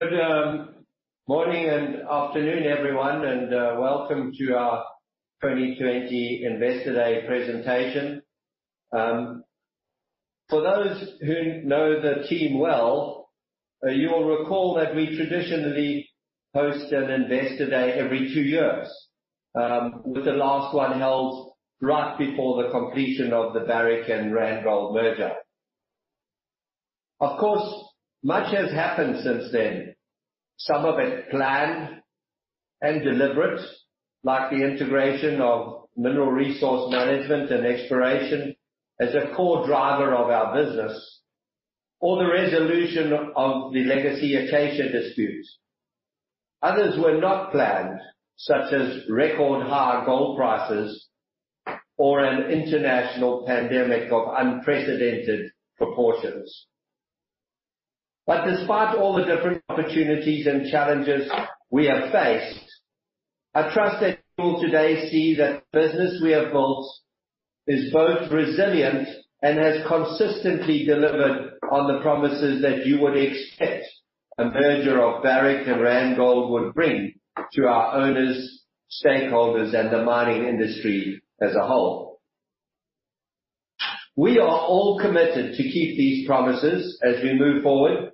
Good morning and afternoon, everyone, and welcome to our 2020 Investor Day presentation. For those who know the team well, you will recall that we traditionally host an Investor Day every two years, with the last one held right before the completion of the Barrick and Randgold merger. Of course, much has happened since then, some of it planned and deliberate, like the integration of mineral resource management and exploration as a core driver of our business or the resolution of the legacy Acacia dispute. Others were not planned, such as record high gold prices or an international pandemic of unprecedented proportions. Despite all the different opportunities and challenges we have faced, I trust that you will today see the business we have built is both resilient and has consistently delivered on the promises that you would expect a merger of Barrick and Randgold would bring to our owners, stakeholders, and the mining industry as a whole. We are all committed to keep these promises as we move forward,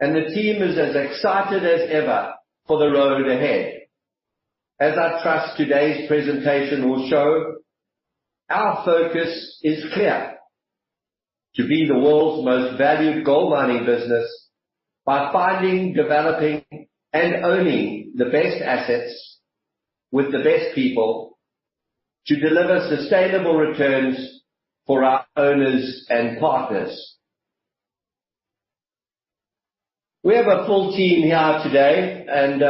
and the team is as excited as ever for the road ahead. As I trust today's presentation will show, our focus is clear, to be the world's most valued gold mining business by finding, developing, and owning the best assets with the best people to deliver sustainable returns for our owners and partners. We have a full team here today and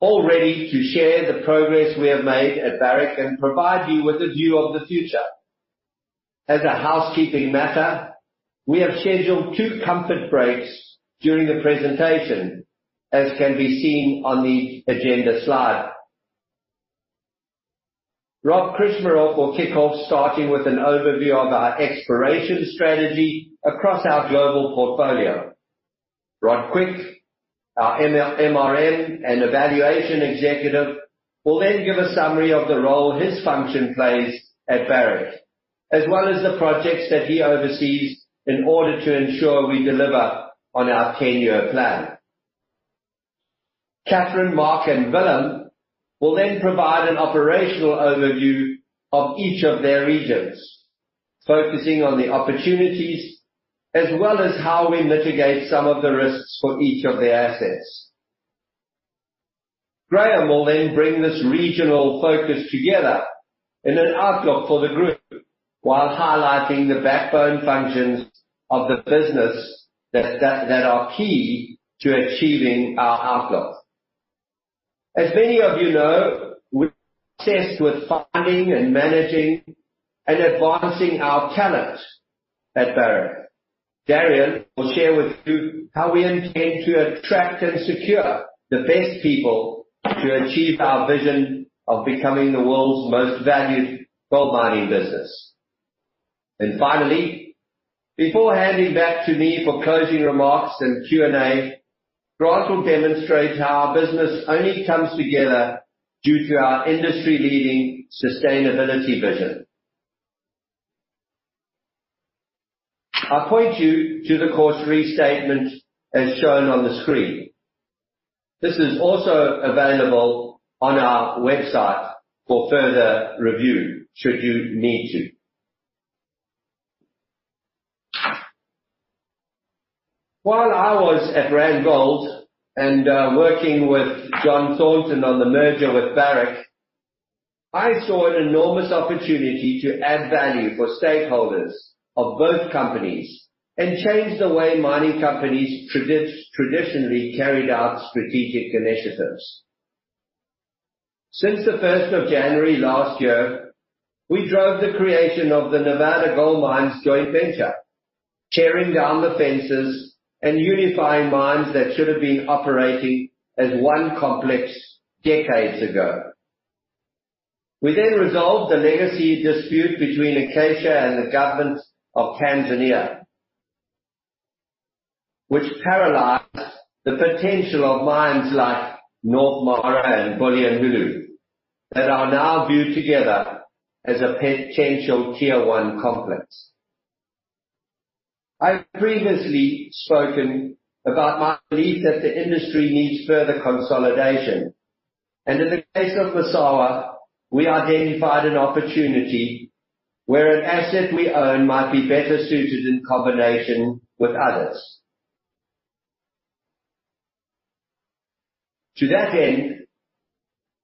all ready to share the progress we have made at Barrick and provide you with a view of the future. As a housekeeping matter, we have scheduled two comfort breaks during the presentation, as can be seen on the agenda slide. Rob Krcmarov will kick off, starting with an overview of our exploration strategy across our global portfolio. Rod Quick, our MRM and Evaluation Executive, will then give a summary of the role his function plays at Barrick, as well as the projects that he oversees in order to ensure we deliver on our 10-year plan. Catherine, Mark, and Willem will then provide an operational overview of each of their regions, focusing on the opportunities as well as how we mitigate some of the risks for each of the assets. Graham will then bring this regional focus together in an outlook for the group while highlighting the backbone functions of the business that are key to achieving our outlook. As many of you know, we test with finding and managing and advancing our talent at Barrick. Darian will share with you how we intend to attract and secure the best people to achieve our vision of becoming the world's most valued gold mining business. Finally, before handing back to me for closing remarks and Q&A, Grant will demonstrate how our business only comes together due to our industry-leading sustainability vision. I point you to the cautionary statement as shown on the screen. This is also available on our website for further review should you need to. While I was at Randgold and working with John Thornton on the merger with Barrick, I saw an enormous opportunity to add value for stakeholders of both companies and change the way mining companies traditionally carried out strategic initiatives. Since the 1st of January last year, we drove the creation of the Nevada Gold Mines joint venture, tearing down the fences and unifying mines that should have been operating as one complex decades ago. We then resolved the legacy dispute between Acacia and the government of Tanzania, which paralyzed the potential of mines like North Mara and Bulyanhulu that are now viewed together as a potential tier 1 complex. I've previously spoken about my belief that the industry needs further consolidation, and in the case of Massawa, we identified an opportunity where an asset we own might be better suited in combination with others. To that end,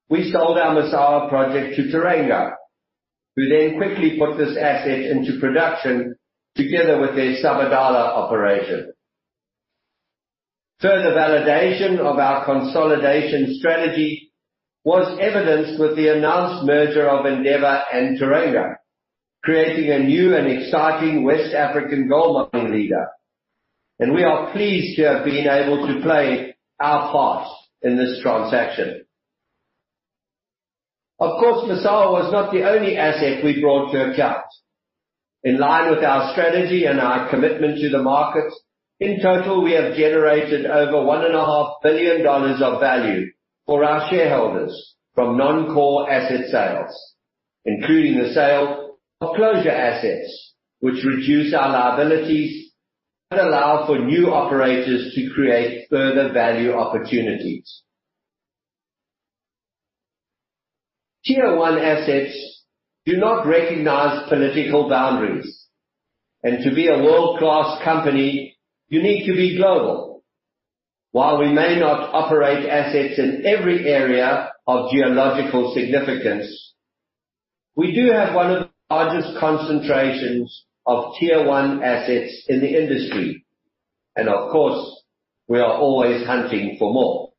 we sold our Massawa project to Teranga, who then quickly put this asset into production together with their Sabodala operation. Further validation of our consolidation strategy was evidenced with the announced merger of Endeavour and Teranga, creating a new and exciting West African gold mining leader, and we are pleased to have been able to play our part in this transaction. Of course, Massawa was not the only asset we brought to account. In line with our strategy and our commitment to the market, in total, we have generated over $1.5 billion of value for our shareholders from non-core asset sales, including the sale of closure assets, which reduce our liabilities and allow for new operators to create further value opportunities. Tier 1 assets do not recognize political boundaries, and to be a world-class company, you need to be global. While we may not operate assets in every area of geological significance, we do have one of the largest concentrations of tier 1 assets in the industry. Of course, we are always hunting for more.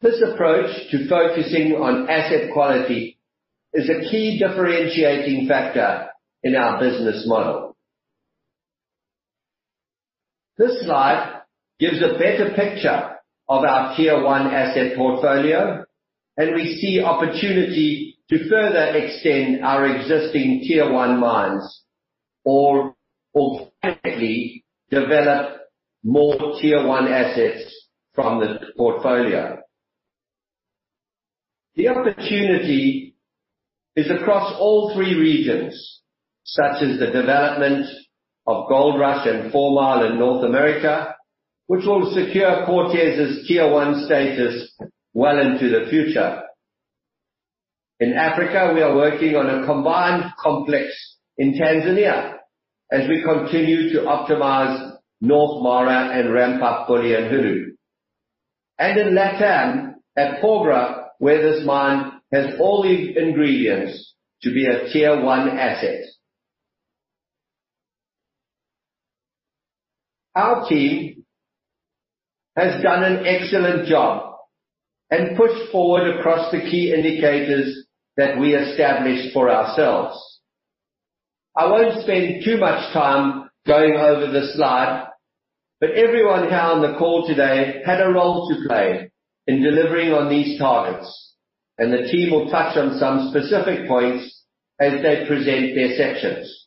This approach to focusing on asset quality is a key differentiating factor in our business model. This slide gives a better picture of our tier 1 asset portfolio, and we see opportunity to further extend our existing tier 1 mines or ultimately develop more tier 1 assets from the portfolio. The opportunity is across all three regions, such as the development of Goldrush and Fourmile in North America, which will secure Cortez's tier 1 status well into the future. In Africa, we are working on a combined complex in Tanzania as we continue to optimize North Mara and ramp up Bulyanhulu. In LATAM, at Porgera, where this mine has all the ingredients to be a tier 1 asset. Our team has done an excellent job and pushed forward across the key indicators that we established for ourselves. I won't spend too much time going over this slide, but everyone here on the call today had a role to play in delivering on these targets, and the team will touch on some specific points as they present their sections.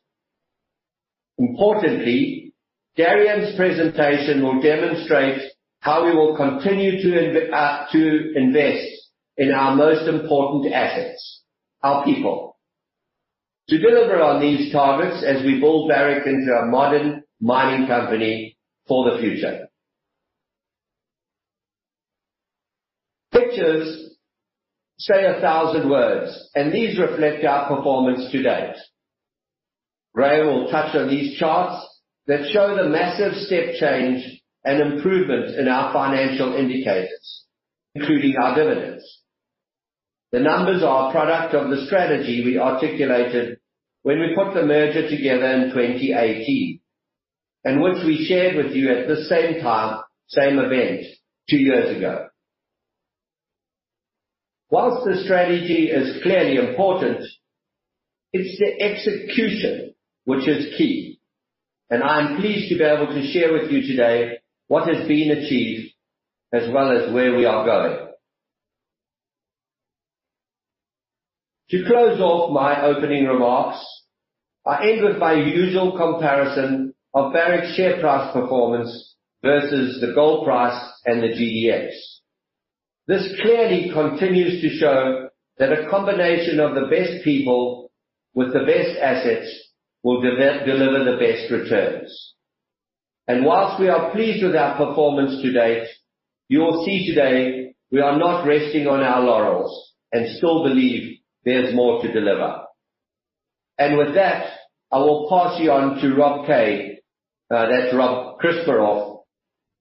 Importantly, Darian's presentation will demonstrate how we will continue to invest in our most important assets, our people, to deliver on these targets as we build Barrick into a modern mining company for the future. Pictures say 1,000 words, and these reflect our performance to date. Graham will touch on these charts that show the massive step change and improvement in our financial indicators, including our dividends. The numbers are a product of the strategy we articulated when we put the merger together in 2018, and which we shared with you at the same time, same event two years ago. Whilst the strategy is clearly important, it's the execution which is key, and I am pleased to be able to share with you today what has been achieved as well as where we are going. To close off my opening remarks, I end with my usual comparison of Barrick share price performance versus the gold price and the GDX. This clearly continues to show that a combination of the best people with the best assets will deliver the best returns. Whilst we are pleased with our performance to date, you will see today we are not resting on our laurels and still believe there's more to deliver. With that, I will pass you on to Rob K, that's Rob Krcmarov,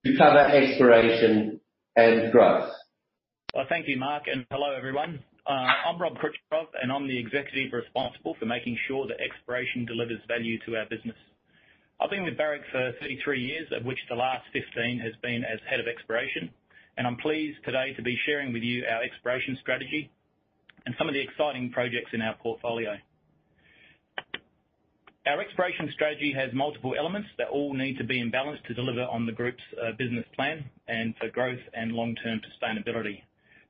to cover exploration and growth. Thank you, Mark, and hello, everyone. I'm Rob Krcmarov, and I'm the executive responsible for making sure that exploration delivers value to our business. I've been with Barrick for 33 years, of which the last 15 has been as head of exploration, and I'm pleased today to be sharing with you our exploration strategy and some of the exciting projects in our portfolio. Our exploration strategy has multiple elements that all need to be in balance to deliver on the group's business plan and for growth and long-term sustainability.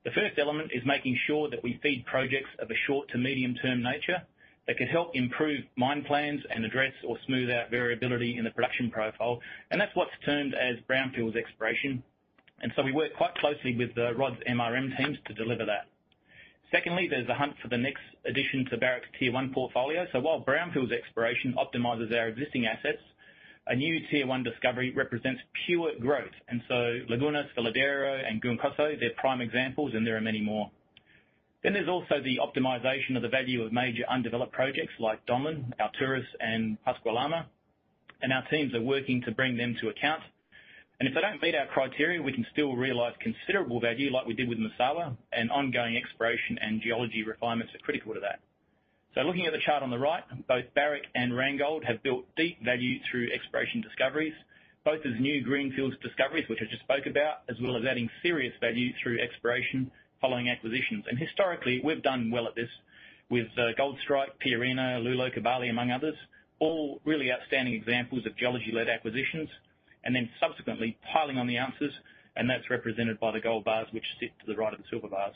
The first element is making sure that we feed projects of a short to medium-term nature that can help improve mine plans and address or smooth out variability in the production profile. That's what's termed as brownfields exploration. We work quite closely with Rod's MRM teams to deliver that. Secondly, there's a hunt for the next addition to Barrick's tier one portfolio. While brownfields exploration optimizes our existing assets, a new tier one discovery represents pure growth. Lagunas, Veladero, and Gounkoto, they're prime examples, and there are many more. There's also the optimization of the value of major undeveloped projects like Donlin, Alturas, and Pascua-Lama, and our teams are working to bring them to account. If they don't meet our criteria, we can still realize considerable value like we did with Massawa, and ongoing exploration and geology refinements are critical to that. Looking at the chart on the right, both Barrick and Randgold have built deep value through exploration discoveries, both as new greenfields discoveries, which I just spoke about, as well as adding serious value through exploration following acquisitions. Historically, we've done well at this. With Goldstrike, Pierina, Loulo, Kibali, among others, all really outstanding examples of geology-led acquisitions, and then subsequently piling on the ounces, and that's represented by the gold bars, which sit to the right of the silver bars.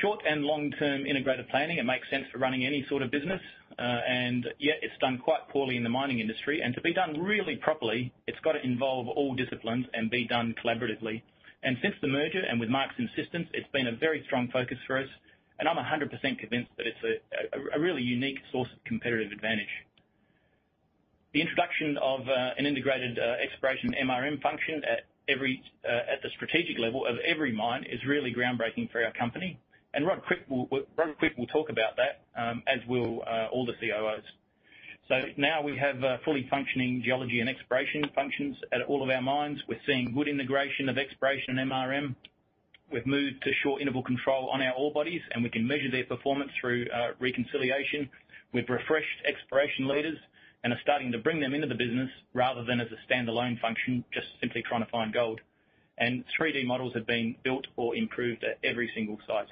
Short- and long-term integrated planning, it makes sense for running any sort of business. Yet, it's done quite poorly in the mining industry. To be done really properly, it's got to involve all disciplines and be done collaboratively. Since the merger, and with Mark's insistence, it's been a very strong focus for us, and I'm 100% convinced that it's a really unique source of competitive advantage. The introduction of an integrated exploration MRM function at the strategic level of every mine is really groundbreaking for our company, Rod Quick will talk about that, as will all the COOs. Now we have fully functioning geology and exploration functions at all of our mines. We're seeing good integration of exploration and MRM. We've moved to short interval control on our ore bodies, and we can measure their performance through reconciliation. We've refreshed exploration leaders and are starting to bring them into the business rather than as a standalone function, just simply trying to find gold. 3D models have been built or improved at every single site.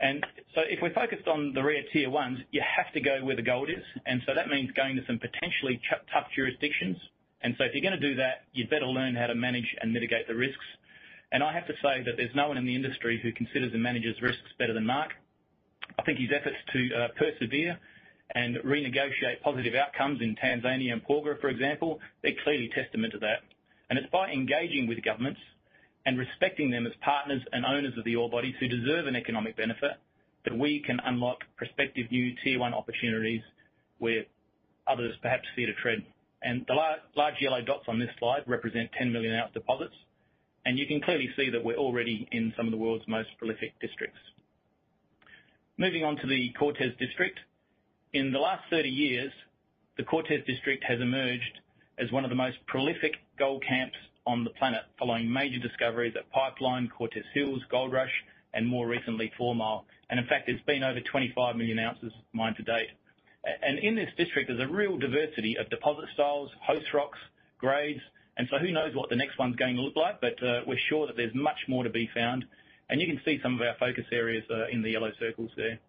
If we're focused on the real tier 1s, you have to go where the gold is. That means going to some potentially tough jurisdictions. If you're going to do that, you'd better learn how to manage and mitigate the risks. I have to say that there's no one in the industry who considers and manages risks better than Mark. I think his efforts to persevere and renegotiate positive outcomes in Tanzania and Porgera, for example, they are clearly testament to that. It is by engaging with governments and respecting them as partners and owners of the ore bodies who deserve an economic benefit, that we can unlock prospective new tier 1 opportunities where others perhaps fear to tread. The large yellow dots on this slide represent 10 million ounce deposits. You can clearly see that we are already in some of the world's most prolific districts. Moving on to the Cortez District. In the last 30 years, the Cortez District has emerged as one of the most prolific gold camps on the planet, following major discoveries at Pipeline, Cortez Hills, Goldrush, and more recently, Fourmile. In fact, there has been over 25 million ounces mined to date. In this district, there's a real diversity of deposit styles, host rocks, grades, so who knows what the next one's going to look like, but we're sure that there's much more to be found. You can see some of our focus areas are in the yellow circles there.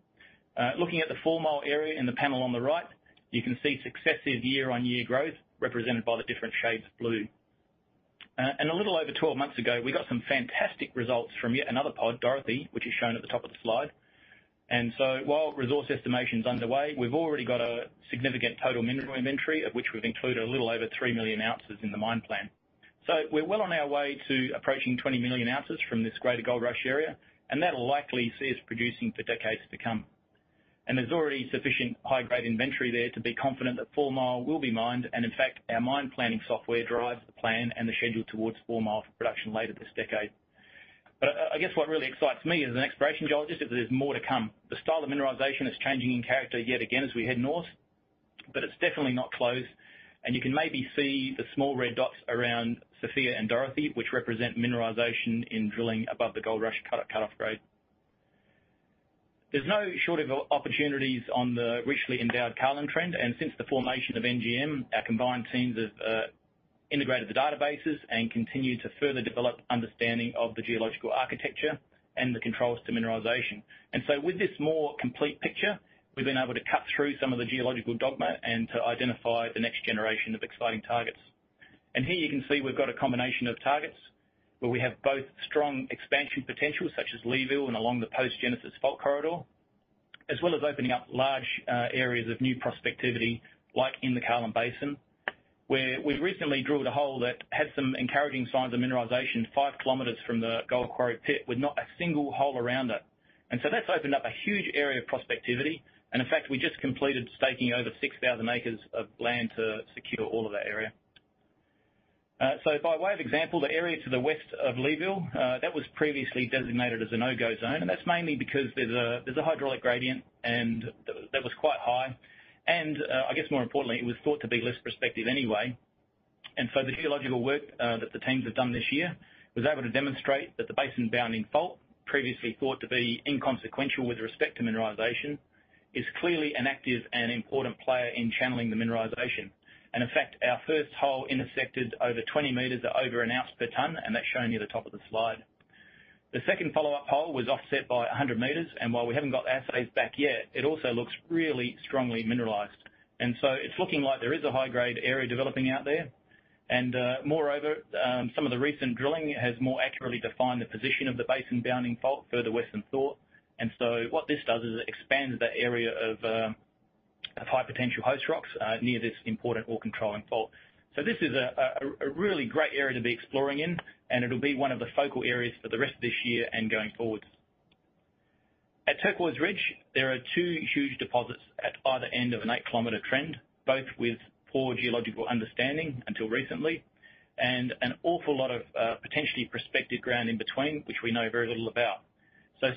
Looking at the Fourmile area in the panel on the right, you can see successive year-on-year growth represented by the different shades of blue. A little over 12 months ago, we got some fantastic results from yet another pod, Dorothy, which is shown at the top of the slide. While resource estimation's underway, we've already got a significant total mineral inventory of which we've included a little over 3 million ounces in the mine plan. We're well on our way to approaching 20 million ounces from this greater Goldrush area, and that'll likely see us producing for decades to come. There's already sufficient high-grade inventory there to be confident that Fourmile will be mined. In fact, our mine planning software drives the plan and the schedule towards Fourmile for production later this decade. I guess what really excites me as an exploration geologist is that there's more to come. The style of mineralization is changing in character yet again as we head north, but it's definitely not closed. You can maybe see the small red dots around Sofia and Dorothy, which represent mineralization in drilling above the Goldrush cutoff grade. There's no shortage of opportunities on the richly endowed Carlin Trend. Since the formation of NGM, our combined teams have integrated the databases and continue to further develop understanding of the geological architecture and the controls to mineralization. With this more complete picture, we've been able to cut through some of the geological dogma and to identify the next generation of exciting targets. Here you can see we've got a combination of targets, where we have both strong expansion potential, such as Leeville and along the Post-Genesis fault corridor, as well as opening up large areas of new prospectivity, like in the Carlin Basin, where we've recently drilled a hole that had some encouraging signs of mineralization 5 km from the Gold Quarry pit with not a single hole around it. That's opened up a huge area of prospectivity. In fact, we just completed staking over 6,000 acres of land to secure all of that area. By way of example, the area to the west of Leeville, that was previously designated as a no-go zone, and that's mainly because there's a hydraulic gradient, and that was quite high. I guess more importantly, it was thought to be less prospective anyway. The geological work that the teams have done this year was able to demonstrate that the basin bounding fault, previously thought to be inconsequential with respect to mineralization, is clearly an active and important player in channeling the mineralization. In fact, our first hole intersected over 20 meters at over an ounce per ton, and that's shown near the top of the slide. The second follow-up hole was offset by 100 meters, and while we haven't got assays back yet, it also looks really strongly mineralized. It's looking like there is a high-grade area developing out there. Moreover, some of the recent drilling has more accurately defined the position of the basin bounding fault further west than thought. What this does is it expands that area of high potential host rocks near this important ore-controlling fault. This is a really great area to be exploring in, and it'll be one of the focal areas for the rest of this year and going forward. At Turquoise Ridge, there are two huge deposits at either end of an eight-kilometer trend, both with poor geological understanding until recently, and an awful lot of potentially prospective ground in between, which we know very little about.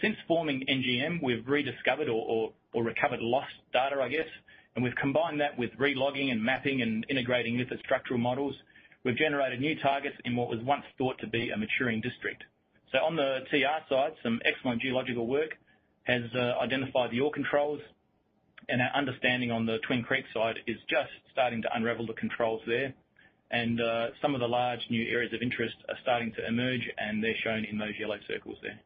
Since forming NGM, we've rediscovered or recovered lost data, I guess. We've combined that with re-logging and mapping and integrating lithostructural models. We've generated new targets in what was once thought to be a maturing district. On the TR side, some excellent geological work has identified the ore controls. Our understanding on the Twin Creeks side is just starting to unravel the controls there. Some of the large new areas of interest are starting to emerge, and they're shown in those yellow circles there.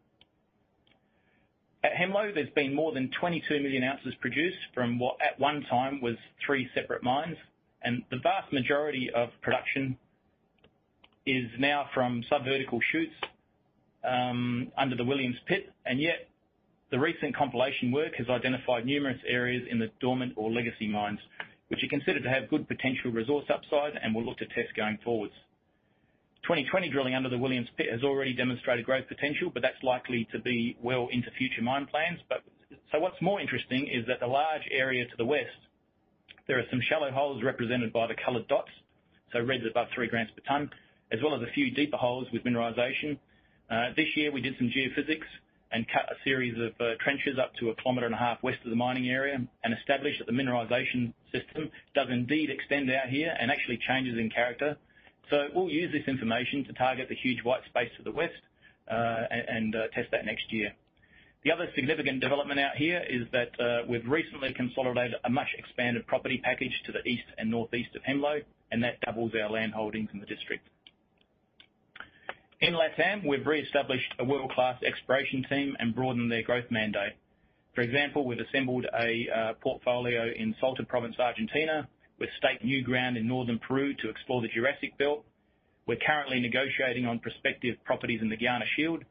At Hemlo, there's been more than 22 million ounces produced from what, at one time, was three separate mines. The vast majority of production is now from sub-vertical shoots under the Williams Pit. Yet, the recent compilation work has identified numerous areas in the dormant or legacy mines, which are considered to have good potential resource upside and we'll look to test going forward. 2020 drilling under the Williams Pit has already demonstrated growth potential, that's likely to be well into future mine plans. What's more interesting is that the large area to the west, there are some shallow holes represented by the colored dots, red's above three grams per ton, as well as a few deeper holes with mineralization. This year, we did some geophysics and cut a series of trenches up to a kilometer and a half west of the mining area, and established that the mineralization system does indeed extend out here and actually changes in character. We'll use this information to target the huge white space to the west, and test that next year. The other significant development out here is that, we've recently consolidated a much-expanded property package to the east and northeast of Hemlo, and that doubles our land holdings in the district. In LATAM, we've re-established a world-class exploration team and broadened their growth mandate. For example, we've assembled a portfolio in Salta Province, Argentina. We've staked new ground in northern Peru to explore the Jurassic Belt. We're currently negotiating on prospective properties in the Guiana Shield,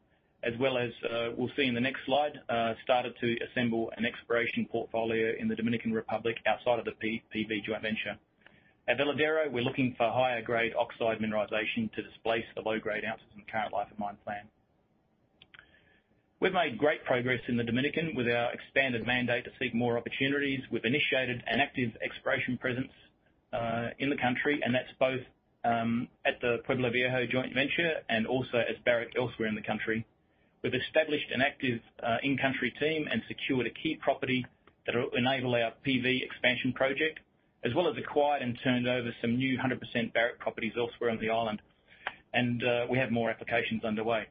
as well as, we'll see in the next slide, started to assemble an exploration portfolio in the Dominican Republic, outside of the PV joint venture. At Veladero, we're looking for higher-grade oxide mineralization to displace the low-grade ounces in the current life of mine plan. We've made great progress in the Dominican with our expanded mandate to seek more opportunities. We've initiated an active exploration presence in the country, and that's both at the Pueblo Viejo joint venture and also as Barrick elsewhere in the country. We've established an active in-country team and secured a key property that'll enable our PV expansion project, as well as acquired and turned over some new 100% Barrick properties elsewhere on the island. We have more applications underway.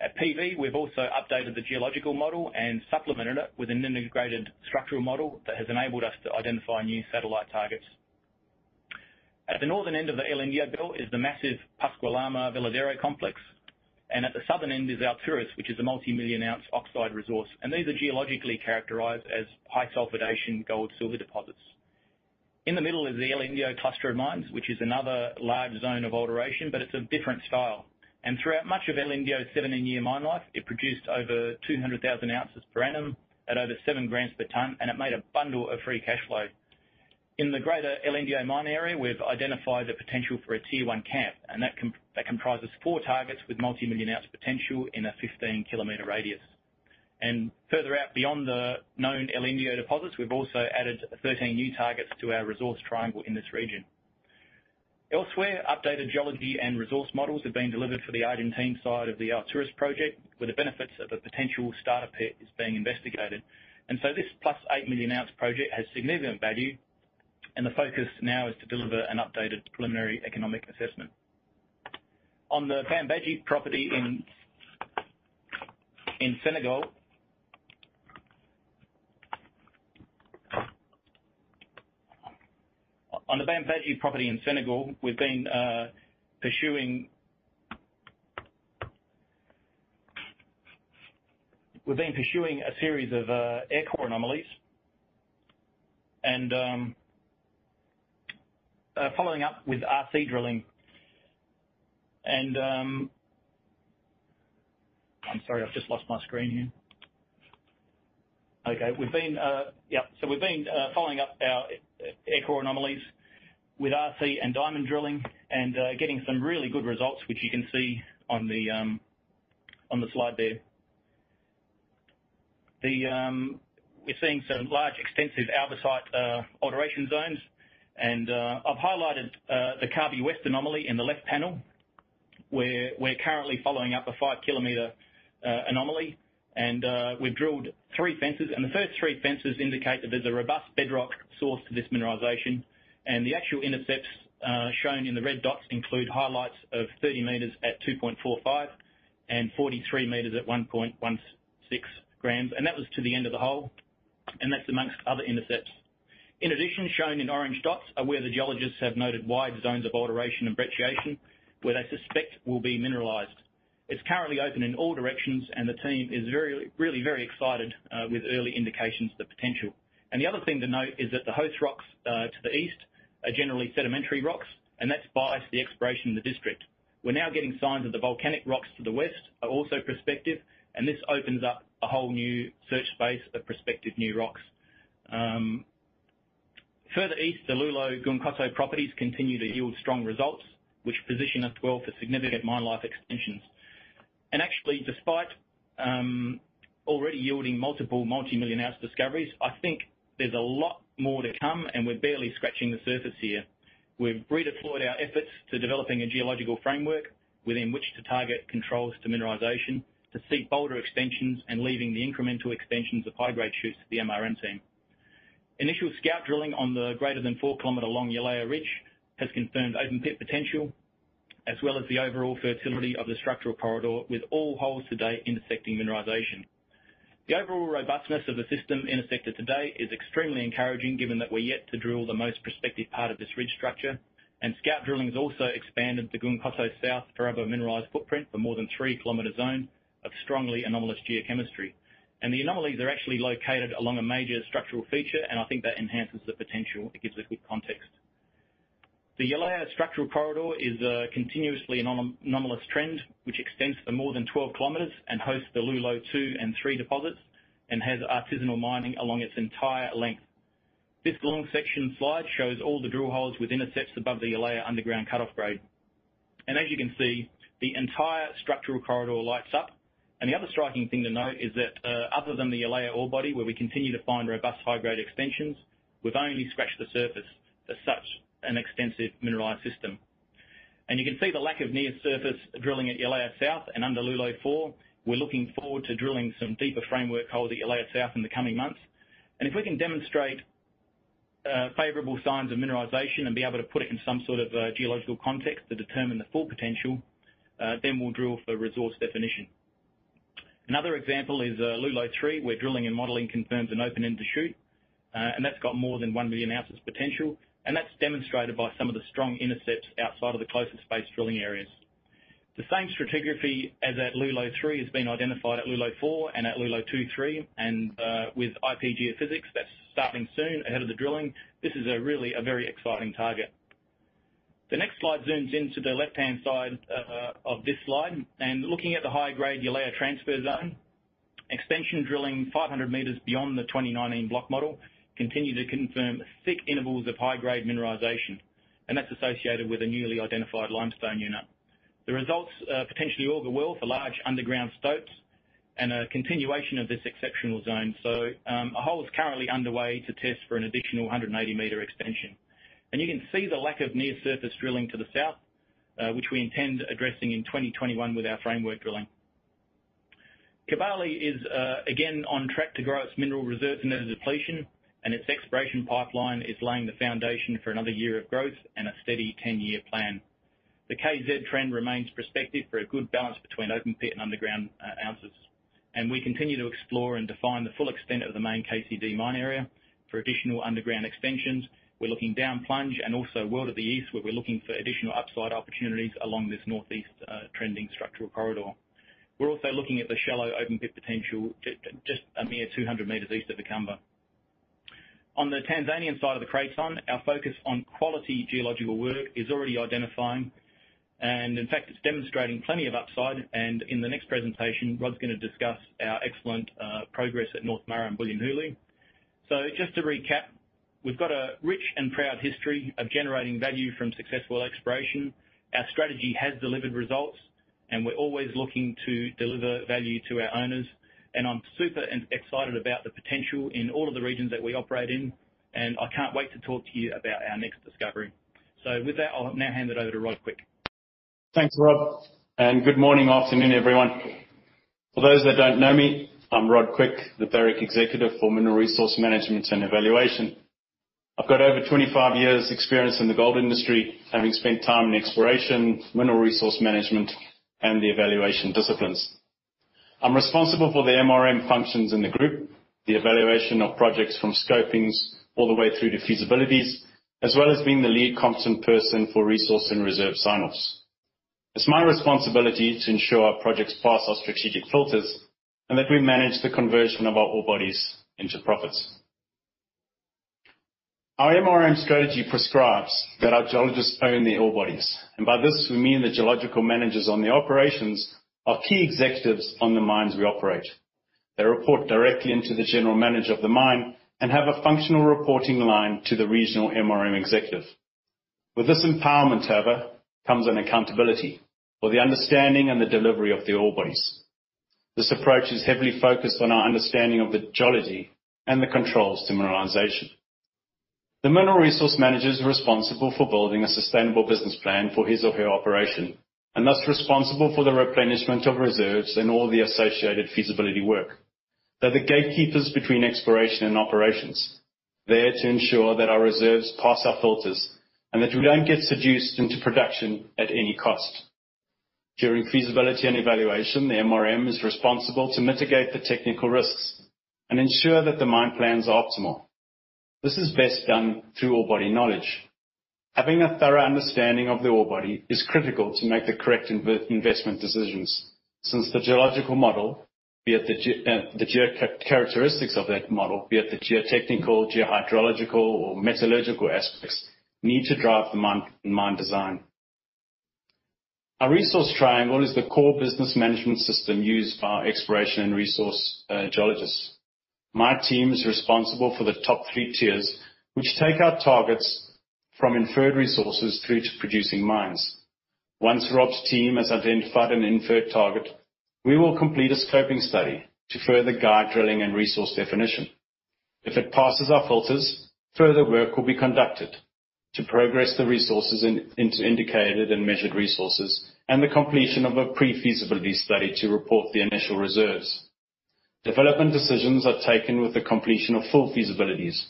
At PV, we've also updated the geological model and supplemented it with an integrated structural model that has enabled us to identify new satellite targets. At the northern end of the El Indio Belt is the massive Pascua-Lama-Veladero Complex. At the southern end is Alturas, which is a multimillion ounce oxide resource. These are geologically characterized as high-sulfidation gold-silver deposits. In the middle is the El Indio cluster of mines, which is another large zone of alteration, but it's a different style. Throughout much of El Indio's 17-year mine life, it produced over 200,000 ounces per annum at over seven grams per tonne, and it made a bundle of free cash flow. In the greater El Indio mine area, we've identified the potential for a Tier 1 camp, and that comprises four targets with multi-million ounce potential in a 15-kilometer radius. Further out, beyond the known El Indio deposits, we've also added 13 new targets to our resource triangle in this region. Elsewhere, updated geology and resource models have been delivered for the Argentine side of the Alturas project, where the benefits of a potential starter pit is being investigated. This plus 8 million ounce project has significant value, and the focus now is to deliver an updated preliminary economic assessment. On the Bambadji property in Senegal, we've been pursuing a series of air core anomalies and following up with RC drilling and I'm sorry, I've just lost my screen here. Okay. We've been following up our air core anomalies with RC and diamond drilling and getting some really good results, which you can see on the slide there. We're seeing some large extensive albite alteration zones. I've highlighted the Kabewest anomaly in the left panel, where we're currently following up a five-kilometer anomaly. We've drilled three fences, and the first three fences indicate that there's a robust bedrock source to this mineralization. The actual intercepts shown in the red dots include highlights of 30 meters at 2.45 and 43 meters at 1.16 grams. That was to the end of the hole. That's amongst other intercepts. In addition, shown in orange dots are where the geologists have noted wide zones of alteration and brecciation, where they suspect will be mineralized. It's currently open in all directions, and the team is really very excited, with early indications of the potential. The other thing to note is that the host rocks to the east are generally sedimentary rocks, and that's biased the exploration of the district. We're now getting signs of the volcanic rocks to the west are also prospective, and this opens up a whole new search space of prospective new rocks. Further east, the Loulo-Gounkoto properties continue to yield strong results, which position us well for significant mine life extensions. Actually, despite already yielding multiple multimillion ounce discoveries, I think there's a lot more to come, and we're barely scratching the surface here. We've redeployed our efforts to developing a geological framework within which to target controls to mineralization, to seek bolder extensions and leaving the incremental extensions of high-grade shoots to the MRM team. Initial scout drilling on the greater than 4-kilometer long Yalea Ridge has confirmed open pit potential. As well as the overall fertility of the structural corridor, with all holes to date intersecting mineralization. The overall robustness of the system intersected to date is extremely encouraging, given that we're yet to drill the most prospective part of this ridge structure. Scout drilling has also expanded the Gounkoto South Faraba mineralized footprint for more than 3-kilometer zone of strongly anomalous geochemistry. The anomalies are actually located along a major structural feature, I think that enhances the potential. It gives it good context. The Yalea structural corridor is a continuously anomalous trend, which extends for more than 12 kilometers and hosts the Loulo-2 and 3 deposits, and has artisanal mining along its entire length. This long section slide shows all the drill holes with intercepts above the Yalea underground cut-off grade. As you can see, the entire structural corridor lights up. The other striking thing to note is that, other than the Yalea ore body where we continue to find robust high-grade extensions, we've only scratched the surface of such an extensive mineralized system. You can see the lack of near-surface drilling at Yalea South and under Loulo-4. We're looking forward to drilling some deeper framework holes at Yalea South in the coming months. If we can demonstrate favorable signs of mineralization and be able to put it in some sort of geological context to determine the full potential, then we'll drill for resource definition. Another example is Loulo-3, where drilling and modeling confirms an open-ended shoot. That's got more than 1 million ounces potential. That's demonstrated by some of the strong intercepts outside of the closest space drilling areas. The same stratigraphy as at Loulo-3 has been identified at Loulo-4 and at Loulo-2, 3. With IP geophysics, that's starting soon ahead of the drilling. This is really a very exciting target. The next slide zooms into the left-hand side of this slide. Looking at the high-grade Yalea Transfer Zone, extension drilling 500 meters beyond the 2019 block model continued to confirm thick intervals of high-grade mineralization, and that's associated with a newly identified limestone unit. The results potentially augur well for large underground stopes and a continuation of this exceptional zone. A hole is currently underway to test for an additional 180-meter extension. You can see the lack of near-surface drilling to the south, which we intend addressing in 2021 with our framework drilling. Kibali is again on track to grow its mineral reserves and net of depletion, and its exploration pipeline is laying the foundation for another year of growth and a steady 10-year plan. The KZ Trend remains prospective for a good balance between open pit and underground ounces. We continue to explore and define the full extent of the main KCD mine area for additional underground extensions. We're looking down plunge and also well to the east, where we're looking for additional upside opportunities along this northeast trending structural corridor. We're also looking at the shallow open pit potential just a mere 200 meters east of Ikamva. On the Tanzanian side of the Craton, our focus on quality geological work is already identifying, and in fact, it's demonstrating plenty of upside. In the next presentation, Rod's going to discuss our excellent progress at North Mara and Bulyanhulu. Just to recap, we've got a rich and proud history of generating value from successful exploration. Our strategy has delivered results, and we're always looking to deliver value to our owners. I'm super excited about the potential in all of the regions that we operate in, and I can't wait to talk to you about our next discovery. With that, I'll now hand it over to Rod Quick. Thanks, Rob. Good morning, afternoon, everyone. For those that don't know me, I'm Rod Quick, the Barrick Executive for Mineral Resource Management and Evaluation. I've got over 25 years' experience in the gold industry, having spent time in exploration, mineral resource management, and the evaluation disciplines. I'm responsible for the MRM functions in the group, the evaluation of projects from scopings all the way through to feasibilities, as well as being the lead competent person for resource and reserve sign-offs. It's my responsibility to ensure our projects pass our strategic filters and that we manage the conversion of our ore bodies into profits. Our MRM strategy prescribes that our geologists own their ore bodies, and by this we mean the geological managers on the operations are key executives on the mines we operate. They report directly into the general manager of the mine and have a functional reporting line to the regional MRM executive. With this empowerment, however, comes an accountability for the understanding and the delivery of the ore bodies. This approach is heavily focused on our understanding of the geology and the controls to mineralization. The mineral resource managers are responsible for building a sustainable business plan for his or her operation, and thus responsible for the replenishment of reserves and all the associated feasibility work. They're the gatekeepers between exploration and operations, there to ensure that our reserves pass our filters and that we don't get seduced into production at any cost. During feasibility and evaluation, the MRM is responsible to mitigate the technical risks and ensure that the mine plans are optimal. This is best done through ore body knowledge. Having a thorough understanding of the ore body is critical to make the correct investment decisions, since the geological model, be it the geo characteristics of that model, be it the geotechnical, geohydrological or metallurgical aspects, need to drive the mine design. Our resource triangle is the core business management system used by our exploration and resource geologists. My team is responsible for the top 3 tiers, which take our targets from inferred resources through to producing mines. Once Rob's team has identified an inferred target, we will complete a scoping study to further guide drilling and resource definition. If it passes our filters, further work will be conducted to progress the resources into indicated and measured resources and the completion of a pre-feasibility study to report the initial reserves. Development decisions are taken with the completion of full feasibilities.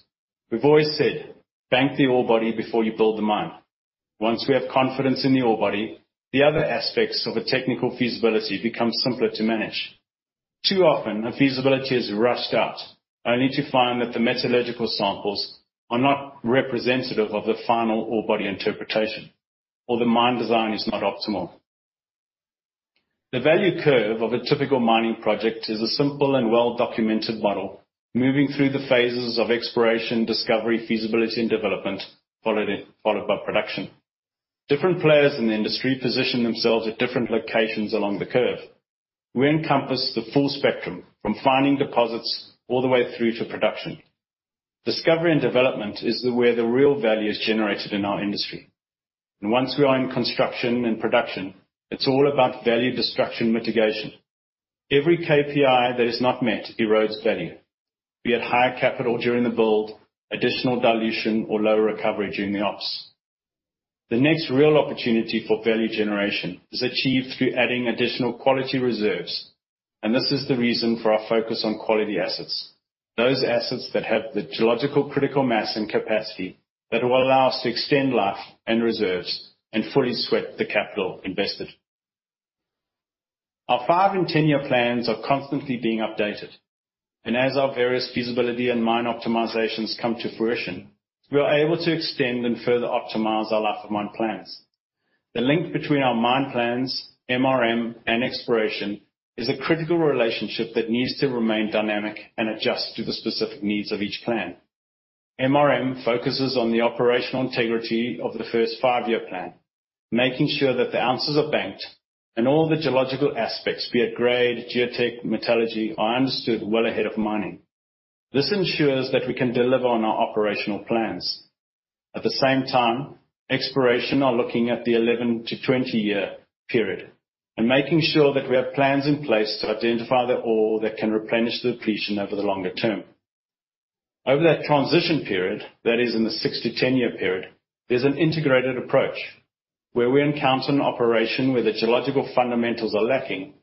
We've always said, "Bank the ore body before you build the mine." Once we have confidence in the ore body, the other aspects of a technical feasibility become simpler to manage. Too often, a feasibility is rushed out, only to find that the metallurgical samples are not representative of the final ore body interpretation, or the mine design is not optimal. The value curve of a typical mining project is a simple and well-documented model, moving through the phases of exploration, discovery, feasibility, and development, followed by production. Different players in the industry position themselves at different locations along the curve. We encompass the full spectrum, from finding deposits all the way through to production. Discovery and development is where the real value is generated in our industry. Once we are in construction and production, it's all about value destruction mitigation. Every KPI that is not met erodes value. Be it higher capital during the build, additional dilution or lower recovery during the ops. The next real opportunity for value generation is achieved through adding additional quality reserves, and this is the reason for our focus on quality assets. Those assets that have the geological critical mass and capacity that will allow us to extend life and reserves and fully sweat the capital invested. Our five and 10-year plans are constantly being updated. As our various feasibility and mine optimizations come to fruition, we are able to extend and further optimize our life of mine plans. The link between our mine plans, MRM, and exploration is a critical relationship that needs to remain dynamic and adjust to the specific needs of each plan. MRM focuses on the operational integrity of the first five-year plan, making sure that the ounces are banked and all the geological aspects, be it grade, geotech, metallurgy, are understood well ahead of mining. This ensures that we can deliver on our operational plans. At the same time, exploration are looking at the 11 to 20-year period and making sure that we have plans in place to identify the ore that can replenish depletion over the longer term. Over that transition period, that is, in the six to 10-year period, there's an integrated approach. Where we encounter an operation where the geological fundamentals are lacking,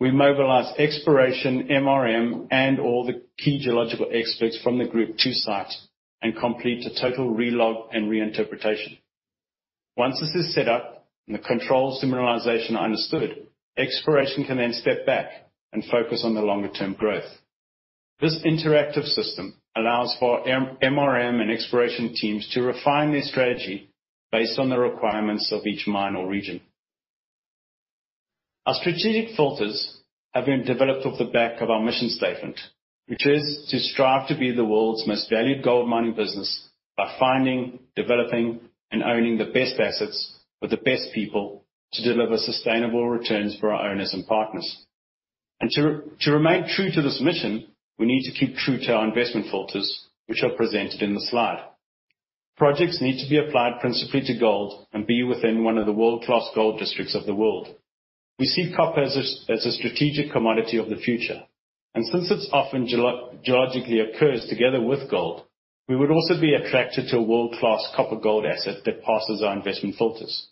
we mobilize exploration, MRM, and all the key geological experts from the group to site and complete a total re-log and reinterpretation. Once this is set up and the control of mineralization are understood, exploration can then step back and focus on the longer-term growth. This interactive system allows for MRM and exploration teams to refine their strategy based on the requirements of each mine or region. Our strategic filters have been developed off the back of our mission statement, which is to strive to be the world's most valued gold mining business by finding, developing, and owning the best assets with the best people to deliver sustainable returns for our owners and partners. To remain true to this mission, we need to keep true to our investment filters, which are presented in the slide. Projects need to be applied principally to gold and be within one of the world-class gold districts of the world. We see copper as a strategic commodity of the future, and since it's often geologically occurs together with gold, we would also be attracted to a world-class copper-gold asset that passes our investment filters,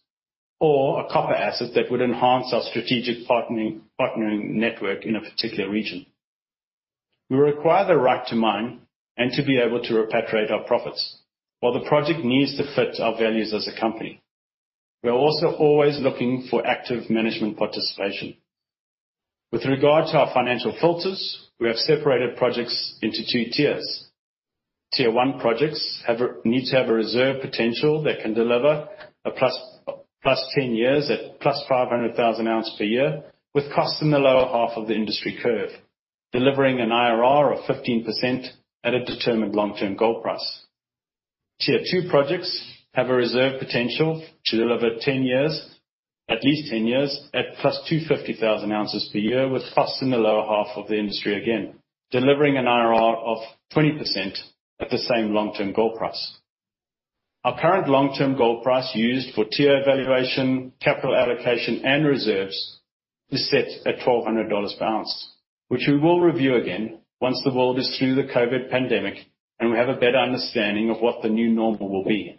or a copper asset that would enhance our strategic partnering network in a particular region. We require the right to mine and to be able to repatriate our profits, while the project needs to fit our values as a company. We are also always looking for active management participation. With regard to our financial filters, we have separated projects into 2 tiers. Tier 1 projects need to have a reserve potential that can deliver a +10 years at +500,000 ounce per year with costs in the lower half of the industry curve, delivering an IRR of 15% at a determined long-term gold price. Tier 2 projects have a reserve potential to deliver 10 years, at least 10 years, at plus 250,000 ounces per year with costs in the lower half of the industry again, delivering an IRR of 20% at the same long-term gold price. Our current long-term gold price used for tier evaluation, capital allocation, and reserves is set at $1,200 per ounce, which we will review again once the world is through the COVID pandemic and we have a better understanding of what the new normal will be.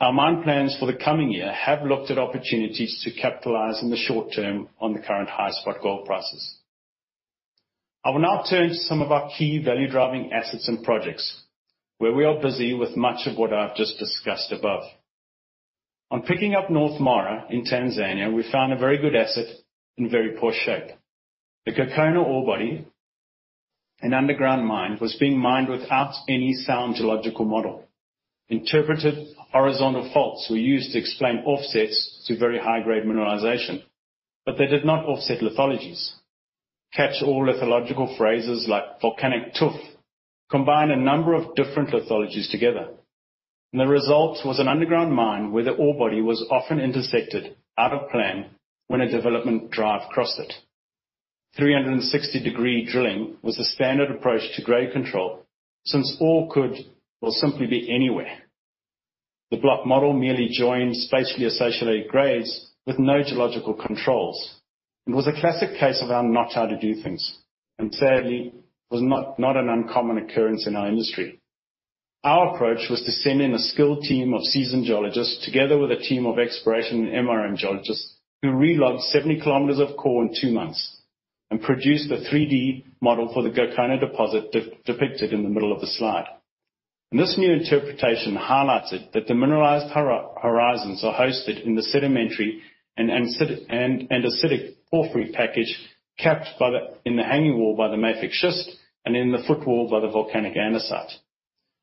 Our mine plans for the coming year have looked at opportunities to capitalize in the short term on the current high spot gold prices. I will now turn to some of our key value-driving assets and projects, where we are busy with much of what I've just discussed above. On picking up North Mara in Tanzania, we found a very good asset in very poor shape. The Gokona ore body, an underground mine, was being mined without any sound geological model. Interpreted horizontal faults were used to explain offsets to very high-grade mineralization, they did not offset lithologies. Catch-all lithological phrases like volcanic tuff combined a number of different lithologies together. The result was an underground mine where the ore body was often intersected out of plan when a development drive crossed it. 360-degree drilling was the standard approach to grade control, since ore could well simply be anywhere. The block model merely joined spatially associated grades with no geological controls, and was a classic case of our not how to do things, and sadly, was not an uncommon occurrence in our industry. Our approach was to send in a skilled team of seasoned geologists together with a team of exploration and MRM geologists who re-logged 70 kilometers of core in two months and produced the 3D model for the Gokona deposit depicted in the middle of the slide. This new interpretation highlighted that the mineralized horizons are hosted in the sedimentary and andesitic porphyry package capped in the hanging wall by the mafic schist and in the footwall by the volcanic andesite.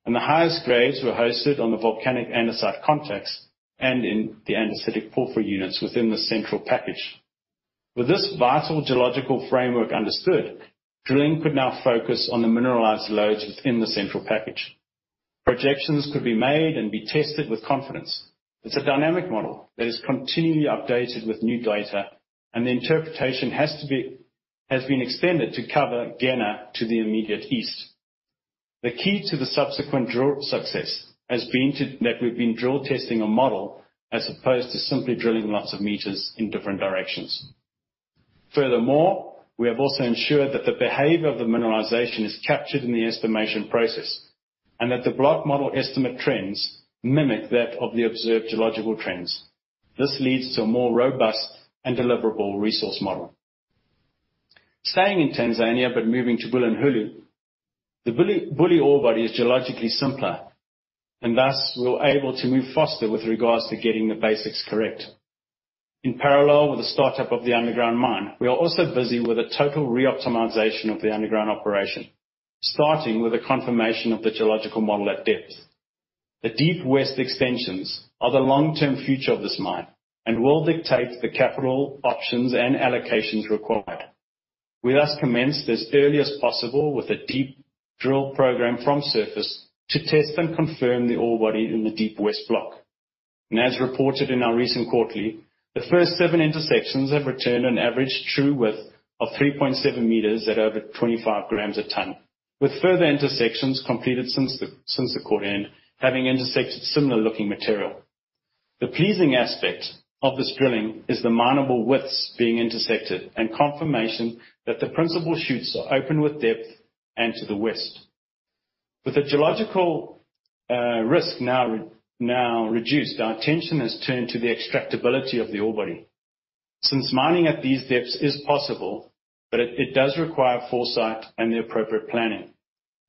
The highest grades were hosted on the volcanic andesite contacts and in the andesitic porphyry units within the central package. With this vital geological framework understood, drilling could now focus on the mineralized loads within the central package. Projections could be made and be tested with confidence. It's a dynamic model that is continually updated with new data, and the interpretation has been extended to cover Gena to the immediate east. The key to the subsequent drill success has been that we've been drill-testing a model as opposed to simply drilling lots of meters in different directions. Furthermore, we have also ensured that the behavior of the mineralization is captured in the estimation process, and that the block model estimate trends mimic that of the observed geological trends. This leads to a more robust and deliverable resource model. Staying in Tanzania, but moving to Bulyanhulu. The Buli ore body is geologically simpler, and thus we were able to move faster with regards to getting the basics correct. In parallel with the start-up of the underground mine, we are also busy with the total re-optimization of the underground operation, starting with a confirmation of the geological model at depth. The Deep West extensions are the long-term future of this mine and will dictate the capital options and allocations required. We thus commenced as early as possible with a deep drill program from surface to test and confirm the ore body in the Deep West block. As reported in our recent quarterly, the first seven intersections have returned an average true width of 3.7 meters at over 25 grams a ton, with further intersections completed since the quarter end having intersected similar-looking material. The pleasing aspect of this drilling is the minable widths being intersected and confirmation that the principal shoots are open with depth and to the west. With the geological risk now reduced, our attention has turned to the extractability of the ore body. Since mining at these depths is possible, but it does require foresight and the appropriate planning.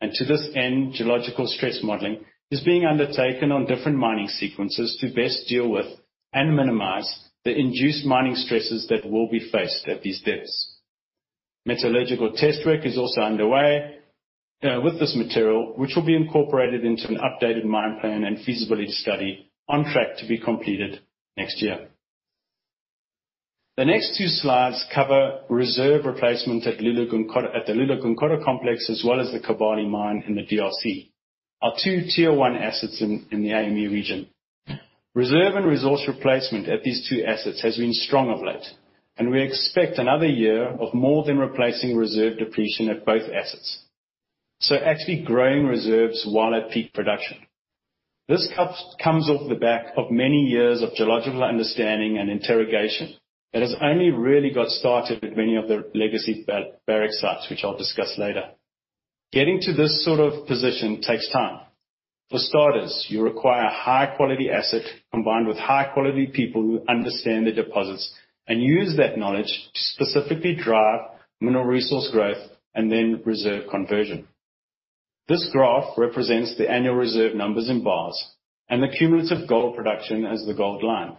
To this end, geological stress modeling is being undertaken on different mining sequences to best deal with and minimize the induced mining stresses that will be faced at these depths. Metallurgical test work is also underway with this material, which will be incorporated into an updated mine plan and feasibility study on track to be completed next year. The next two slides cover reserve replacement at the Loulo-Gounkoto complex, as well as the Kibali mine in the DRC, our 2 tier 1 assets in the Africa & Middle East region. Reserve and resource replacement at these two assets has been strong of late, and we expect another year of more than replacing reserve depletion at both assets. Actually growing reserves while at peak production. This comes off the back of many years of geological understanding and interrogation that has only really got started at many of the legacy Barrick sites, which I'll discuss later. Getting to this sort of position takes time. For starters, you require a high-quality asset combined with high-quality people who understand the deposits and use that knowledge to specifically drive mineral resource growth and then reserve conversion. This graph represents the annual reserve numbers in bars and the cumulative gold production as the gold line.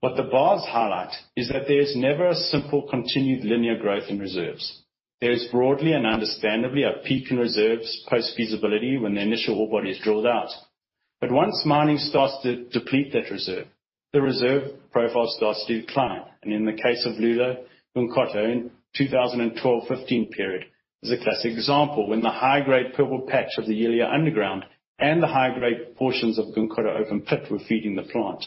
What the bars highlight is that there is never a simple continued linear growth in reserves. There is broadly and understandably a peak in reserves post-feasibility when the initial ore body is drilled out. Once mining starts to deplete that reserve, the reserve profile starts to decline. In the case of Loulo/Gounkoto in 2012, 2015 period is a classic example when the high-grade Purple Patch of the Yalea underground and the high-grade portions of Gounkoto open pit were feeding the plant.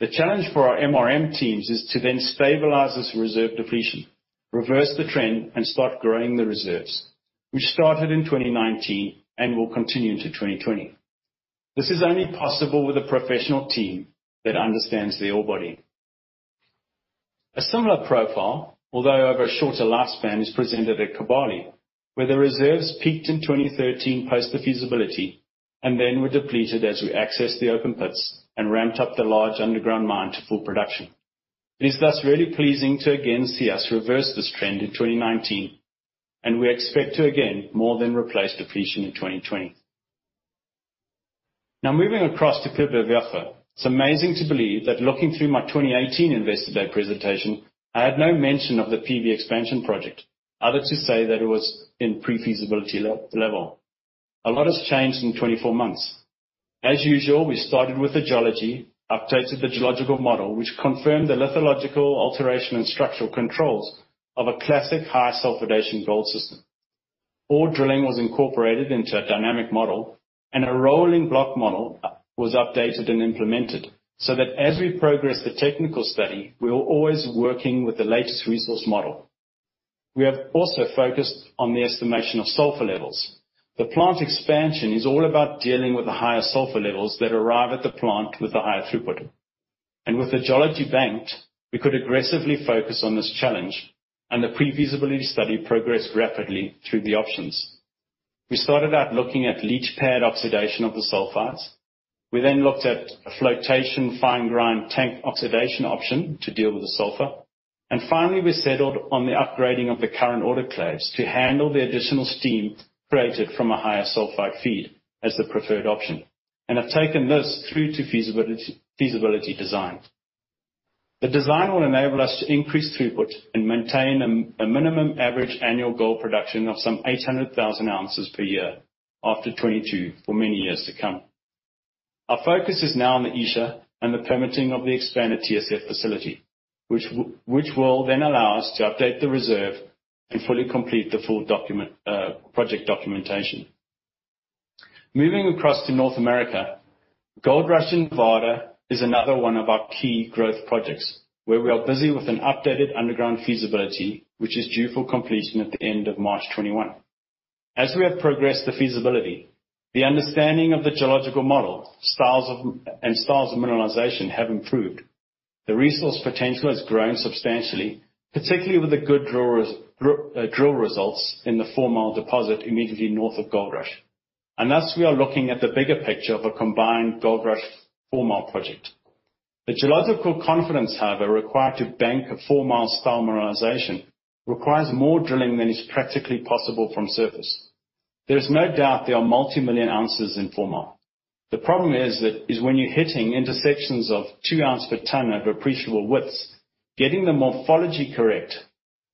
The challenge for our MRM teams is to then stabilize this reserve depletion, reverse the trend, and start growing the reserves, which started in 2019 and will continue to 2020. This is only possible with a professional team that understands the ore body. A similar profile, although over a shorter lifespan, is presented at Kibali, where the reserves peaked in 2013 post the feasibility and then were depleted as we accessed the open pits and ramped up the large underground mine to full production. It is thus really pleasing to again see us reverse this trend in 2019, and we expect to again more than replace depletion in 2020. Moving across to Pueblo Viejo. It's amazing to believe that looking through my 2018 Investor Day presentation, I had no mention of the PV expansion project, other to say that it was in pre-feasibility level. A lot has changed in 24 months. As usual, we started with the geology, updated the geological model, which confirmed the lithological alteration and structural controls of a classic high-sulfidation gold system. All drilling was incorporated into a dynamic model, and a rolling block model was updated and implemented, so that as we progress the technical study, we are always working with the latest resource model. We have also focused on the estimation of sulfur levels. The plant expansion is all about dealing with the higher sulfur levels that arrive at the plant with the higher throughput. With the geology banked, we could aggressively focus on this challenge, and the pre-feasibility study progressed rapidly through the options. We started out looking at leach pad oxidation of the sulfides. We then looked at a flotation fine grind tank oxidation option to deal with the sulfur. Finally, we settled on the upgrading of the current autoclaves to handle the additional steam created from a higher sulfide feed as the preferred option, and have taken this through to feasibility design. The design will enable us to increase throughput and maintain a minimum average annual gold production of some 800,000 ounces per year after 2022, for many years to come. Our focus is now on the ESIA and the permitting of the expanded TSF facility, which will then allow us to update the reserve and fully complete the full project documentation. Moving across to North America, Goldrush in Nevada is another one of our key growth projects, where we are busy with an updated underground feasibility which is due for completion at the end of March 2021. As we have progressed the feasibility, the understanding of the geological model and styles of mineralization have improved. The resource potential has grown substantially, particularly with the good drill results in the Fourmile deposit immediately north of Goldrush. Thus, we are looking at the bigger picture of a combined Goldrush Fourmile project. The geological confidence, however, required to bank a Fourmile style mineralization requires more drilling than is practically possible from surface. There is no doubt there are multimillion ounces in Fourmile. The problem is that when you're hitting intersections of two ounces per ton over appreciable widths, getting the morphology correct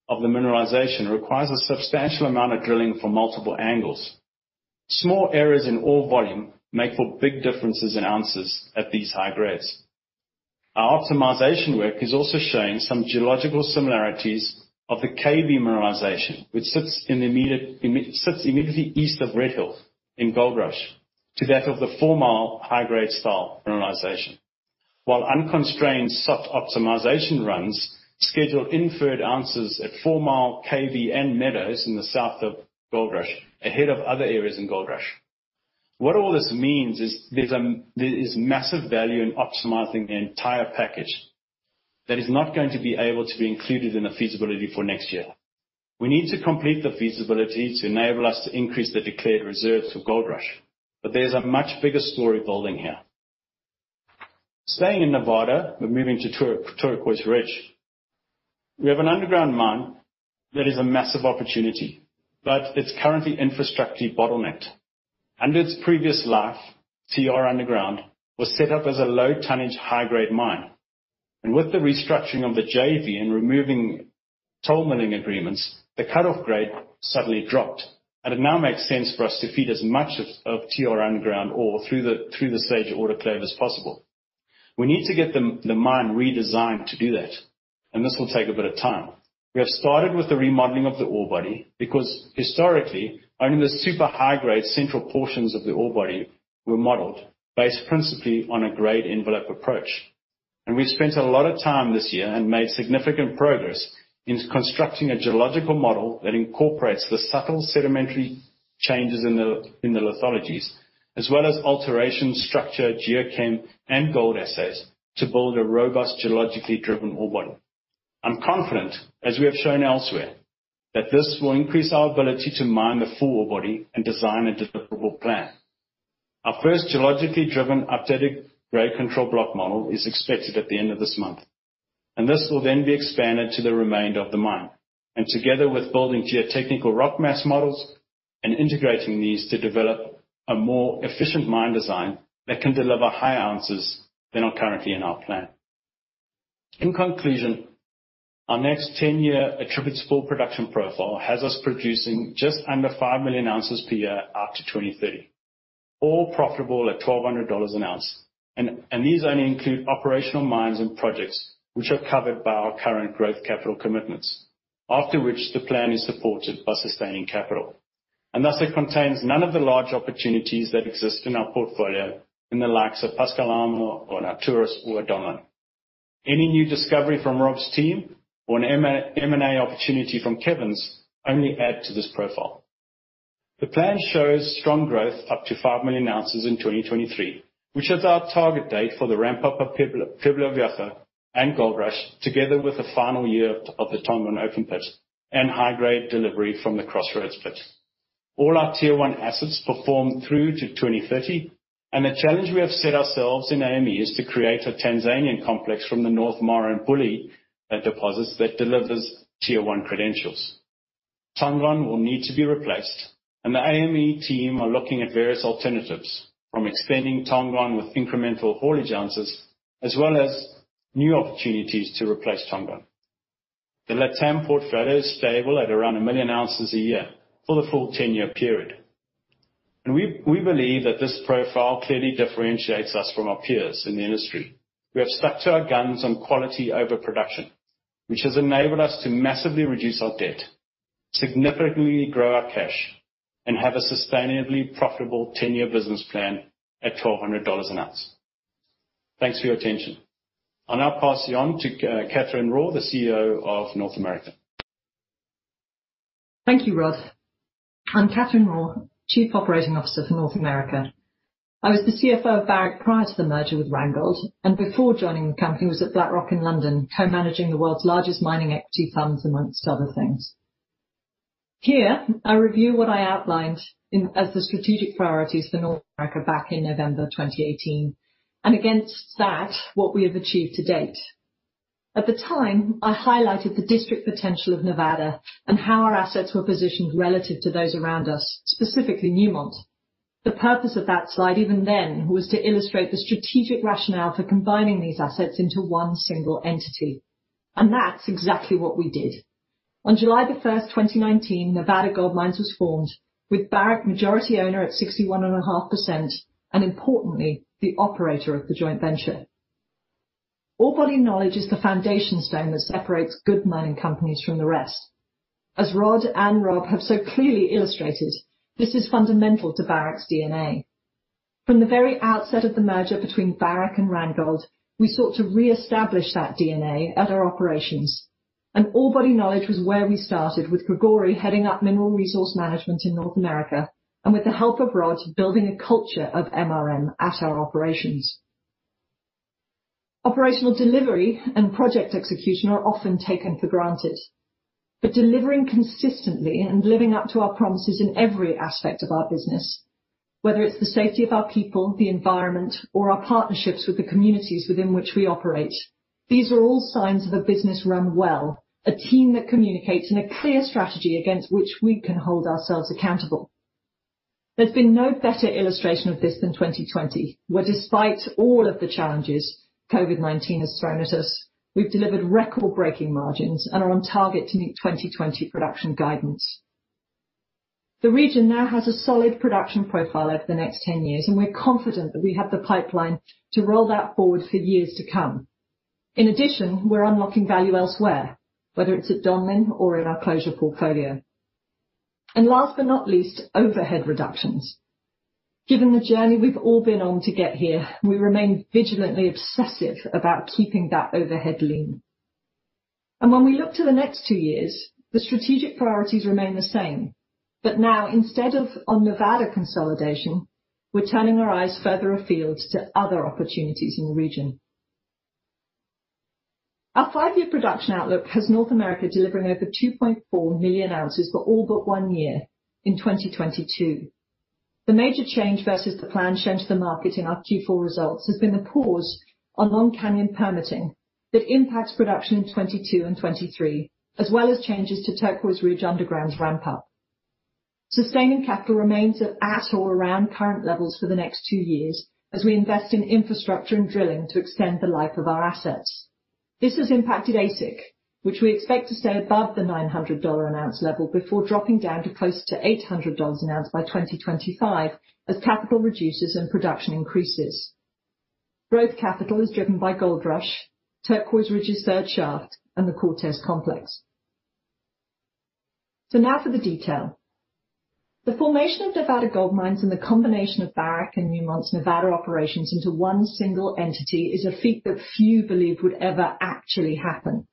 of the mineralization requires a substantial amount of drilling from multiple angles. Small areas in ore volume make for big differences in ounces at these high grades. Our optimization work is also showing some geological similarities of the KB mineralization, which sits immediately east of Red Hill in Goldrush, to that of the Fourmile high-grade style mineralization. While unconstrained soft optimization runs schedule inferred ounces at Fourmile, KB, and Meadows in the south of Goldrush, ahead of other areas in Goldrush. What all this means is there is massive value in optimizing the entire package that is not going to be able to be included in a feasibility for next year. We need to complete the feasibility to enable us to increase the declared reserves for Goldrush, but there is a much bigger story building here. Staying in Nevada, we're moving to Turquoise Ridge. We have an underground mine that is a massive opportunity, but it's currently infrastructure bottlenecked. Under its previous life, TR Underground was set up as a low tonnage, high-grade mine. With the restructuring of the JV and removing toll mining agreements, the cutoff grade suddenly dropped, and it now makes sense for us to feed as much of TR Underground ore through the Sage autoclave as possible. We need to get the mine redesigned to do that, and this will take a bit of time. We have started with the remodeling of the ore body, because historically, only the super high-grade central portions of the ore body were modeled, based principally on a grade envelope approach. We spent a lot of time this year and made significant progress in constructing a geological model that incorporates the subtle sedimentary changes in the lithologies, as well as alteration, structure, geochem, and gold assays to build a robust geologically driven ore body. I'm confident, as we have shown elsewhere, that this will increase our ability to mine the full ore body and design a deliverable plan. Our first geologically driven updated grade control block model is expected at the end of this month, and this will then be expanded to the remainder of the mine. Together with building geotechnical rock mass models and integrating these to develop a more efficient mine design that can deliver higher ounces than are currently in our plan. In conclusion, our next 10-year attributable full production profile has us producing just under 5 million ounces per year up to 2030, all profitable at $1,200 an ounce. These only include operational mines and projects which are covered by our current growth capital commitments, after which the plan is supported by sustaining capital. Thus, it contains none of the large opportunities that exist in our portfolio in the likes of Pascua-Lama or Alturas or Tongon. Any new discovery from Rob's team or an M&A opportunity from Kevin's only add to this profile. The plan shows strong growth up to 5 million ounces in 2023, which is our target date for the ramp-up of Pueblo Viejo and Goldrush, together with the final year of the Tongon open pit and high-grade delivery from the Crossroads pit. All our tier 1 assets perform through to 2030, and the challenge we have set ourselves in AME is to create a Tanzanian complex from the North Mara and Bulyanhulu deposits that delivers tier 1 credentials. Tongon will need to be replaced, and the AME team are looking at various alternatives, from extending Tongon with incremental haulage ounces, as well as new opportunities to replace Tongon. The LatAm portfolio is stable at around 1 million ounces a year for the full 10-year period. We believe that this profile clearly differentiates us from our peers in the industry. We have stuck to our guns on quality over production, which has enabled us to massively reduce our debt, significantly grow our cash, and have a sustainably profitable 10-year business plan at $1,200 an ounce. Thanks for your attention. I'll now pass you on to Catherine Raw, the CEO of North America. Thank you, Rod. I'm Catherine Raw, Chief Operating Officer for North America. I was the CFO of Barrick prior to the merger with Randgold, and before joining the company was at BlackRock in London, co-managing the world's largest mining equity funds, amongst other things. Here, I review what I outlined as the strategic priorities for North America back in November 2018. Against that, what we have achieved to date. At the time, I highlighted the district potential of Nevada and how our assets were positioned relative to those around us, specifically Newmont. The purpose of that slide, even then, was to illustrate the strategic rationale for combining these assets into one single entity. That's exactly what we did. On July 1st, 2019, Nevada Gold Mines was formed with Barrick majority owner at 61.5%. Importantly, the operator of the joint venture. Ore body knowledge is the foundation stone that separates good mining companies from the rest. As Rod and Rob have so clearly illustrated, this is fundamental to Barrick's DNA. From the very outset of the merger between Barrick and Randgold, we sought to reestablish that DNA at our operations, and ore body knowledge was where we started with Gregori heading up Mineral Resource Management in North America, and with the help of Rod, building a culture of MRM at our operations. Operational delivery and project execution are often taken for granted. Delivering consistently and living up to our promises in every aspect of our business, whether it's the safety of our people, the environment, or our partnerships with the communities within which we operate, these are all signs of a business run well, a team that communicates, and a clear strategy against which we can hold ourselves accountable. There's been no better illustration of this than 2020, where despite all of the challenges COVID-19 has thrown at us, we've delivered record-breaking margins and are on target to meet 2020 production guidance. The region now has a solid production profile over the next 10 years, and we're confident that we have the pipeline to roll that forward for years to come. In addition, we're unlocking value elsewhere, whether it's at Donlin or in our closure portfolio. Last but not least, overhead reductions. Given the journey we've all been on to get here, we remain vigilantly obsessive about keeping that overhead lean. When we look to the next two years, the strategic priorities remain the same. Now, instead of on Nevada consolidation, we're turning our eyes further afield to other opportunities in the region. Our five-year production outlook has North America delivering over 2.4 million ounces for all but one year in 2022. The major change versus the plan shown to the market in our Q4 results has been a pause on Long Canyon permitting that impacts production in 2022 and 2023, as well as changes to Turquoise Ridge Underground's ramp up. Sustaining capital remains at or around current levels for the next two years as we invest in infrastructure and drilling to extend the life of our assets. This has impacted AISC, which we expect to stay above the $900 an ounce level before dropping down to closer to $800 an ounce by 2025 as capital reduces and production increases. Growth capital is driven by Goldrush, Turquoise Ridge's third shaft, and the Cortez Complex. Now for the detail. The formation of Nevada Gold Mines and the combination of Barrick and Newmont's Nevada operations into one single entity is a feat that few believed would ever actually happen.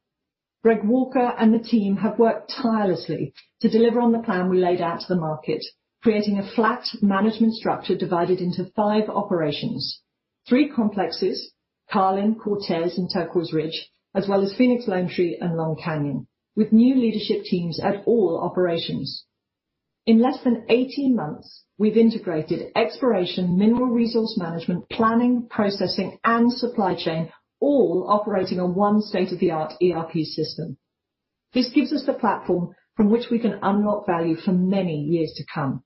Greg Walker and the team have worked tirelessly to deliver on the plan we laid out to the market, creating a flat management structure divided into five operations, three complexes, Carlin, Cortez, and Turquoise Ridge, as well as Phoenix, Lone Tree and Long Canyon, with new leadership teams at all operations. In less than 18 months, we've integrated exploration, mineral resource management, planning, processing, and supply chain, all operating on one state-of-the-art ERP system. This gives us the platform from which we can unlock value for many years to come.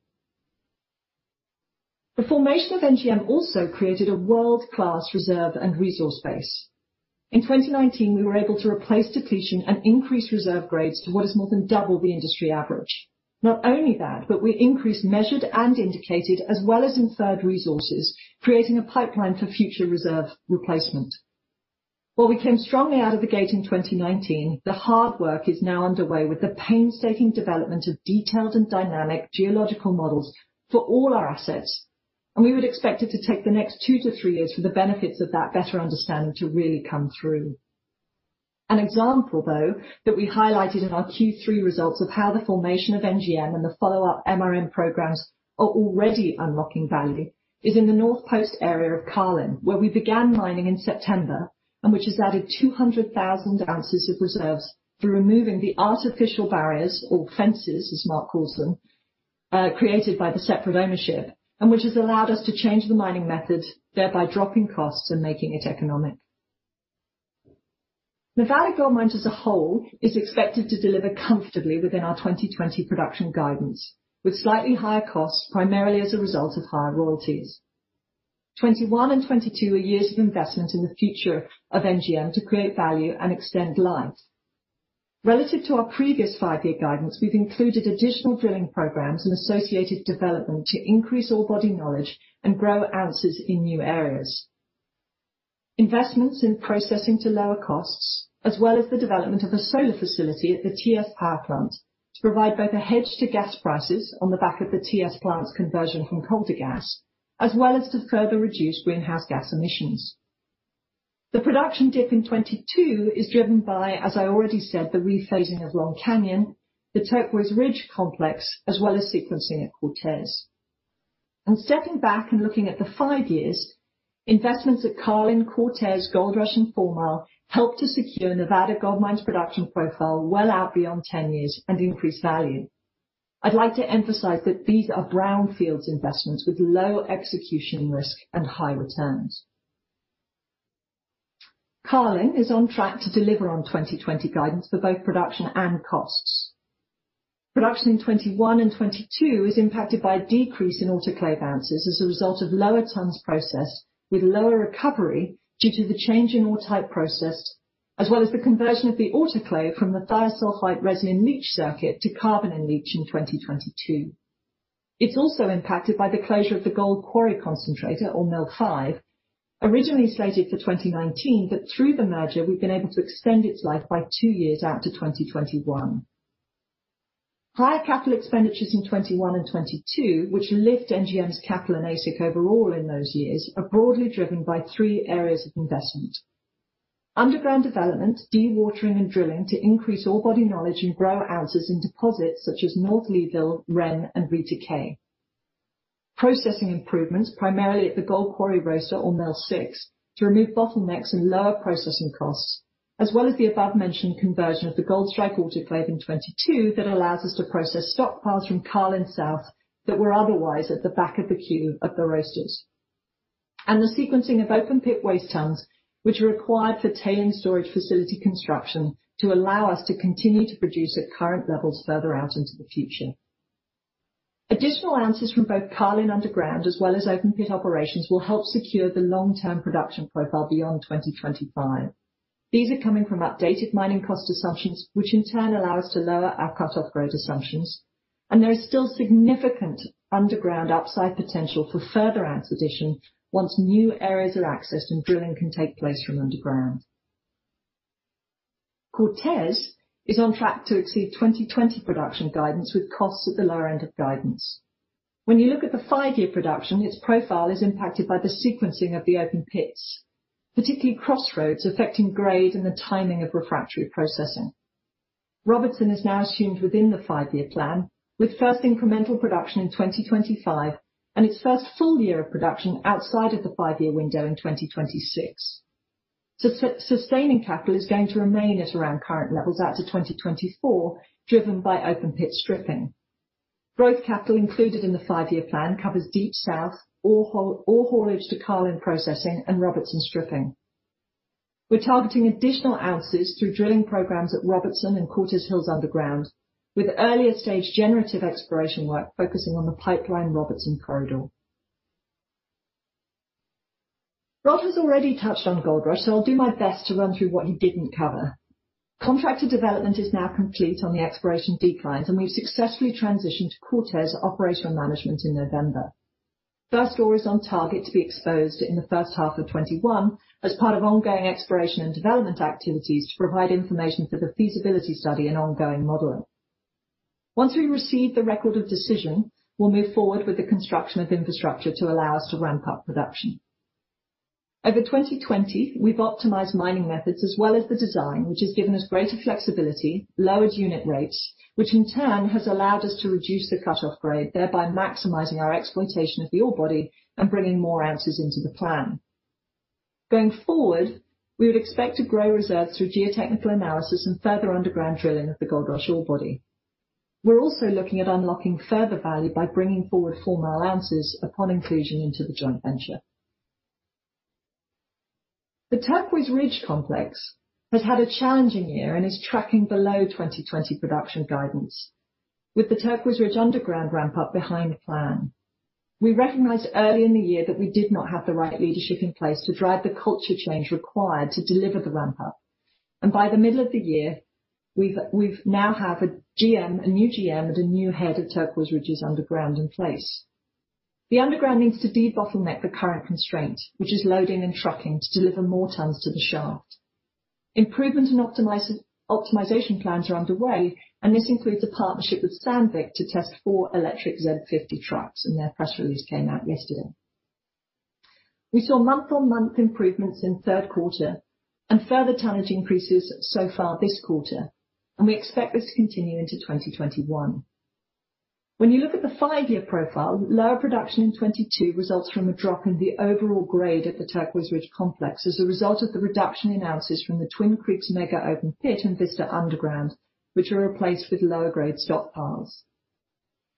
The formation of NGM also created a world-class reserve and resource base. In 2019, we were able to replace depletion and increase reserve grades to what is more than double the industry average. Not only that, but we increased, measured, and indicated as well as inferred resources, creating a pipeline for future reserve replacement. While we came strongly out of the gate in 2019, the hard work is now underway with the painstaking development of detailed and dynamic geological models for all our assets, and we would expect it to take the next two to three years for the benefits of that better understanding to really come through. An example, though, that we highlighted in our Q3 results of how the formation of NGM and the follow-up MRM programs are already unlocking value is in the North Post area of Carlin, where we began mining in September, and which has added 200,000 ounces of reserves through removing the artificial barriers or fences, as Mark calls them, created by the separate ownership, and which has allowed us to change the mining method, thereby dropping costs and making it economic. Nevada Gold Mines as a whole is expected to deliver comfortably within our 2020 production guidance with slightly higher costs, primarily as a result of higher royalties. 2021 and 2022 are years of investment in the future of NGM to create value and extend life. Relative to our previous five-year guidance, we've included additional drilling programs and associated development to increase ore body knowledge and grow ounces in new areas. Investments in processing to lower costs, as well as the development of a solar facility at the TS Power Plant to provide both a hedge to gas prices on the back of the TS Power Plant's conversion from coal to gas, as well as to further reduce greenhouse gas emissions. The production dip in 2022 is driven by, as I already said, the rephasing of Long Canyon, the Turquoise Ridge complex, as well as sequencing at Cortez. Stepping back and looking at the five years, investments at Carlin, Cortez, Goldrush, and Fourmile helped to secure Nevada Gold Mines' production profile well out beyond 10 years and increase value. I'd like to emphasize that these are brownfields investments with low execution risk and high returns. Carlin is on track to deliver on 2020 guidance for both production and costs. Production in 2021 and 2022 is impacted by a decrease in autoclave ounces as a result of lower tons processed with lower recovery due to the change in ore type processed, as well as the conversion of the autoclave from the thiosulfate resin-in-pulp circuit to carbon-in-leach in 2022. It's also impacted by the closure of the Gold Quarry concentrator, or Mill 5, originally slated for 2019, but through the merger, we've been able to extend its life by two years out to 2021. Higher capital expenditures in 2021 and 2022, which lift NGM's capital and AISC overall in those years, are broadly driven by three areas of investment. Underground development, dewatering and drilling to increase ore body knowledge and grow ounces in deposits such as North Leeville, Ren, and Rita K. Processing improvements, primarily at the Gold Quarry roaster or Mill Six, to remove bottlenecks and lower processing costs, as well as the above-mentioned conversion of the Goldstrike autoclave in 2022 that allows us to process stockpiles from Carlin South that were otherwise at the back of the queue of the roasters. The sequencing of open pit waste tons, which are required for tailing storage facility construction to allow us to continue to produce at current levels further out into the future. Additional ounces from both Carlin underground as well as open pit operations will help secure the long-term production profile beyond 2025. These are coming from updated mining cost assumptions, which in turn allow us to lower our cut-off grade assumptions, and there is still significant underground upside potential for further ounce addition once new areas are accessed and drilling can take place from underground. Cortez is on track to exceed 2020 production guidance with costs at the lower end of guidance. When you look at the five-year production, its profile is impacted by the sequencing of the open pits, particularly Crossroads, affecting grade and the timing of refractory processing. Robertson is now assumed within the five-year plan, with first incremental production in 2025 and its first full year of production outside of the five-year window in 2026. Sustaining capital is going to remain at around current levels out to 2024, driven by open pit stripping. Growth capital included in the five-year plan covers Deep South, ore haulage to Carlin processing, and Robertson stripping. We're targeting additional ounces through drilling programs at Robertson and Cortez Hills underground, with earlier stage generative exploration work focusing on the Pipeline-Robertson corridor. Rod has already touched on Goldrush. I'll do my best to run through what he didn't cover. Contracted development is now complete on the exploration declines, and we've successfully transitioned to Cortez operational management in November. First ore is on target to be exposed in the first half of 2021 as part of ongoing exploration and development activities to provide information for the feasibility study and ongoing modeling. Once we receive the record of decision, we'll move forward with the construction of infrastructure to allow us to ramp up production. Over 2020, we've optimized mining methods as well as the design, which has given us greater flexibility, lowered unit rates, which in turn has allowed us to reduce the cut-off grade, thereby maximizing our exploitation of the ore body and bringing more ounces into the plan. Going forward, we would expect to grow reserves through geotechnical analysis and further underground drilling of the Goldrush ore body. We are also looking at unlocking further value by bringing forward Fourmile ounces upon inclusion into the joint venture. The Turquoise Ridge complex has had a challenging year and is tracking below 2020 production guidance, with the Turquoise Ridge underground ramp up behind the plan. We recognized early in the year that we did not have the right leadership in place to drive the culture change required to deliver the ramp up, and by the middle of the year, we now have a GM, a new GM, and a new head of Turquoise Ridge's underground in place. The underground needs to de-bottleneck the current constraint, which is loading and trucking, to deliver more tons to the shaft. Improvement and optimization plans are underway, and this includes a partnership with Sandvik to test four electric Z50 trucks, and their press release came out yesterday. We saw month-on-month improvements in third quarter and further tonnage increases so far this quarter, and we expect this to continue into 2021. When you look at the five-year profile, lower production in 2022 results from a drop in the overall grade at the Turquoise Ridge complex as a result of the reduction in ounces from the Twin Creeks mega open pit and Vista underground, which are replaced with lower grade stockpiles.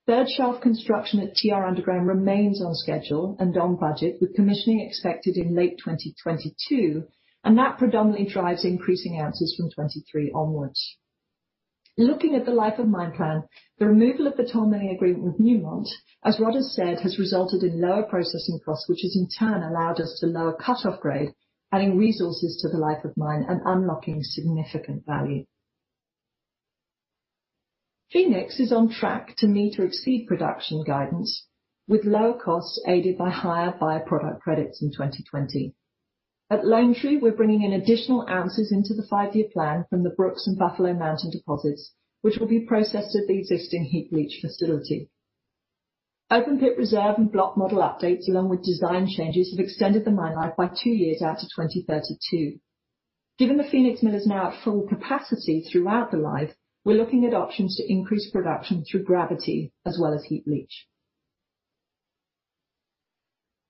Third shaft construction at TR Underground remains on schedule and on budget, with commissioning expected in late 2022, and that predominantly drives increasing ounces from 2023 onwards. Looking at the life of mine plan, the removal of the toll mining agreement with Newmont, as Rod has said, has resulted in lower processing costs, which has in turn allowed us to lower cut-off grade, adding resources to the life of mine and unlocking significant value. Phoenix is on track to meet or exceed production guidance with lower costs aided by higher by-product credits in 2020. At Lone Tree, we're bringing in additional ounces into the five-year plan from the Brooks and Buffalo Mountain deposits, which will be processed at the existing heap leach facility. Open pit reserve and block model updates, along with design changes, have extended the mine life by two years out to 2032. Given the Phoenix Mill is now at full capacity throughout the life, we're looking at options to increase production through gravity as well as heap leach.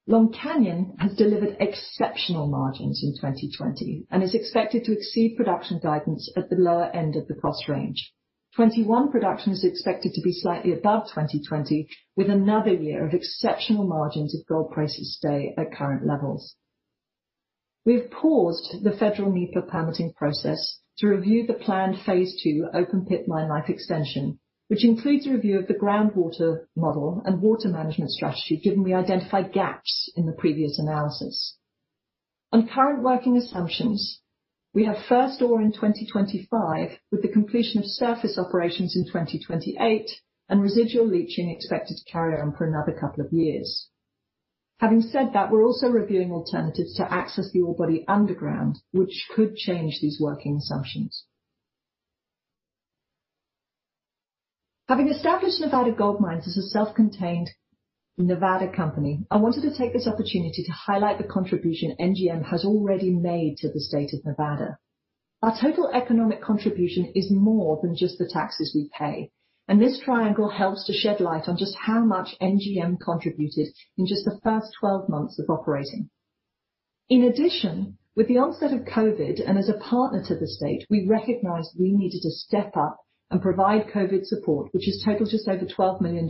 Long Canyon has delivered exceptional margins in 2020 and is expected to exceed production guidance at the lower end of the cost range. 2021 production is expected to be slightly above 2020, with another year of exceptional margins if gold prices stay at current levels. We've paused the federal NEPA permitting process to review the planned phase II open pit mine life extension, which includes a review of the groundwater model and water management strategy, given we identified gaps in the previous analysis. On current working assumptions, we have first ore in 2025, with the completion of surface operations in 2028 and residual leaching expected to carry on for another couple of years. Having said that, we're also reviewing alternatives to access the ore body underground, which could change these working assumptions. Having established Nevada Gold Mines as a self-contained Nevada company, I wanted to take this opportunity to highlight the contribution NGM has already made to the state of Nevada. Our total economic contribution is more than just the taxes we pay, and this triangle helps to shed light on just how much NGM contributed in just the first 12 months of operating. In addition, with the onset of COVID and as a partner to the state, we recognized we needed to step up and provide COVID support, which has totaled just over $12 million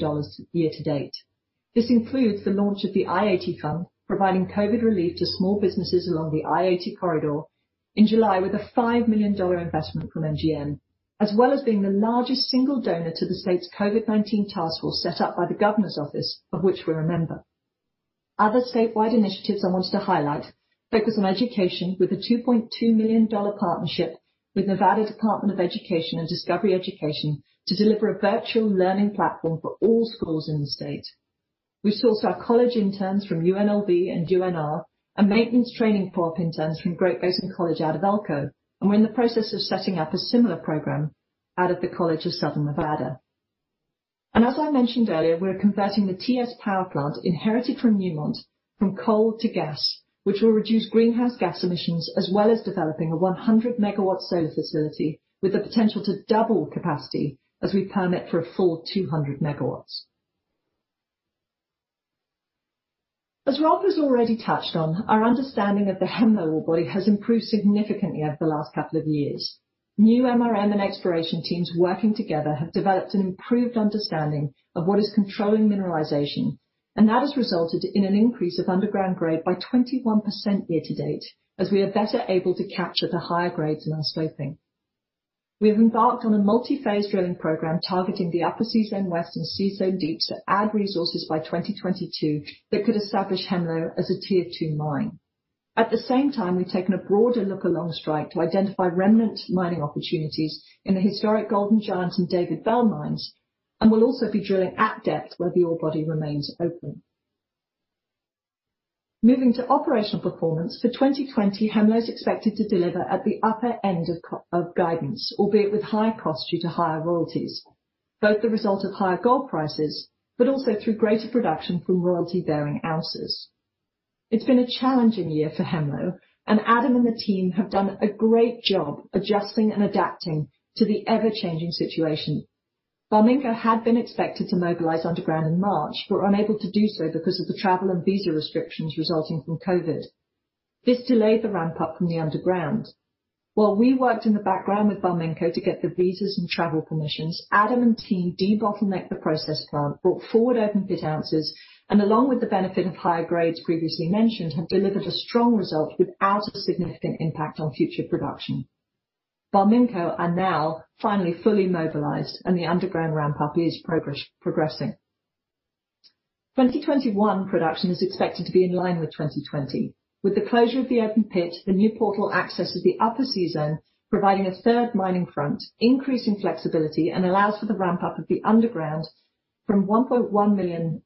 year to date. This includes the launch of the I-80 Fund, providing COVID relief to small businesses along the I-80 corridor in July with a $5 million investment from NGM, as well as being the largest single donor to the state's COVID-19 task force set up by the Governor's Office, of which we're a member. Other statewide initiatives I wanted to highlight focus on education with a $2.2 million partnership with Nevada Department of Education and Discovery Education to deliver a virtual learning platform for all schools in the state. We source our college interns from UNLV and UNR and maintenance training corp interns from Great Basin College out of Elko, and we're in the process of setting up a similar program out of the College of Southern Nevada. As I mentioned earlier, we're converting the TS Power Plant inherited from Newmont from coal to gas, which will reduce greenhouse gas emissions, as well as developing a 100-megawatt solar facility with the potential to double capacity as we permit for a full 200 megawatts. As Rob has already touched on, our understanding of the Hemlo ore body has improved significantly over the last couple of years. New MRM and exploration teams working together have developed an improved understanding of what is controlling mineralization, and that has resulted in an increase of underground grade by 21% year to date, as we are better able to capture the higher grades in our stoping. We have embarked on a multi-phase drilling program targeting the Upper C-Zone West and C-Zone Deep to add resources by 2022 that could establish Hemlo as a tier 2 mine. At the same time, we've taken a broader look along strike to identify remnant mining opportunities in the historic Golden Giant and David Bell mines, and we'll also be drilling at depth where the ore body remains open. Moving to operational performance, for 2020, Hemlo is expected to deliver at the upper end of guidance, albeit with higher costs due to higher royalties, both the result of higher gold prices, but also through greater production from royalty-bearing ounces. It's been a challenging year for Hemlo. Adam and the team have done a great job adjusting and adapting to the ever-changing situation. Barminco had been expected to mobilize underground in March, but were unable to do so because of the travel and visa restrictions resulting from COVID. This delayed the ramp-up from the underground. While we worked in the background with Barminco to get the visas and travel permissions, Adam and team debottlenecked the process plant, brought forward open pit ounces, and along with the benefit of higher grades previously mentioned, have delivered a strong result without a significant impact on future production. Barminco are now finally fully mobilized and the underground ramp-up is progressing. 2021 production is expected to be in line with 2020. With the closure of the open pit, the new portal accesses the upper C-zone, providing a third mining front, increasing flexibility, and allows for the ramp-up of the underground from 1.1 million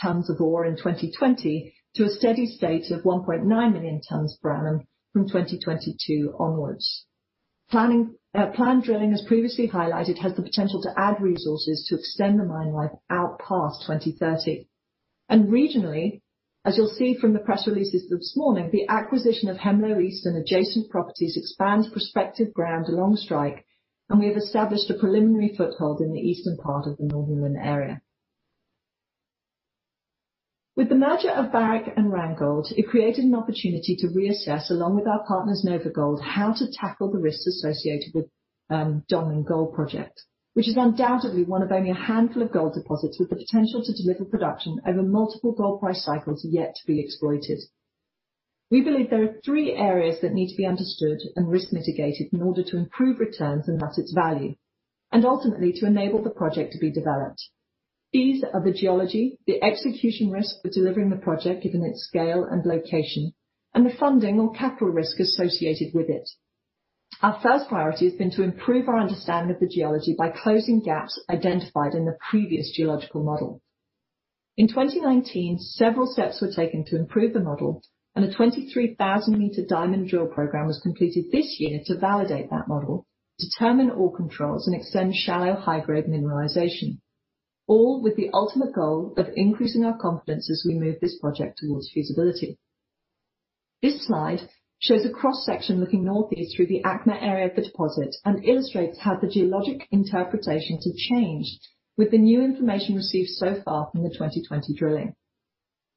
tons of ore in 2020 to a steady state of 1.9 million tons per annum from 2022 onwards. Planned drilling, as previously highlighted, has the potential to add resources to extend the mine life out past 2030. Regionally, as you'll see from the press releases this morning, the acquisition of Hemlo East and adjacent properties expands prospective ground along strike, and we have established a preliminary foothold in the eastern part of the Norman Lake area. With the merger of Barrick and Randgold, it created an opportunity to reassess, along with our partners NOVAGOLD, how to tackle the risks associated with Donlin Gold project, which is undoubtedly one of only a handful of gold deposits with the potential to deliver production over multiple gold price cycles yet to be exploited. We believe there are three areas that need to be understood and risk mitigated in order to improve returns and thus its value, and ultimately to enable the project to be developed. These are the geology, the execution risk for delivering the project given its scale and location, and the funding or capital risk associated with it. Our first priority has been to improve our understanding of the geology by closing gaps identified in the previous geological model. In 2019, several steps were taken to improve the model, and a 23,000-meter diamond drill program was completed this year to validate that model, determine ore controls, and extend shallow, high-grade mineralization, all with the ultimate goal of increasing our confidence as we move this project towards feasibility. This slide shows a cross-section looking northeast through the ACMA area of the deposit and illustrates how the geologic interpretations have changed with the new information received so far from the 2020 drilling.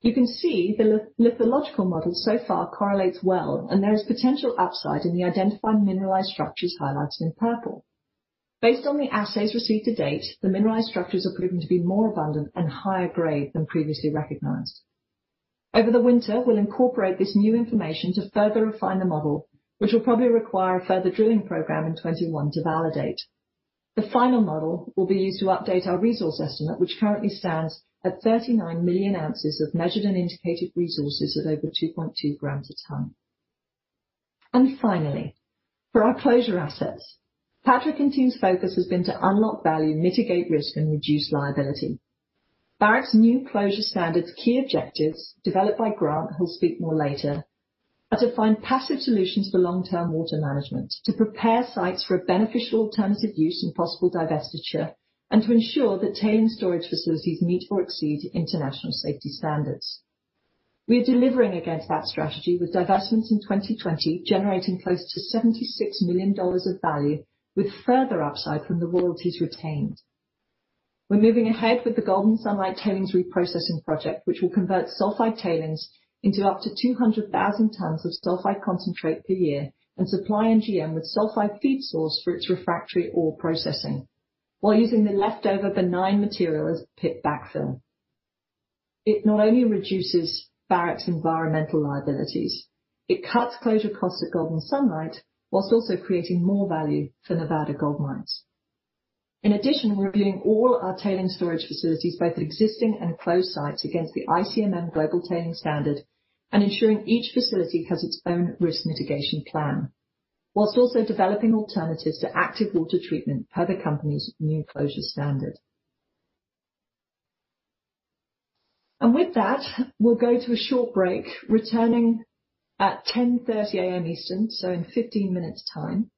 You can see the lithological model so far correlates well, and there is potential upside in the identified mineralized structures highlighted in purple. Based on the assays received to date, the mineralized structures are proving to be more abundant and higher grade than previously recognized. Over the winter, we'll incorporate this new information to further refine the model, which will probably require a further drilling program in 2021 to validate. The final model will be used to update our resource estimate, which currently stands at 39 million ounces of measured and indicated resources at over 2.2 grams a ton. Finally, for our closure assets, Patrick and team's focus has been to unlock value, mitigate risk, and reduce liability. Barrick's new closure standard's key objectives, developed by Grant, who'll speak more later, are to find passive solutions for long-term water management, to prepare sites for a beneficial alternative use and possible divestiture, and to ensure that tailings storage facilities meet or exceed international safety standards. We are delivering against that strategy with divestments in 2020 generating close to $76 million of value, with further upside from the royalties retained. We're moving ahead with the Golden Sunlight Tailings Reprocessing Project, which will convert sulfide tailings into up to 200,000 tons of sulfide concentrate per year and supply NGM with sulfide feed source for its refractory ore processing while using the leftover benign material as pit backfill. It not only reduces Barrick's environmental liabilities, it cuts closure costs at Golden Sunlight whilst also creating more value for Nevada Gold Mines. In addition, we're reviewing all our tailings storage facilities, both existing and closed sites, against the ICMM Global Tailings Standard and ensuring each facility has its own risk mitigation plan, whilst also developing alternatives to active water treatment per the company's new closure standard. With that, we'll go to a short break, returning at 10:30 A.M. Eastern, so in 15 minutes' time.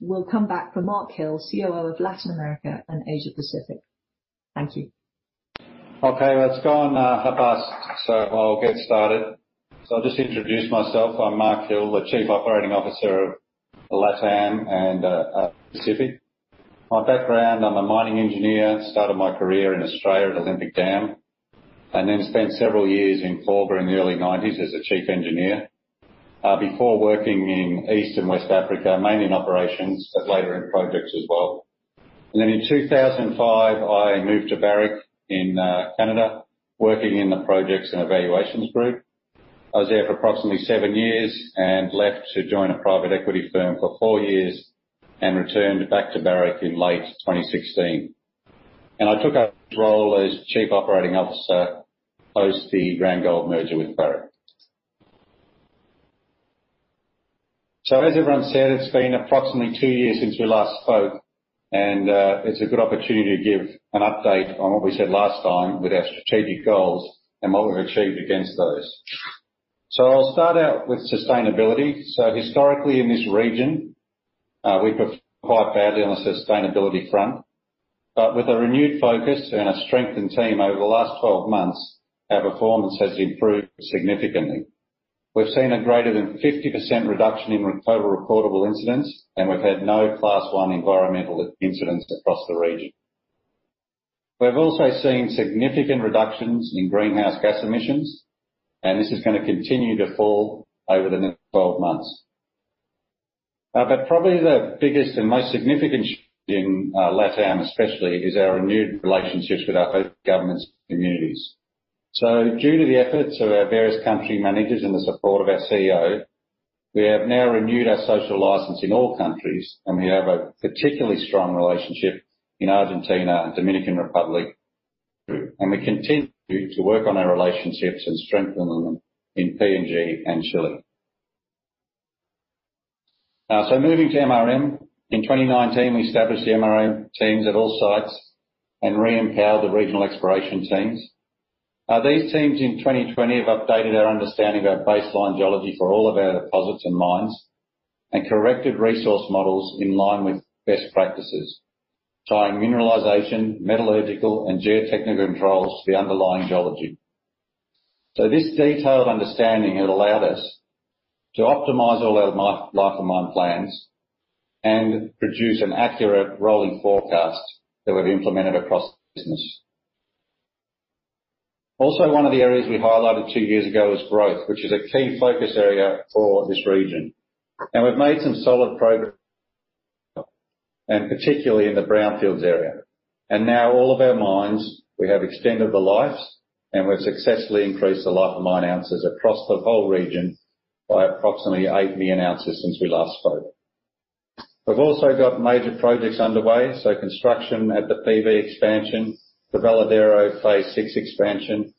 We'll come back for Mark Hill, COO of Latin America and Asia Pacific. Thank you. Okay. Well, it's gone half past, I'll get started. I'll just introduce myself. I'm Mark Hill, the Chief Operating Officer of LATAM and Pacific. My background, I'm a mining engineer, started my career in Australia at Olympic Dam, spent several years in Adelaide in the early nineties as a chief engineer, before working in East and West Africa, mainly in operations, but later in projects as well. In 2005, I moved to Barrick in Canada, working in the projects and evaluations group. I was there for approximately seven years and left to join a private equity firm for four years and returned back to Barrick in late 2016. I took up the role as Chief Operating Officer post the Randgold merger with Barrick. As everyone said, it's been approximately 2 years since we last spoke, and it's a good opportunity to give an update on what we said last time with our strategic goals and what we've achieved against those. I'll start out with sustainability. Historically in this region, we performed quite badly on the sustainability front. With a renewed focus and a strengthened team over the last 12 months, our performance has improved significantly. We've seen a greater than 50% reduction in total reportable incidents, and we've had no Class 1 environmental incidents across the region. We've also seen significant reductions in greenhouse gas emissions, and this is gonna continue to fall over the next 12 months. Probably the biggest and most significant shift in LATAM especially is our renewed relationships with our both governments and communities. Due to the efforts of our various country managers and the support of our CEO, we have now renewed our social license in all countries, and we have a particularly strong relationship in Argentina and Dominican Republic, and we continue to work on our relationships and strengthen them in PNG and Chile. Moving to MRM. In 2019, we established the MRM teams at all sites and re-empowered the regional exploration teams. These teams in 2020 have updated our understanding of our baseline geology for all of our deposits and mines and corrected resource models in line with best practices, tying mineralization, metallurgical, and geotechnical controls to the underlying geology. This detailed understanding has allowed us to optimize all our life and mine plans and produce an accurate rolling forecast that we've implemented across the business. One of the areas we highlighted two years ago is growth, which is a key focus area for this region. We've made some solid progress, particularly in the brownfields area. Now all of our mines, we have extended the lives, we've successfully increased the life of mine ounces across the whole region by approximately 8 million ounces since we last spoke. We've also got major projects underway. Construction at the PV expansion, the Veladero Phase 6 expansion,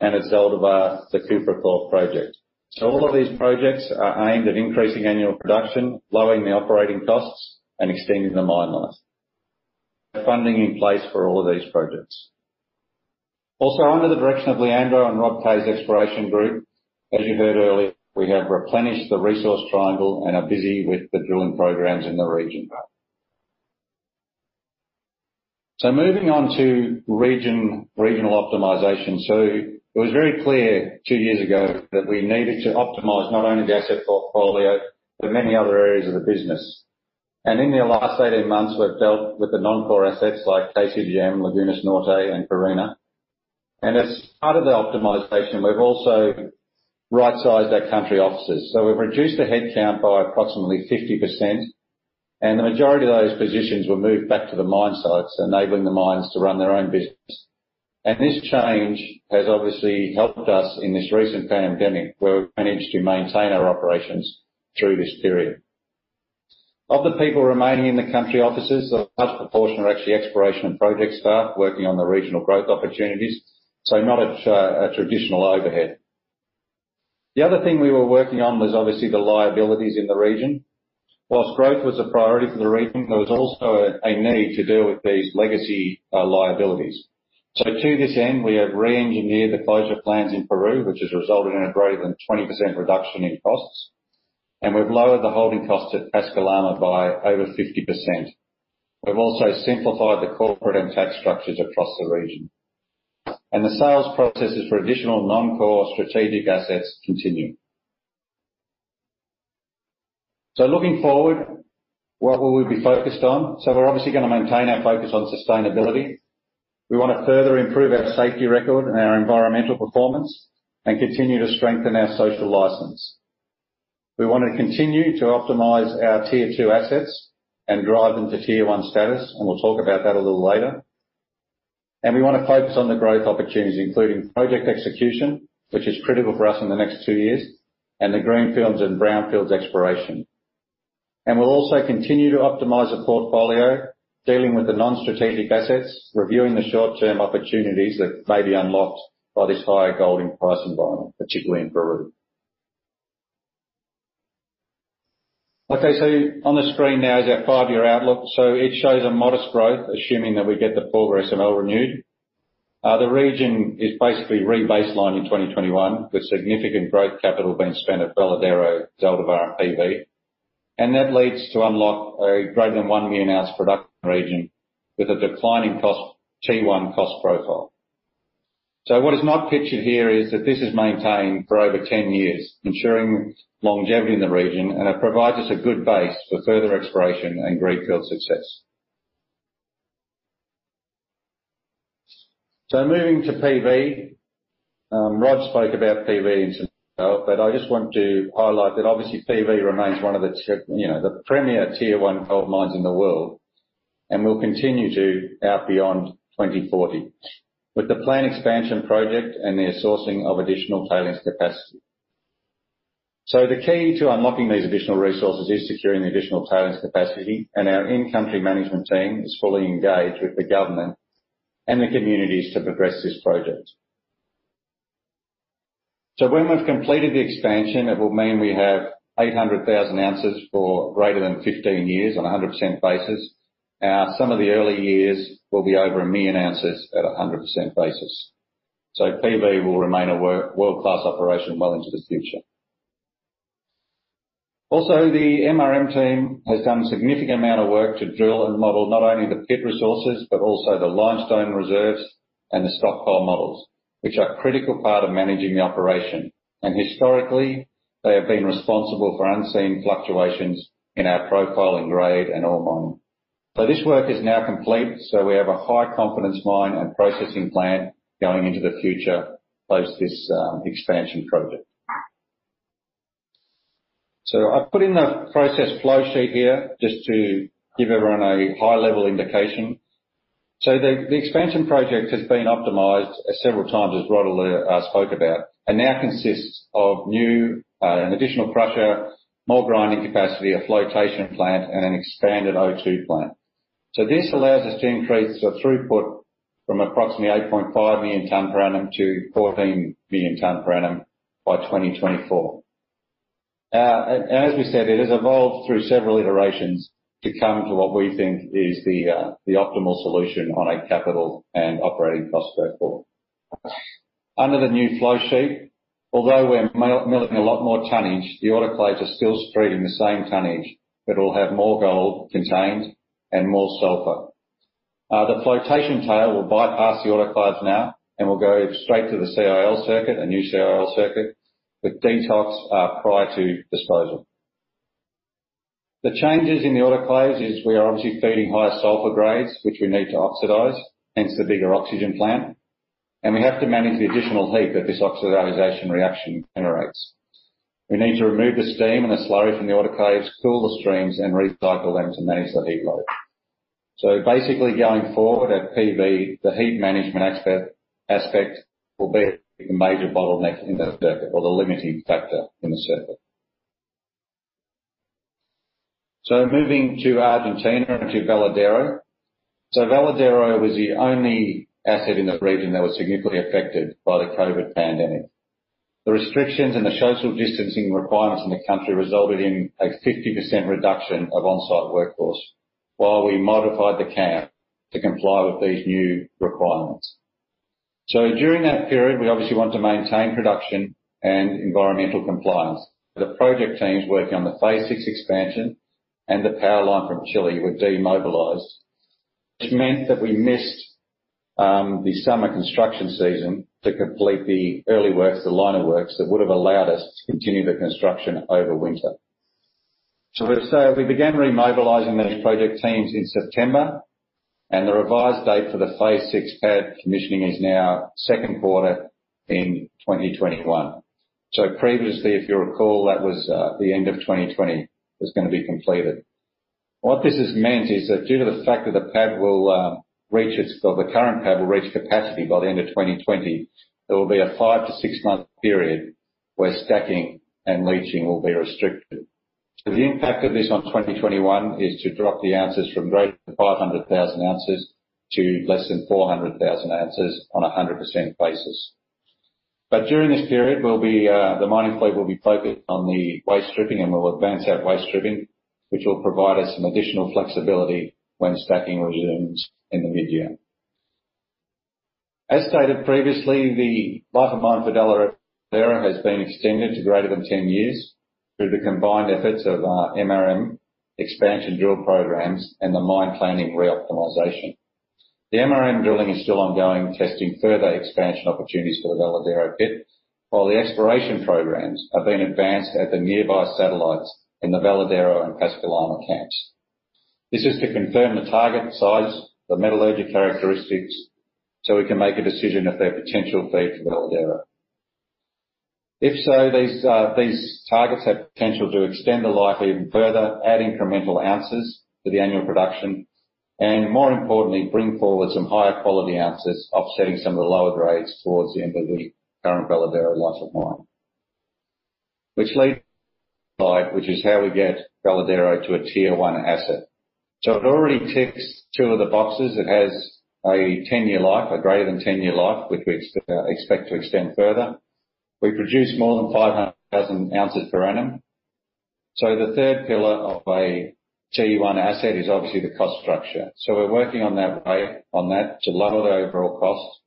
and at Veladero, the copper ore project. All of these projects are aimed at increasing annual production, lowering the operating costs, and extending the mine lives. The funding in place for all of these projects. Under the direction of Leandro and Rob K's exploration group, as you heard earlier, we have replenished the resource triangle and are busy with the drilling programs in the region. Moving on to regional optimization. It was very clear two years ago that we needed to optimize not only the asset portfolio, but many other areas of the business. In the last 18 months, we've dealt with the non-core assets like KCGM, Lagunas Norte, and Cowal. As part of the optimization, we've also right-sized our country offices. We've reduced the headcount by approximately 50%, and the majority of those positions were moved back to the mine sites, enabling the mines to run their own business. This change has obviously helped us in this recent pandemic, where we've managed to maintain our operations through this period. Of the people remaining in the country offices, a large proportion are actually exploration and project staff working on the regional growth opportunities. Not a traditional overhead. The other thing we were working on was obviously the liabilities in the region. Whilst growth was a priority for the region, there was also a need to deal with these legacy liabilities. To this end, we have re-engineered the closure plans in Peru, which has resulted in a greater than 20% reduction in costs, and we've lowered the holding costs at Pascua-Lama by over 50%. We've also simplified the corporate and tax structures across the region. The sales processes for additional non-core strategic assets continue. Looking forward, what will we be focused on? We're obviously going to maintain our focus on sustainability. We want to further improve our safety record and our environmental performance and continue to strengthen our social license. We want to continue to optimize our tier 2 assets and drive them to tier 1 status, and we'll talk about that a little later. We want to focus on the growth opportunities, including project execution, which is critical for us in the next two years, and the greenfields and brownfields exploration. We'll also continue to optimize the portfolio, dealing with the non-strategic assets, reviewing the short-term opportunities that may be unlocked by this higher gold price environment, particularly in Peru. Okay, so on the screen now is our five-year outlook. So it shows a modest growth, assuming that we get the Pueblo Viejo SML renewed. The region is basically re-baselined in 2021, with significant growth capital being spent at Veladero, Zaldívar, and Pueblo Viejo. That leads to unlock a greater than 1 million ounce production region with a declining cost, tier 1 cost profile. What is not pictured here is that this is maintained for over 10 years, ensuring longevity in the region, and it provides us a good base for further exploration and greenfield success. Moving to Pueblo Viejo. Rod spoke about Pueblo Viejo, but I just want to highlight that obviously Pueblo Viejo remains one of the premier tier-1 gold mines in the world. Will continue to out beyond 2040 with the planned expansion project and the sourcing of additional tailings capacity. The key to unlocking these additional resources is securing the additional tailings capacity, and our in-country management team is fully engaged with the government and the communities to progress this project. When we've completed the expansion, it will mean we have 800,000 ounces for greater than 15 years on a 100% basis. Some of the early years will be over 1 million ounces at 100% basis. PV will remain a world-class operation well into the future. Also, the MRM team has done a significant amount of work to drill and model not only the pit resources, but also the limestone reserves and the stockpile models, which are a critical part of managing the operation. Historically, they have been responsible for unseen fluctuations in our profiling grade and ore mining. This work is now complete, so we have a high confidence mine and processing plant going into the future post this expansion project. I've put in the process flow sheet here just to give everyone a high-level indication. The expansion project has been optimized several times, as Rod spoke about, and now consists of an additional crusher, more grinding capacity, a flotation plant, and an expanded O2 plant. This allows us to increase the throughput from approximately 8.5 million ton per annum to 14 million ton per annum by 2024. As we said, it has evolved through several iterations to come to what we think is the optimal solution on a capital and operating cost profile. Under the new flow sheet, although we're milling a lot more tonnage, the autoclaves are still treating the same tonnage, but will have more gold contained and more sulfur. The flotation tail will bypass the autoclaves now and will go straight to the CIL circuit, a new CIL circuit, with detox prior to disposal. The changes in the autoclaves is we are obviously feeding higher sulfur grades, which we need to oxidize, hence the bigger oxygen plant. We have to manage the additional heat that this oxidation reaction generates. We need to remove the steam and the slurry from the autoclaves, cool the streams, and recycle them to manage the heat load. Basically, going forward at Pueblo Viejo, the heat management aspect will be a major bottleneck in the circuit or the limiting factor in the circuit. Moving to Argentina and to Veladero. Veladero was the only asset in the region that was significantly affected by the COVID pandemic. The restrictions and the social distancing requirements in the country resulted in a 50% reduction of on-site workforce while we modified the camp to comply with these new requirements. During that period, we obviously want to maintain production and environmental compliance. The project teams working on the Phase 6 expansion and the power line from Chile were demobilized, which meant that we missed the summer construction season to complete the early works, the liner works, that would have allowed us to continue the construction over winter. We began remobilizing those project teams in September, and the revised date for the Phase 6 pad commissioning is now second quarter in 2021. Previously, if you recall, that was the end of 2020 it was going to be completed. What this has meant is that due to the fact that the current pad will reach capacity by the end of 2020, there will be a five to six-month period where stacking and leaching will be restricted. The impact of this on 2021 is to drop the ounces from greater than 500,000 ounces to less than 400,000 ounces on 100% basis. During this period, the mining fleet will be focused on the waste stripping, and we'll advance that waste stripping, which will provide us some additional flexibility when stacking resumes in the mid-year. As stated previously, the life of mine for Veladero has been extended to greater than 10 years through the combined efforts of our MRM expansion drill programs and the mine planning re-optimization. The MRM drilling is still ongoing, testing further expansion opportunities for the Veladero pit, while the exploration programs are being advanced at the nearby satellites in the Veladero and Pascua-Lama camps. This is to confirm the target size, the metallurgical characteristics, so we can make a decision if they're potential feed for Veladero. If so, these targets have potential to extend the life even further, add incremental ounces to the annual production, and more importantly, bring forward some higher quality ounces, offsetting some of the lower grades towards the end of the current Veladero life of mine. This leads to this slide, which is how we get Veladero to a tier 1 asset. It already ticks two of the boxes. It has a greater than 10-year life, which we expect to extend further. We produce more than 500,000 ounces per annum. The third pillar of a tier 1 asset is obviously the cost structure. We're working on that to lower the overall cost.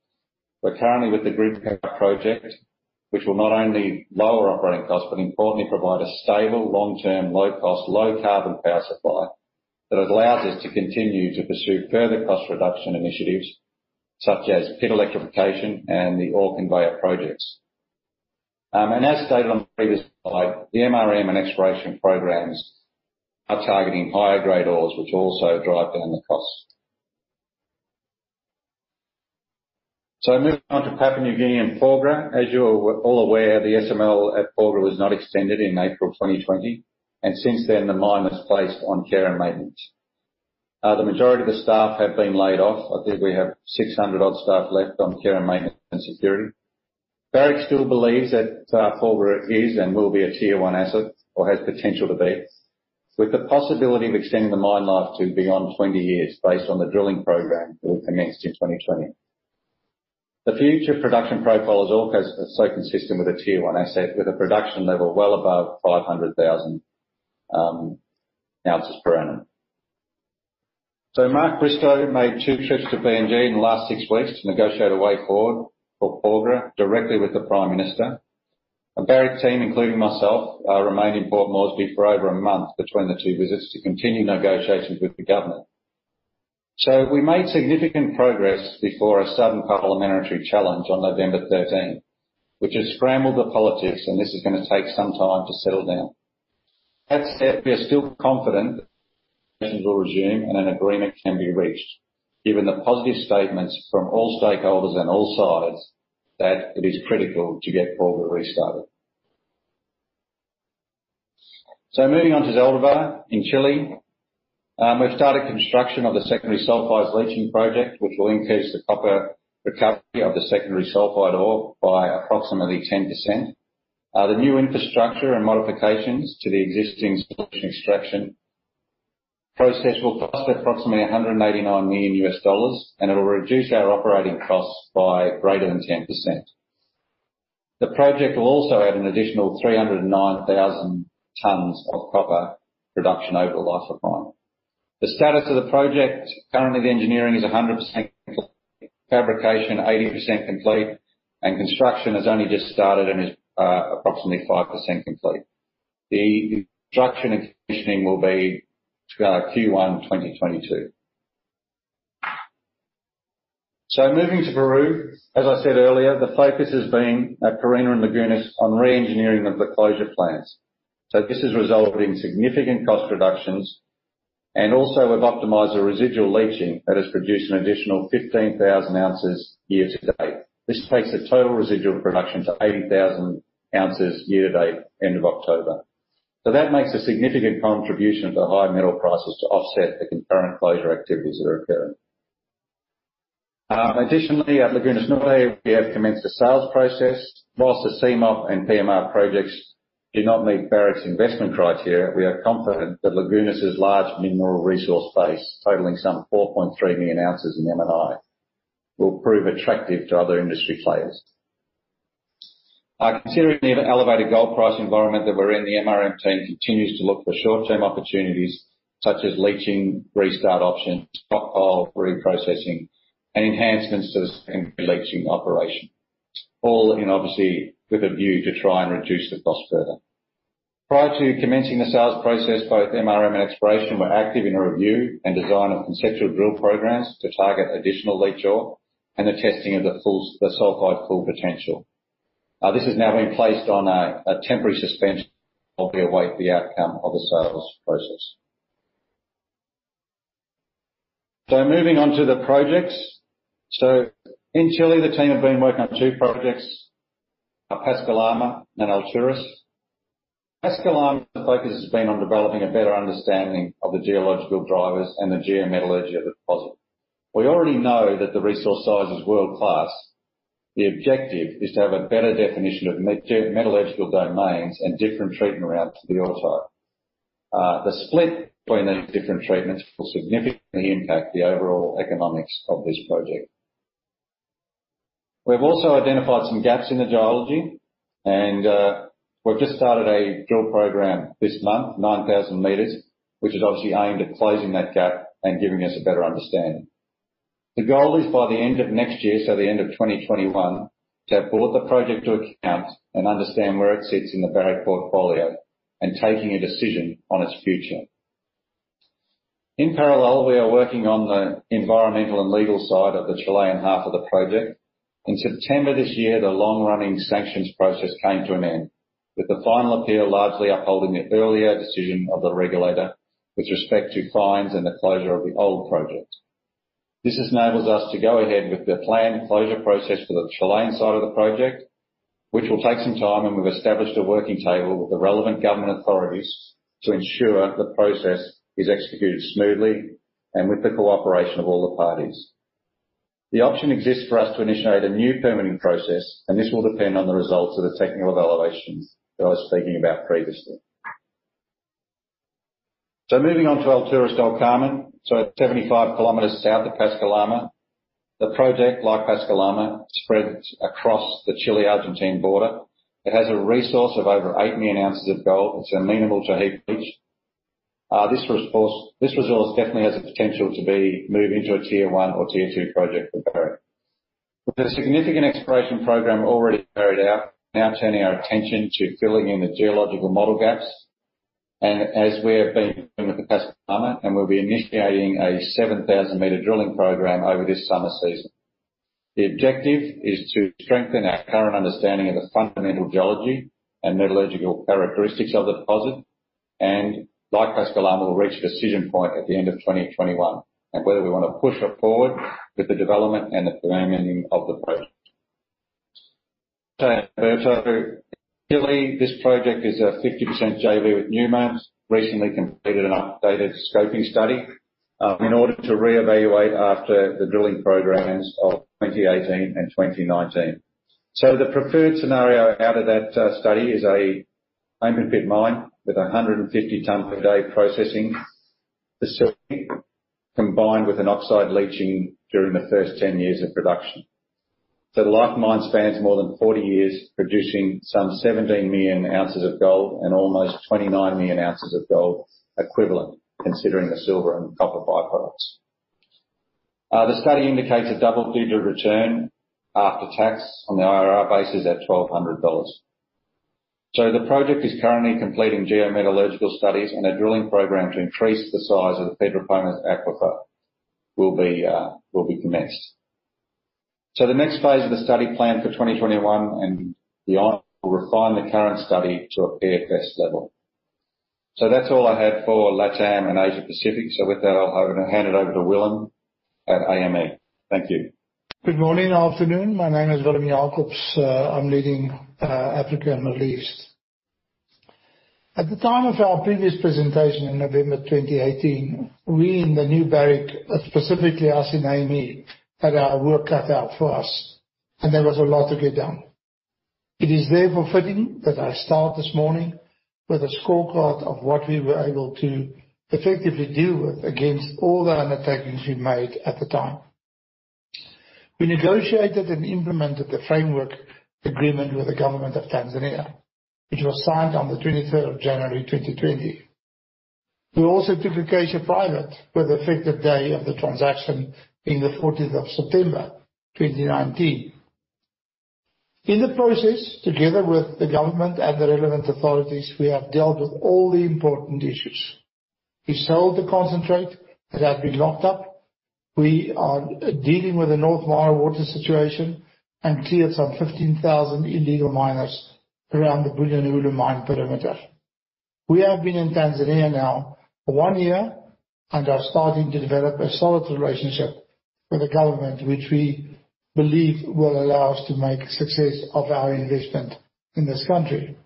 We're currently with the grid power project, which will not only lower operating costs, but importantly provide a stable long-term, low-cost, low-carbon power supply that allows us to continue to pursue further cost reduction initiatives such as pit electrification and the ore conveyor projects. As stated on the previous slide, the MRM and exploration programs are targeting higher-grade ores, which also drive down the cost. Moving on to Papua New Guinea and Porgera. As you're all aware, the SML at Porgera was not extended in April 2020, and since then, the mine was placed on care and maintenance. The majority of the staff have been laid off. I think we have 600-odd staff left on care and maintenance and security. Barrick still believes that Porgera is and will be a tier 1 asset or has potential to be, with the possibility of extending the mine life to beyond 20 years based on the drilling program that will commence in 2020. The future production profile is also consistent with a tier 1 asset with a production level well above 500,000 ounces per annum. Mark Bristow made two trips to PNG in the last six weeks to negotiate a way forward for Porgera directly with the Prime Minister. A Barrick team, including myself, remained in Port Moresby for over a month between the two visits to continue negotiations with the government. We made significant progress before a sudden parliamentary challenge on November 13, which has scrambled the politics, and this is going to take some time to settle down. We are still confident negotiations will resume and an agreement can be reached given the positive statements from all stakeholders and all sides that it is critical to get Porgera restarted. Moving on to Zaldívar in Chile. We've started construction of the secondary sulfides leaching project, which will increase the copper recovery of the secondary sulfide ore by approximately 10%. The new infrastructure and modifications to the existing solution extraction process will cost approximately $189 million, and it will reduce our operating costs by greater than 10%. The project will also add an additional 309,000 tons of copper production over the life of mine. The status of the project, currently, the engineering is 100% complete, fabrication 80% complete, and construction has only just started and is approximately 5% complete. The construction and commissioning will be Q1 2022. Moving to Peru. As I said earlier, the focus has been at Pierina and Lagunas on re-engineering of the closure plans. This has resulted in significant cost reductions, and also we've optimized the residual leaching that has produced an additional 15,000 ounces year to date. This takes the total residual production to 80,000 ounces year to date, end of October. That makes a significant contribution to the high metal prices to offset the concurrent closure activities that are occurring. Additionally, at Lagunas Norte, we have commenced a sales process. Whilst the CMOP and PMR projects did not meet Barrick's investment criteria, we are confident that Lagunas' large mineral resource base, totaling some 4.3 million ounces in M&I, will prove attractive to other industry players. Considering the elevated gold price environment that we're in, the MRM team continues to look for short-term opportunities such as leaching, restart options, stockpile reprocessing, and enhancements to the leaching operation. All, obviously, with a view to try and reduce the cost further. Prior to commencing the sales process, both MRM and Exploration were active in a review and design of conceptual drill programs to target additional leach ore and the testing of the sulfide full potential. This has now been placed on a temporary suspension while we await the outcome of the sales process. Moving on to the projects. In Chile, the team have been working on two projects, Pascua-Lama and Alturas. Pascua-Lama, the focus has been on developing a better understanding of the geological drivers and the geometallurgy of the deposit. We already know that the resource size is world-class. The objective is to have a better definition of metallurgical domains and different treatment routes for the ore type. The split between these different treatments will significantly impact the overall economics of this project. We've also identified some gaps in the geology, and we've just started a drill program this month, 9,000 meters, which is obviously aimed at closing that gap and giving us a better understanding. The goal is by the end of next year, so the end of 2021, to have brought the project to account and understand where it sits in the Barrick portfolio and taking a decision on its future. In parallel, we are working on the environmental and legal side of the Chilean half of the project. In September this year, the long-running sanctions process came to an end, with the final appeal largely upholding the earlier decision of the regulator with respect to fines and the closure of the old project. This enables us to go ahead with the planned closure process for the Chilean side of the project, which will take some time, and we've established a working table with the relevant government authorities to ensure the process is executed smoothly and with the cooperation of all the parties. The option exists for us to initiate a new permitting process. This will depend on the results of the technical evaluations that I was speaking about previously. Moving on to Alturas/El Carmen. At 75 kilometers south of Pascua-Lama. The project, like Pascua-Lama, spreads across the Chile-Argentine border. It has a resource of over 8 million ounces of gold. It's amenable to heap leach. This resource definitely has the potential to be moved into a tier 1 or tier 2 project for Barrick. With a significant exploration program already carried out, we're now turning our attention to filling in the geological model gaps. As we have been doing with the Pascua-Lama, we'll be initiating a 7,000-meter drilling program over this summer season. The objective is to strengthen our current understanding of the fundamental geology and metallurgical characteristics of the deposit, and like Pascua-Lama, will reach a decision point at the end of 2021 on whether we want to push it forward with the development and advancing of the project. In Chile, this project is a 50% JV with Newmont, recently completed an updated scoping study, in order to reevaluate after the drilling programs of 2018 and 2019. The preferred scenario out of that study is a open pit mine with 150 ton per day processing facility, combined with an oxide leaching during the first 10 years of production. The life of mine spans more than 40 years, producing some 17 million ounces of gold and almost 29 million ounces of gold equivalent, considering the silver and copper by-products. The study indicates a double-digit return after tax on the IRR basis at $1,200. The project is currently completing geometallurgical studies and a drilling program to increase the size of the geothermal aquifer will be commenced. The next phase of the study planned for 2021 and beyond will refine the current study to a PFS level. That's all I had for LATAM and Asia Pacific. With that, I'm going to hand it over to Willem at AME. Thank you. Good morning, afternoon. My name is Willem Jacobs. I'm leading Africa & Middle East. At the time of our previous presentation in November 2018, we in the new Barrick, specifically us in AME, had our work cut out for us. There was a lot to get done. It is therefore fitting that I start this morning with a scorecard of what we were able to effectively deal with against all the undertakings we made at the time. We negotiated and implemented the framework agreement with the government of Tanzania, which was signed on the 23rd of January 2020. We also took Acacia private with effective day of the transaction being the 14th of September 2019. In the process, together with the government and the relevant authorities, we have dealt with all the important issues. We sold the concentrate that had been locked up. We are dealing with the North Mara water situation and cleared some 15,000 illegal miners around the Bulyanhulu mine perimeter. We have been in Tanzania now for one year and are starting to develop a solid relationship with the government, which we believe will allow us to make success of our investment in this country.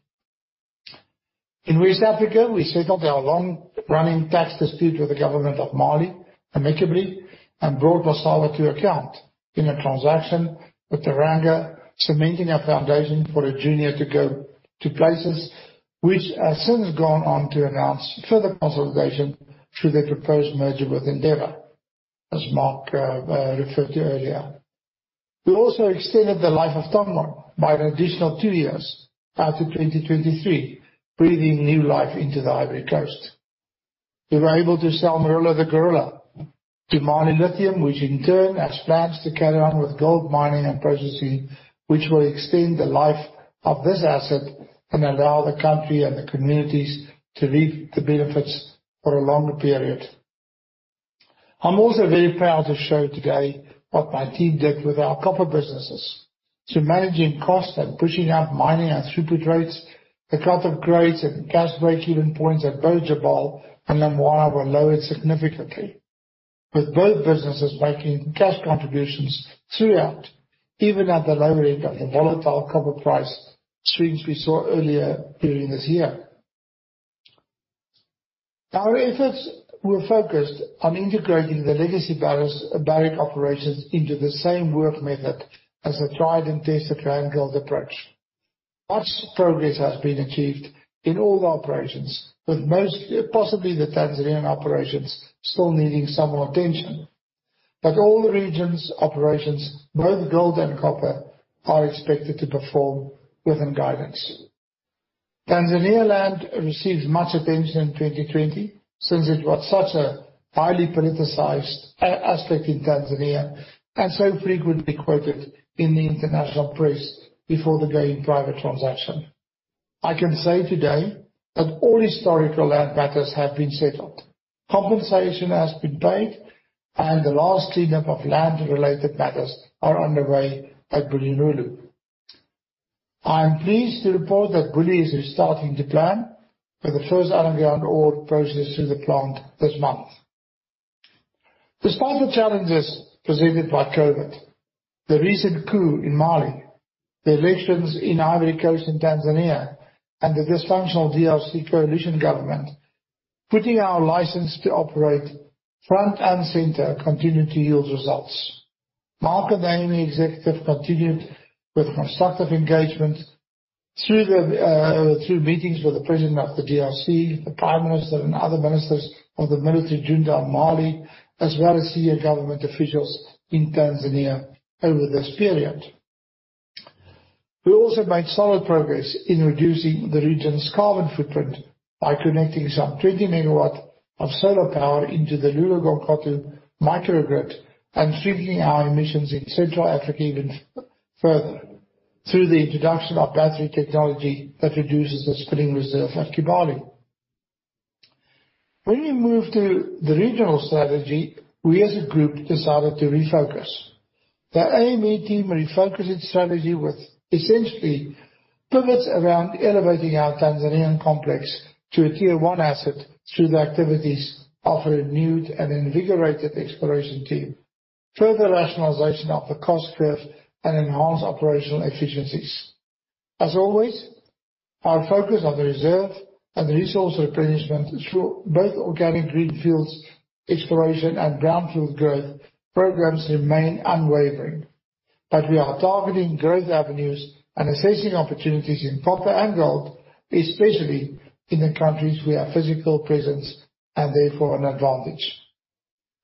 In West Africa, we settled our long-running tax dispute with the government of Mali amicably and brought Massawa to account in a transaction with Teranga, cementing our foundation for a junior to go to places which has since gone on to announce further consolidation through the proposed merger with Endeavour. As Mark referred to earlier, we also extended the life of Tongon by an additional two years out to 2023, breathing new life into the Côte d'Ivoire. We were able to sell Morila the Gorilla to Mali Lithium, which in turn has plans to carry on with gold mining and processing, which will extend the life of this asset and allow the country and the communities to reap the benefits for a longer period. I'm also very proud to show today what my team did with our copper businesses. Through managing cost and pushing up mining and throughput rates, the copper grades and cash breakeven points at Jabal Sayid and Lumwana were lowered significantly, with both businesses making cash contributions throughout, even at the lower end of the volatile copper price swings we saw earlier during this year. Our efforts were focused on integrating the legacy Barrick operations into the same work method as a tried and tested Randgold approach. Much progress has been achieved in all operations, with mostly possibly the Tanzanian operations still needing some more attention. All the region's operations, both gold and copper, are expected to perform within guidance. Tanzania land received much attention in 2020 since it was such a highly politicized aspect in Tanzania and so frequently quoted in the international press before the going private transaction. I can say today that all historical land matters have been settled. Compensation has been paid, and the last cleanup of land-related matters are underway at Bulyanhulu. I am pleased to report that Bulyanhulu is restarting the plan, with the first underground ore processed through the plant this month. Despite the challenges presented by COVID, the recent coup in Mali, the elections in Côte d'Ivoire and Tanzania, and the dysfunctional DRC coalition government, putting our license to operate front and center continued to yield results. Mark and the Africa & Middle East executive continued with constructive engagement through meetings with the president of the DRC, the prime minister, and other ministers of the military junta in Mali, as well as senior government officials in Tanzania over this period. We also made solid progress in reducing the region's carbon footprint by connecting some 20 MW of solar power into the Loulo-Gounkoto microgrid and shrinking our emissions in Central Africa even further through the introduction of battery technology that reduces the spinning reserve of Kibali. We moved to the regional strategy, we as a group decided to refocus. The Africa & Middle East team refocused its strategy, which essentially pivots around elevating our Tanzanian complex to a tier 1 asset through the activities of a renewed and invigorated exploration team, further rationalization of the cost curve, and enhanced operational efficiencies. As always, our focus on the reserve and the resource replenishment through both organic greenfields exploration and brownfield growth programs remain unwavering. We are targeting growth avenues and assessing opportunities in copper and gold, especially in the countries we have physical presence, and therefore an advantage.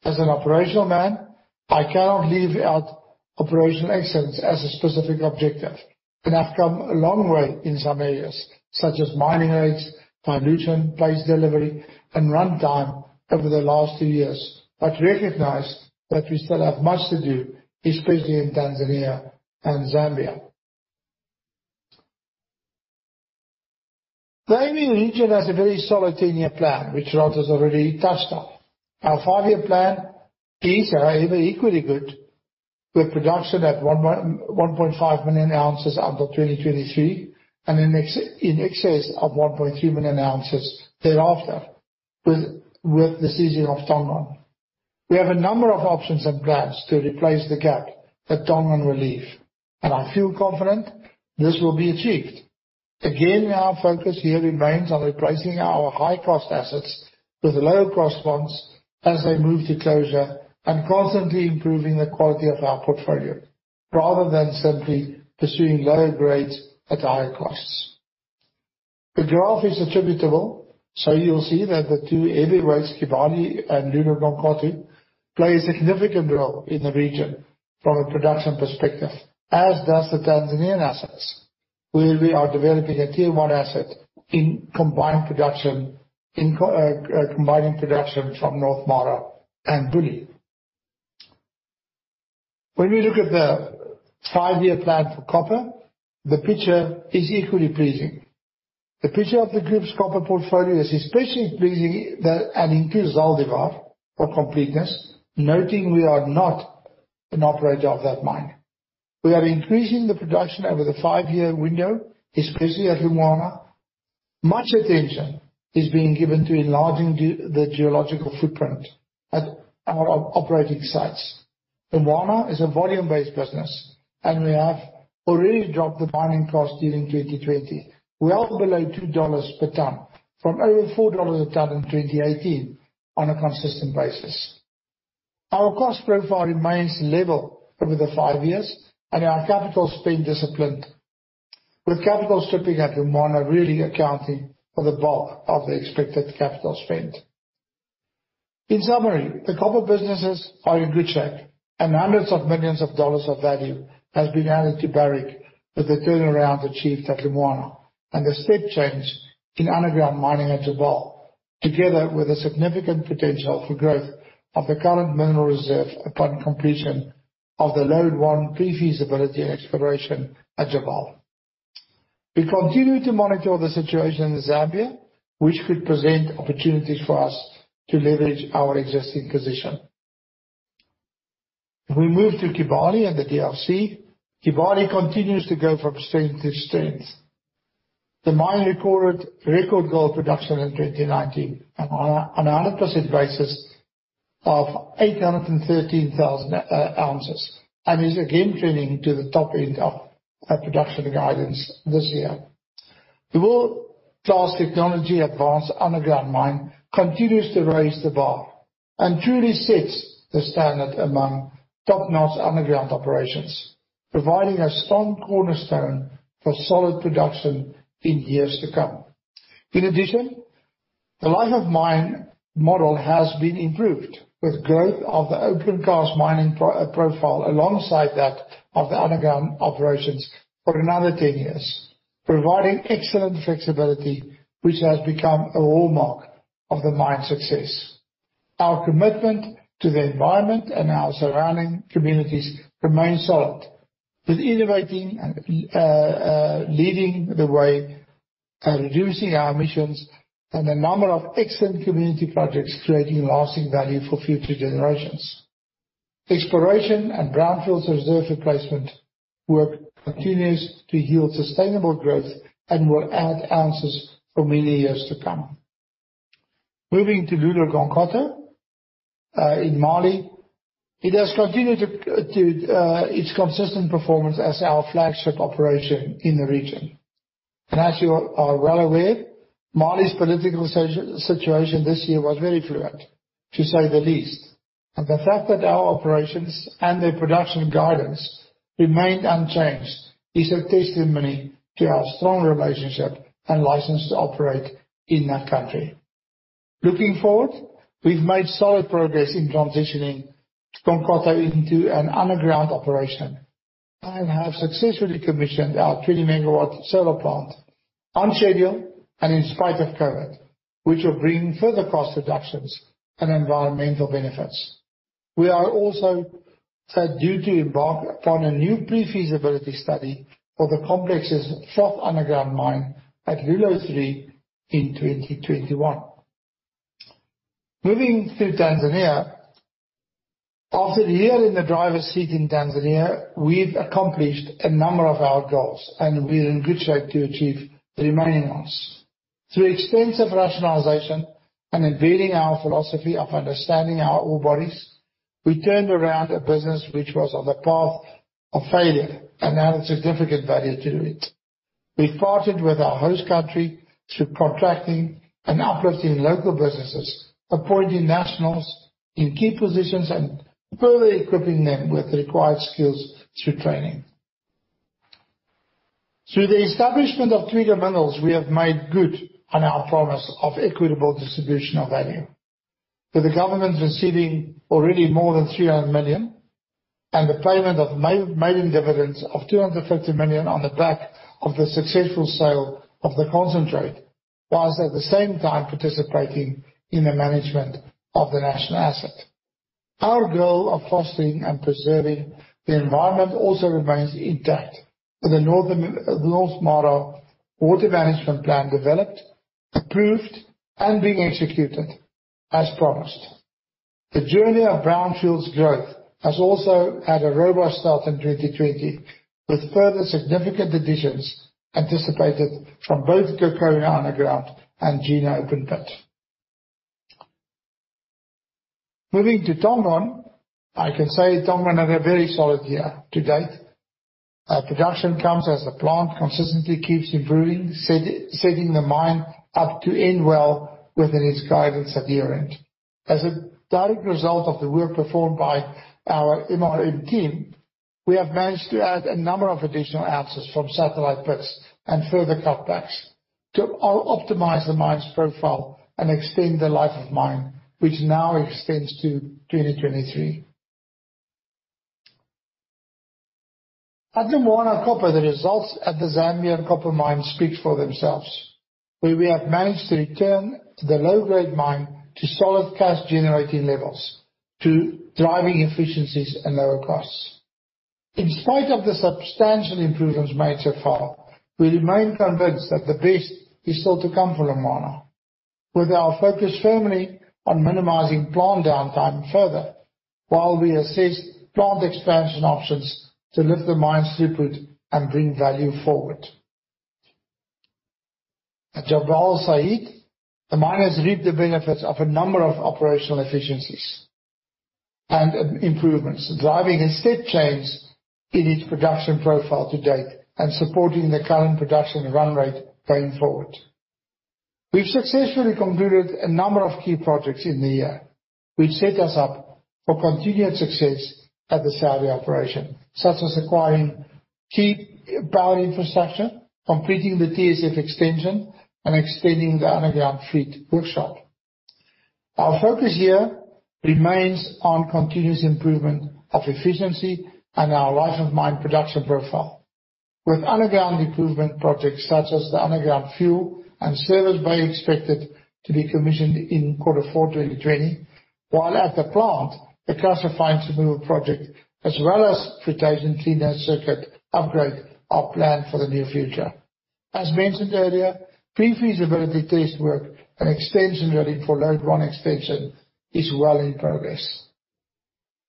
As an operational man, I cannot leave out operational excellence as a specific objective, and I've come a long way in some areas, such as mining rates, dilution, paste delivery, and runtime over the last two years, but recognize that we still have much to do, especially in Tanzania and Zambia. The AM region has a very solid 10-year plan, which Rod has already touched on. Our five-year plan is however equally good, with production at 1.5 million ounces until 2023 and in excess of 1.3 million ounces thereafter with the ceasing of Tongon. We have a number of options and plans to replace the gap that Tongon will leave, and I feel confident this will be achieved. Our focus here remains on replacing our high-cost assets with lower-cost ones as they move to closure and constantly improving the quality of our portfolio rather than simply pursuing lower grades at higher costs. The graph is attributable, you'll see that the two heavyweights, Kibali and Loulo-Gounkoto, play a significant role in the region from a production perspective, as does the Tanzanian assets, where we are developing a tier-1 asset in combining production from North Mara and Bulyanhulu. When we look at the five-year plan for copper, the picture is equally pleasing. The picture of the group's copper portfolio is especially pleasing and includes Zaldívar for completeness, noting we are not an operator of that mine. We are increasing the production over the five-year window, especially at Lumwana. Much attention is being given to enlarging the geological footprint at our operating sites. Lumwana is a volume-based business, and we have already dropped the mining cost during 2020, well below $2 per ton, from over $4 a ton in 2018 on a consistent basis. Our cost profile remains level over the five years and our capital spend disciplined, with capital stripping at Lumwana really accounting for the bulk of the expected capital spend. In summary, the copper businesses are in good shape, and hundreds of millions of dollars of value has been added to Barrick with the turnaround achieved at Lumwana, and the step change in underground mining at Jabal Sayid, together with a significant potential for growth of the current mineral reserve upon completion of the Lode 1 pre-feasibility and exploration at Jabal Sayid. We continue to monitor the situation in Zambia, which could present opportunities for us to leverage our existing position. If we move to Kibali and the DRC, Kibali continues to go from strength to strength. The mine recorded record gold production in 2019, on a 100% basis of 813,000 ounces, and is again trending to the top end of our production guidance this year. The world-class technology advanced underground mine continues to raise the bar and truly sets the standard among top-notch underground operations, providing a strong cornerstone for solid production in years to come. In addition, the life of mine model has been improved with growth of the open cast mining profile alongside that of the underground operations for another 10 years, providing excellent flexibility, which has become a hallmark of the mine's success. Our commitment to the environment and our surrounding communities remains solid with innovating and leading the way, reducing our emissions, and a number of excellent community projects creating lasting value for future generations. Exploration and brownfields reserve replacement work continues to yield sustainable growth and will add ounces for many years to come. Moving to Loulo-Gounkoto in Mali. It has continued its consistent performance as our flagship operation in the region. As you are well aware, Mali's political situation this year was very fluid, to say the least. The fact that our operations and their production guidance remained unchanged is a testimony to our strong relationship and license to operate in that country. Looking forward, we've made solid progress in transitioning Gounkoto into an underground operation and have successfully commissioned our 20-megawatt solar plant on schedule and in spite of COVID, which will bring further cost reductions and environmental benefits. We are also set due to embark upon a new pre-feasibility study for the complex's fourth underground mine at Loulo-Three in 2021. Moving to Tanzania. After a year in the driver's seat in Tanzania, we've accomplished a number of our goals, and we're in good shape to achieve the remaining ones. Through extensive rationalization and embedding our philosophy of understanding our ore bodies, we turned around a business which was on the path of failure and added significant value to it. We partnered with our host country through contracting and uplifting local businesses, appointing nationals in key positions, and further equipping them with the required skills through training. Through the establishment of Twiga Minerals, we have made good on our promise of equitable distribution of value. With the government receiving already more than $300 million, and the payment of maiden dividends of $250 million on the back of the successful sale of the concentrate, while at the same time participating in the management of the national asset. Our goal of fostering and preserving the environment also remains intact, with the North Mara Water Management Plan developed, approved, and being executed as promised. The journey of brownfields growth has also had a robust start in 2020, with further significant additions anticipated from both Gokona underground and Gena open pit. Moving to Tongon, I can say Tongon had a very solid year to date. Production comes as the plant consistently keeps improving, setting the mine up to end well within its guidance at year-end. As a direct result of the work performed by our MRM team, we have managed to add a number of additional ounces from satellite pits and further cut backs to optimize the mine's profile and extend the life of mine, which now extends to 2023. At Lumwana copper, the results at the Zambian copper mine speak for themselves, where we have managed to return the low-grade mine to solid cash-generating levels through driving efficiencies and lower costs. In spite of the substantial improvements made so far, we remain convinced that the best is still to come from Lumwana. With our focus firmly on minimizing plant downtime further, while we assess plant expansion options to lift the mine's throughput and bring value forward. At Jabal Sayid, the mine has reaped the benefits of a number of operational efficiencies and improvements, driving a step change in its production profile to date and supporting the current production run rate going forward. We've successfully concluded a number of key projects in the year which set us up for continued success at the Saudi operation, such as acquiring key power infrastructure, completing the TSF extension, and extending the underground fleet workshop. Our focus here remains on continuous improvement of efficiency and our life of mine production profile. With underground improvement projects such as the underground fuel and service bay expected to be commissioned in quarter four 2020, while at the plant, the classification removal project, as well as flotation cleaner circuit upgrade, are planned for the near future. As mentioned earlier, pre-feasibility test work and extension ready for Lode 1 extension is well in progress.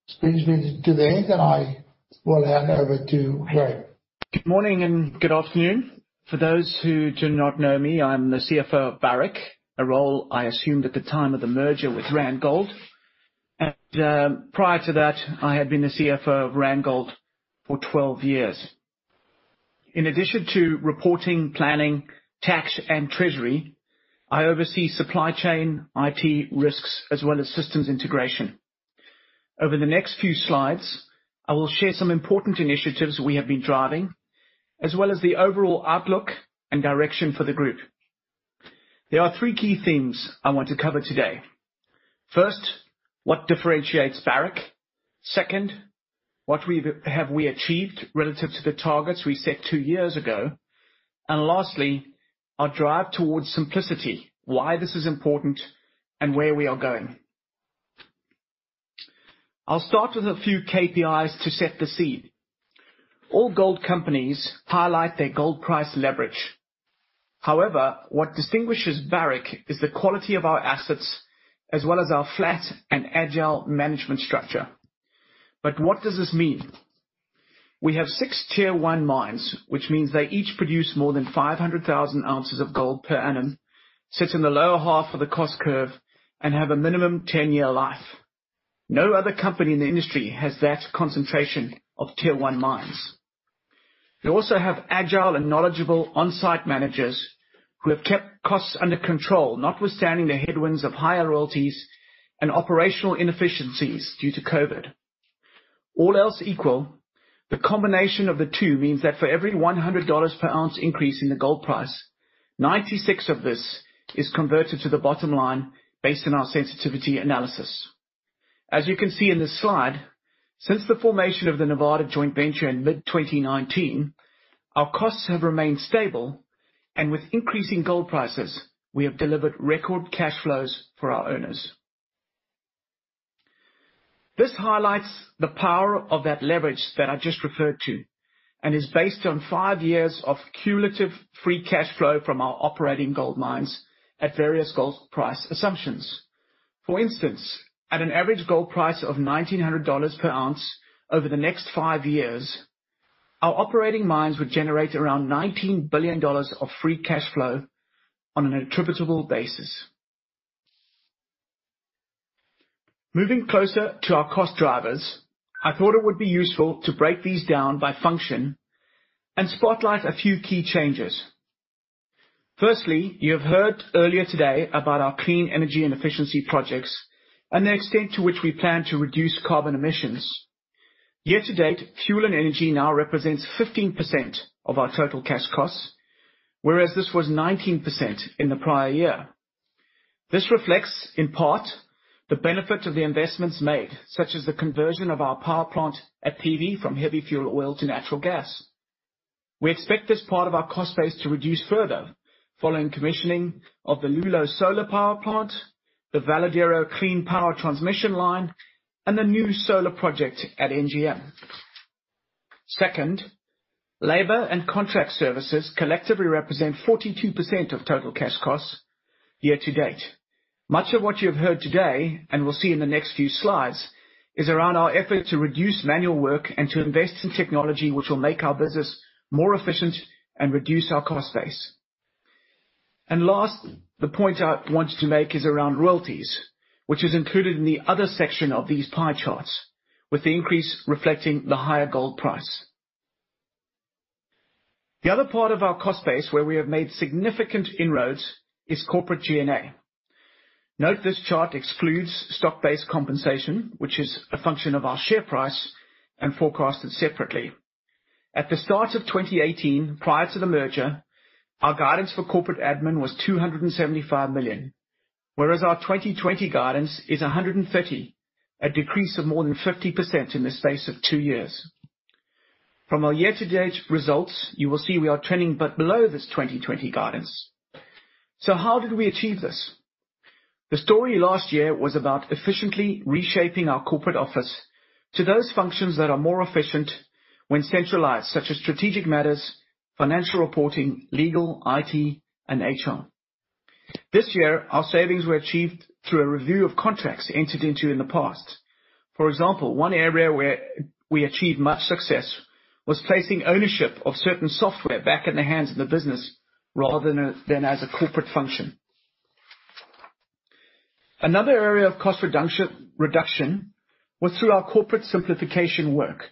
This brings me to the end, and I will hand over to Graham. Good morning and good afternoon. For those who do not know me, I'm the CFO of Barrick, a role I assumed at the time of the merger with Randgold. Prior to that, I had been the CFO of Randgold for 12 years. In addition to reporting, planning, tax, and treasury, I oversee supply chain, IT, risks, as well as systems integration. Over the next few slides, I will share some important initiatives we have been driving, as well as the overall outlook and direction for the group. There are three key things I want to cover today. First, what differentiates Barrick. Second, what have we achieved relative to the targets we set two years ago. Lastly, our drive towards simplicity, why this is important, and where we are going. I'll start with a few KPIs to set the scene. All gold companies highlight their gold price leverage. However, what distinguishes Barrick is the quality of our assets, as well as our flat and agile management structure. What does this mean? We have six tier 1 mines, which means they each produce more than 500,000 ounces of gold per annum, sit in the lower half of the cost curve, and have a minimum 10-year life. No other company in the industry has that concentration of tier 1 mines. We also have agile and knowledgeable on-site managers who have kept costs under control, notwithstanding the headwinds of higher royalties and operational inefficiencies due to COVID. All else equal, the combination of the two means that for every $100 per ounce increase in the gold price, 96 of this is converted to the bottom line based on our sensitivity analysis. As you can see in this slide, since the formation of the Nevada joint venture in mid-2019, our costs have remained stable, and with increasing gold prices, we have delivered record cash flows for our owners. This highlights the power of that leverage that I just referred to and is based on five years of cumulative free cash flow from our operating gold mines at various gold price assumptions. For instance, at an average gold price of $1,900 per ounce over the next five years, our operating mines would generate around $19 billion of free cash flow on an attributable basis. Moving closer to our cost drivers, I thought it would be useful to break these down by function and spotlight a few key changes. Firstly, you have heard earlier today about our clean energy and efficiency projects and the extent to which we plan to reduce carbon emissions. Year to date, fuel and energy now represents 15% of our total cash costs, whereas this was 19% in the prior year. This reflects, in part, the benefit of the investments made, such as the conversion of our power plant at PV from heavy fuel oil to natural gas. We expect this part of our cost base to reduce further following commissioning of the Loulo Solar Power plant, the Veladero Clean Power transmission line, and the new solar project at NGM. Second, labor and contract services collectively represent 42% of total cash costs year to date. Much of what you have heard today, and will see in the next few slides, is around our effort to reduce manual work and to invest in technology which will make our business more efficient and reduce our cost base. Last, the point I want to make is around royalties, which is included in the other section of these pie charts, with the increase reflecting the higher gold price. The other part of our cost base where we have made significant inroads is corporate G&A. Note this chart excludes stock-based compensation, which is a function of our share price and forecasted separately. At the start of 2018, prior to the merger, our guidance for corporate admin was $275 million, whereas our 2020 guidance is $130 million, a decrease of more than 50% in the space of two years. From our year-to-date results, you will see we are trending but below this 2020 guidance. How did we achieve this? The story last year was about efficiently reshaping our corporate office to those functions that are more efficient when centralized, such as strategic matters, financial reporting, legal, IT, and HR. This year, our savings were achieved through a review of contracts entered into in the past. For example, one area where we achieved much success was placing ownership of certain software back in the hands of the business rather than as a corporate function. Another area of cost reduction was through our corporate simplification work.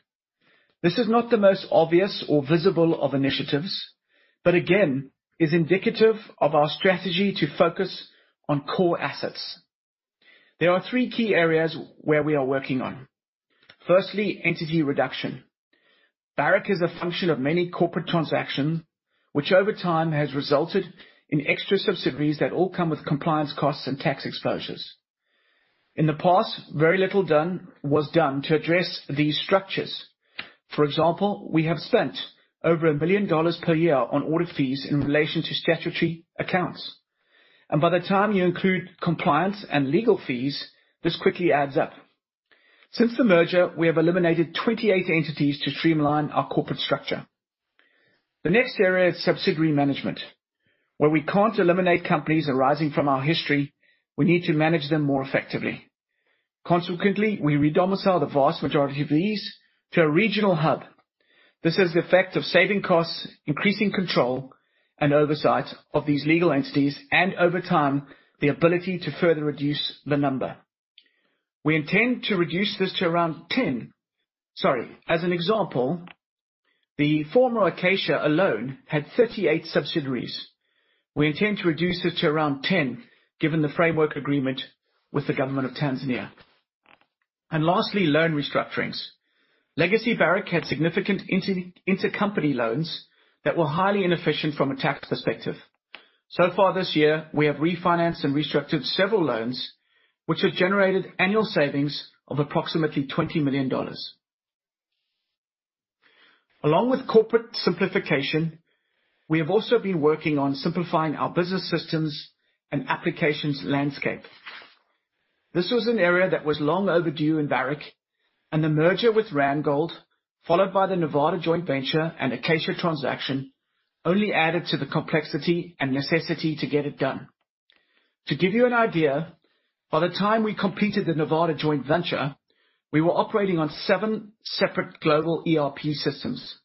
This is not the most obvious or visible of initiatives, but again, is indicative of our strategy to focus on core assets. There are three key areas where we are working on. Firstly, entity reduction. Barrick is a function of many corporate transactions, which over time has resulted in extra subsidiaries that all come with compliance costs and tax exposures. In the past, very little was done to address these structures. For example, we have spent over $1 million per year on audit fees in relation to statutory accounts. By the time you include compliance and legal fees, this quickly adds up. Since the merger, we have eliminated 28 entities to streamline our corporate structure. The next area is subsidiary management, where we can't eliminate companies arising from our history, we need to manage them more effectively. Consequently, we re-domicile the vast majority of these to a regional hub. This has the effect of saving costs, increasing control and oversight of these legal entities, and over time, the ability to further reduce the number. As an example, the former Acacia alone had 38 subsidiaries. We intend to reduce it to around 10 given the framework agreement with the Government of Tanzania. Lastly, loan restructurings. Legacy Barrick had significant intercompany loans that were highly inefficient from a tax perspective. Far this year, we have refinanced and restructured several loans, which have generated annual savings of approximately $20 million. Along with corporate simplification, we have also been working on simplifying our business systems and applications landscape. This was an area that was long overdue in Barrick, and the merger with Randgold, followed by the Nevada joint venture and Acacia transaction, only added to the complexity and necessity to get it done. To give you an idea, by the time we completed the Nevada joint venture, we were operating on seven separate global ERP systems.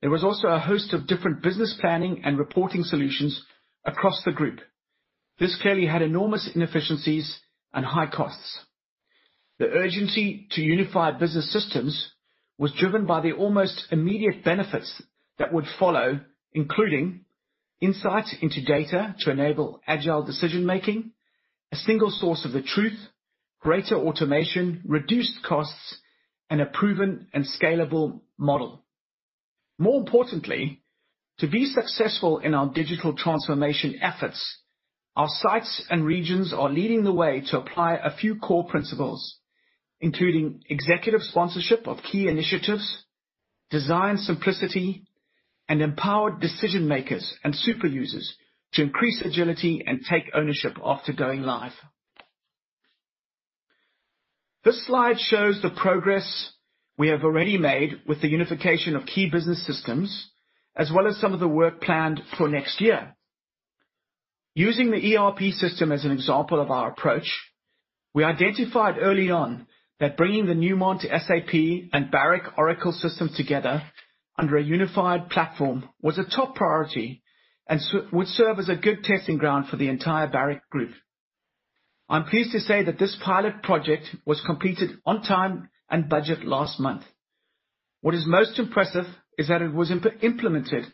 There was also a host of different business planning and reporting solutions across the group. This clearly had enormous inefficiencies and high costs. The urgency to unify business systems was driven by the almost immediate benefits that would follow, including insight into data to enable agile decision-making, a single source of the truth, greater automation, reduced costs, and a proven and scalable model. To be successful in our digital transformation efforts, our sites and regions are leading the way to apply a few core principles, including executive sponsorship of key initiatives, design simplicity, and empowered decision makers and super users to increase agility and take ownership after going live. This slide shows the progress we have already made with the unification of key business systems, as well as some of the work planned for next year. Using the ERP system as an example of our approach, we identified early on that bringing the Newmont SAP and Barrick Oracle system together under a unified platform was a top priority and would serve as a good testing ground for the entire Barrick group. I'm pleased to say that this pilot project was completed on time and budget last month. What is most impressive is that it was implemented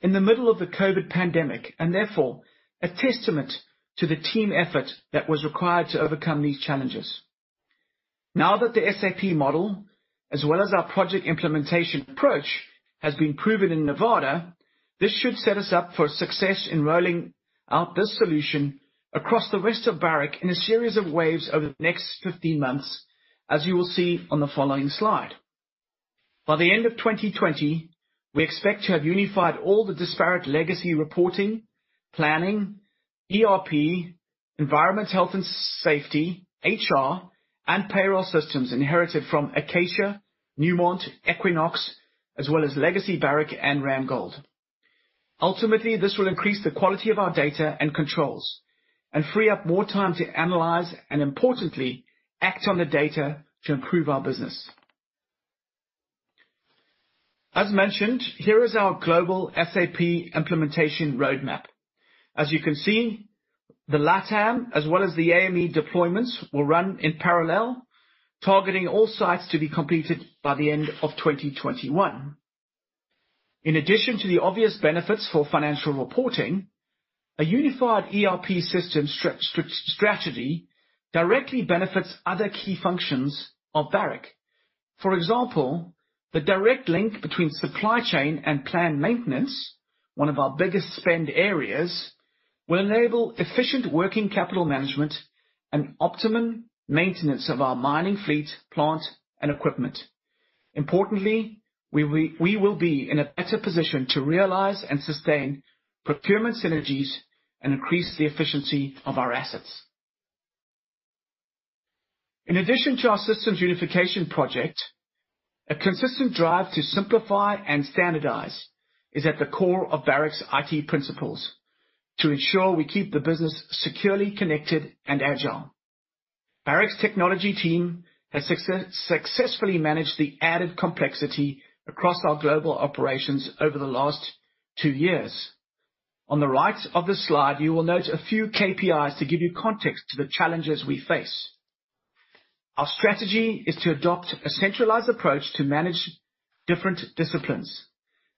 in the middle of the COVID pandemic, and therefore, a testament to the team effort that was required to overcome these challenges. Now that the SAP model, as well as our project implementation approach, has been proven in Nevada, this should set us up for success in rolling out this solution across the rest of Barrick in a series of waves over the next 15 months, as you will see on the following slide. By the end of 2020, we expect to have unified all the disparate legacy reporting, planning, ERP, environment health and safety, HR, and payroll systems inherited from Acacia, Newmont, Equinox, as well as legacy Barrick and Randgold. Ultimately, this will increase the quality of our data and controls and free up more time to analyze and importantly, act on the data to improve our business. As mentioned, here is our global SAP implementation roadmap. As you can see, the LATAM as well as the AME deployments will run in parallel, targeting all sites to be completed by the end of 2021. In addition to the obvious benefits for financial reporting, a unified ERP system strategy directly benefits other key functions of Barrick. For example, the direct link between supply chain and planned maintenance, one of our biggest spend areas, will enable efficient working capital management and optimum maintenance of our mining fleet, plant, and equipment. Importantly, we will be in a better position to realize and sustain procurement synergies and increase the efficiency of our assets. In addition to our systems unification project, a consistent drive to simplify and standardize is at the core of Barrick's IT principles to ensure we keep the business securely connected and agile. Barrick's technology team has successfully managed the added complexity across our global operations over the last two years. On the right of this slide, you will note a few KPIs to give you context to the challenges we face. Our strategy is to adopt a centralized approach to manage different disciplines.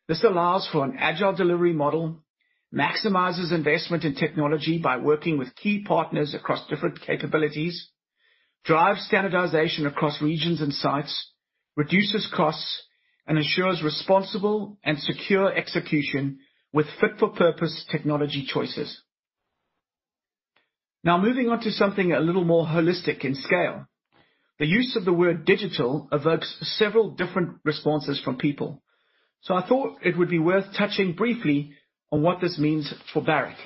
This allows for an agile delivery model, maximizes investment in technology by working with key partners across different capabilities, drives standardization across regions and sites, reduces costs, and ensures responsible and secure execution with fit-for-purpose technology choices. Moving on to something a little more holistic in scale. The use of the word digital evokes several different responses from people. I thought it would be worth touching briefly on what this means for Barrick.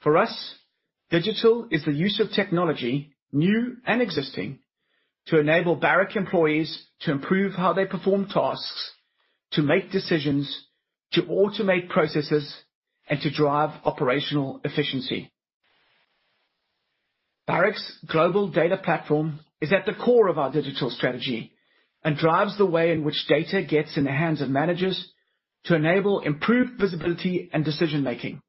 For us, digital is the use of technology, new and existing, to enable Barrick employees to improve how they perform tasks, to make decisions, to automate processes, and to drive operational efficiency. Barrick's global data platform is at the core of our digital strategy and drives the way in which data gets in the hands of managers to enable improved visibility and decision-making.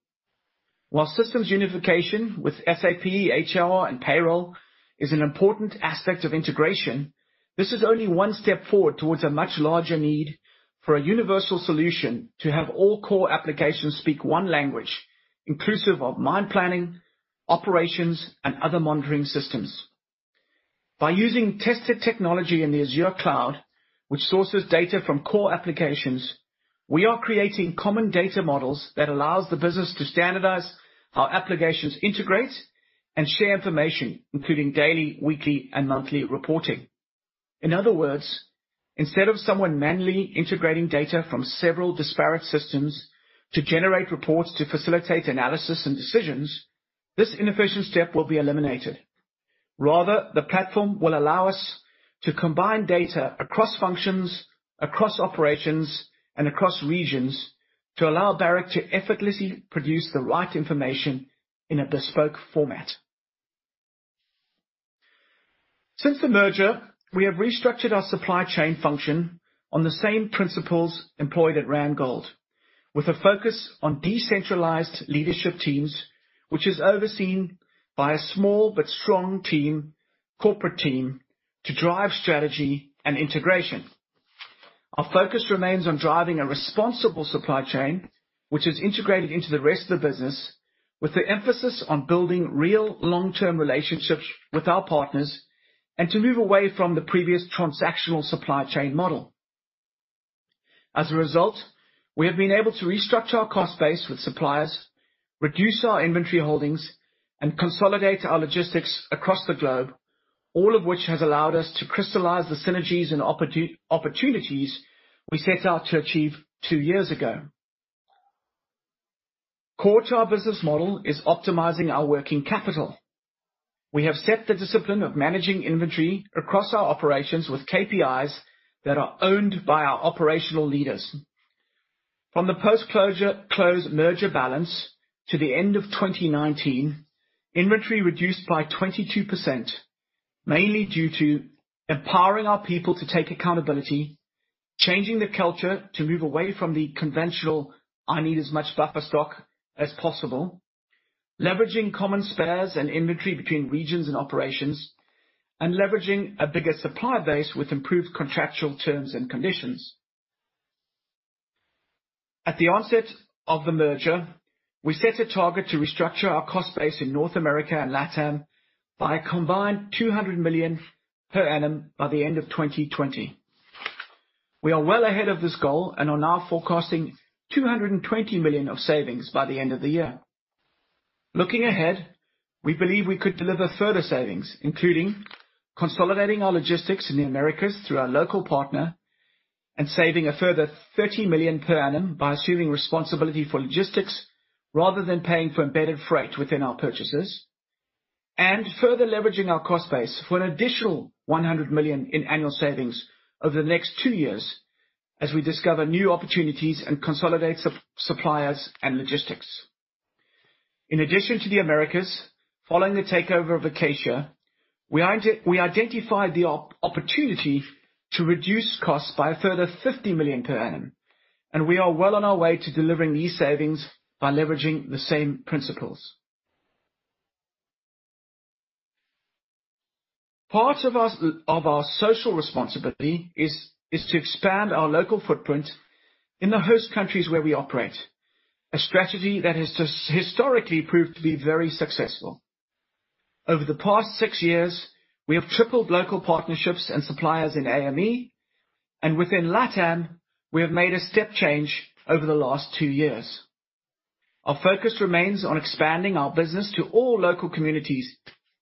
While systems unification with SAP, HR, and payroll is an important aspect of integration, this is only one step forward towards a much larger need for a universal solution to have all core applications speak one language, inclusive of mine planning, operations, and other monitoring systems. By using tested technology in the Azure cloud, which sources data from core applications, we are creating common data models that allows the business to standardize how applications integrate and share information, including daily, weekly, and monthly reporting. In other words, instead of someone manually integrating data from several disparate systems to generate reports to facilitate analysis and decisions, this inefficient step will be eliminated. Rather, the platform will allow us to combine data across functions, across operations, and across regions to allow Barrick to effortlessly produce the right information in a bespoke format. Since the merger, we have restructured our supply chain function on the same principles employed at Randgold, with a focus on decentralized leadership teams, which is overseen by a small but strong corporate team to drive strategy and integration. Our focus remains on driving a responsible supply chain which is integrated into the rest of the business, with the emphasis on building real long-term relationships with our partners and to move away from the previous transactional supply chain model. As a result, we have been able to restructure our cost base with suppliers, reduce our inventory holdings, and consolidate our logistics across the globe, all of which has allowed us to crystallize the synergies and opportunities we set out to achieve two years ago. Core to our business model is optimizing our working capital. We have set the discipline of managing inventory across our operations with KPIs that are owned by our operational leaders. From the post-close merger balance to the end of 2019, inventory reduced by 22%, mainly due to empowering our people to take accountability, changing the culture to move away from the conventional, "I need as much buffer stock as possible," leveraging common spares and inventory between regions and operations, and leveraging a bigger supplier base with improved contractual terms and conditions. At the onset of the merger, we set a target to restructure our cost base in North America and LATAM by a combined $200 million per annum by the end of 2020. We are well ahead of this goal and are now forecasting $220 million of savings by the end of the year. Looking ahead, we believe we could deliver further savings, including consolidating our logistics in the Americas through our local partner and saving a further $30 million per annum by assuming responsibility for logistics rather than paying for embedded freight within our purchases, and further leveraging our cost base for an additional $100 million in annual savings over the next two years as we discover new opportunities and consolidate suppliers and logistics. In addition to the Americas, following the takeover of Acacia, we identified the opportunity to reduce costs by a further $50 million per annum, and we are well on our way to delivering these savings by leveraging the same principles. Part of our social responsibility is to expand our local footprint in the host countries where we operate, a strategy that has historically proved to be very successful. Over the past six years, we have tripled local partnerships and suppliers in AME, and within LATAM, we have made a step change over the last two years. Our focus remains on expanding our business to all local communities,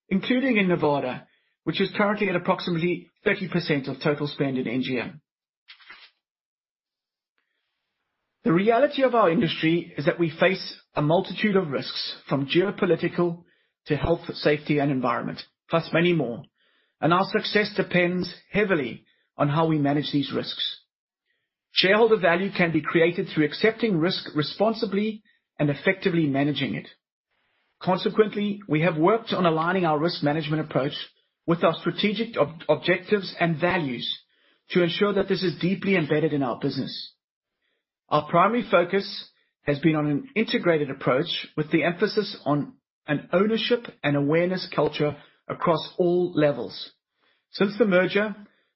including in Nevada, which is currently at approximately 30% of total spend in NGM. The reality of our industry is that we face a multitude of risks, from geopolitical to health, safety, and environment, plus many more, and our success depends heavily on how we manage these risks. Shareholder value can be created through accepting risk responsibly and effectively managing it. Consequently, we have worked on aligning our risk management approach with our strategic objectives and values to ensure that this is deeply embedded in our business. Our primary focus has been on an integrated approach with the emphasis on an ownership and awareness culture across all levels. Since the merger,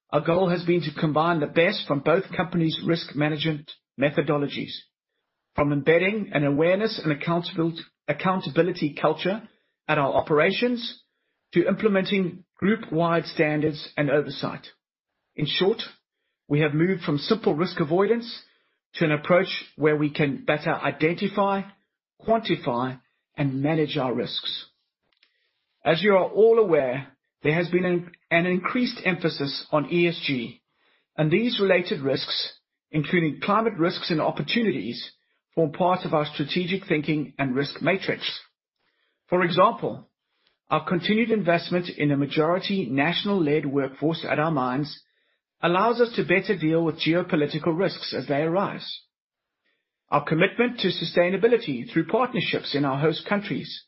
our goal has been to combine the best from both companies' risk management methodologies, from embedding an awareness and accountability culture at our operations to implementing group-wide standards and oversight. In short, we have moved from simple risk avoidance to an approach where we can better identify, quantify, and manage our risks. As you are all aware, there has been an increased emphasis on ESG and these related risks, including climate risks and opportunities, form part of our strategic thinking and risk matrix. For example, our continued investment in a majority national-led workforce at our mines allows us to better deal with geopolitical risks as they arise. Our commitment to sustainability through partnerships in our host countries,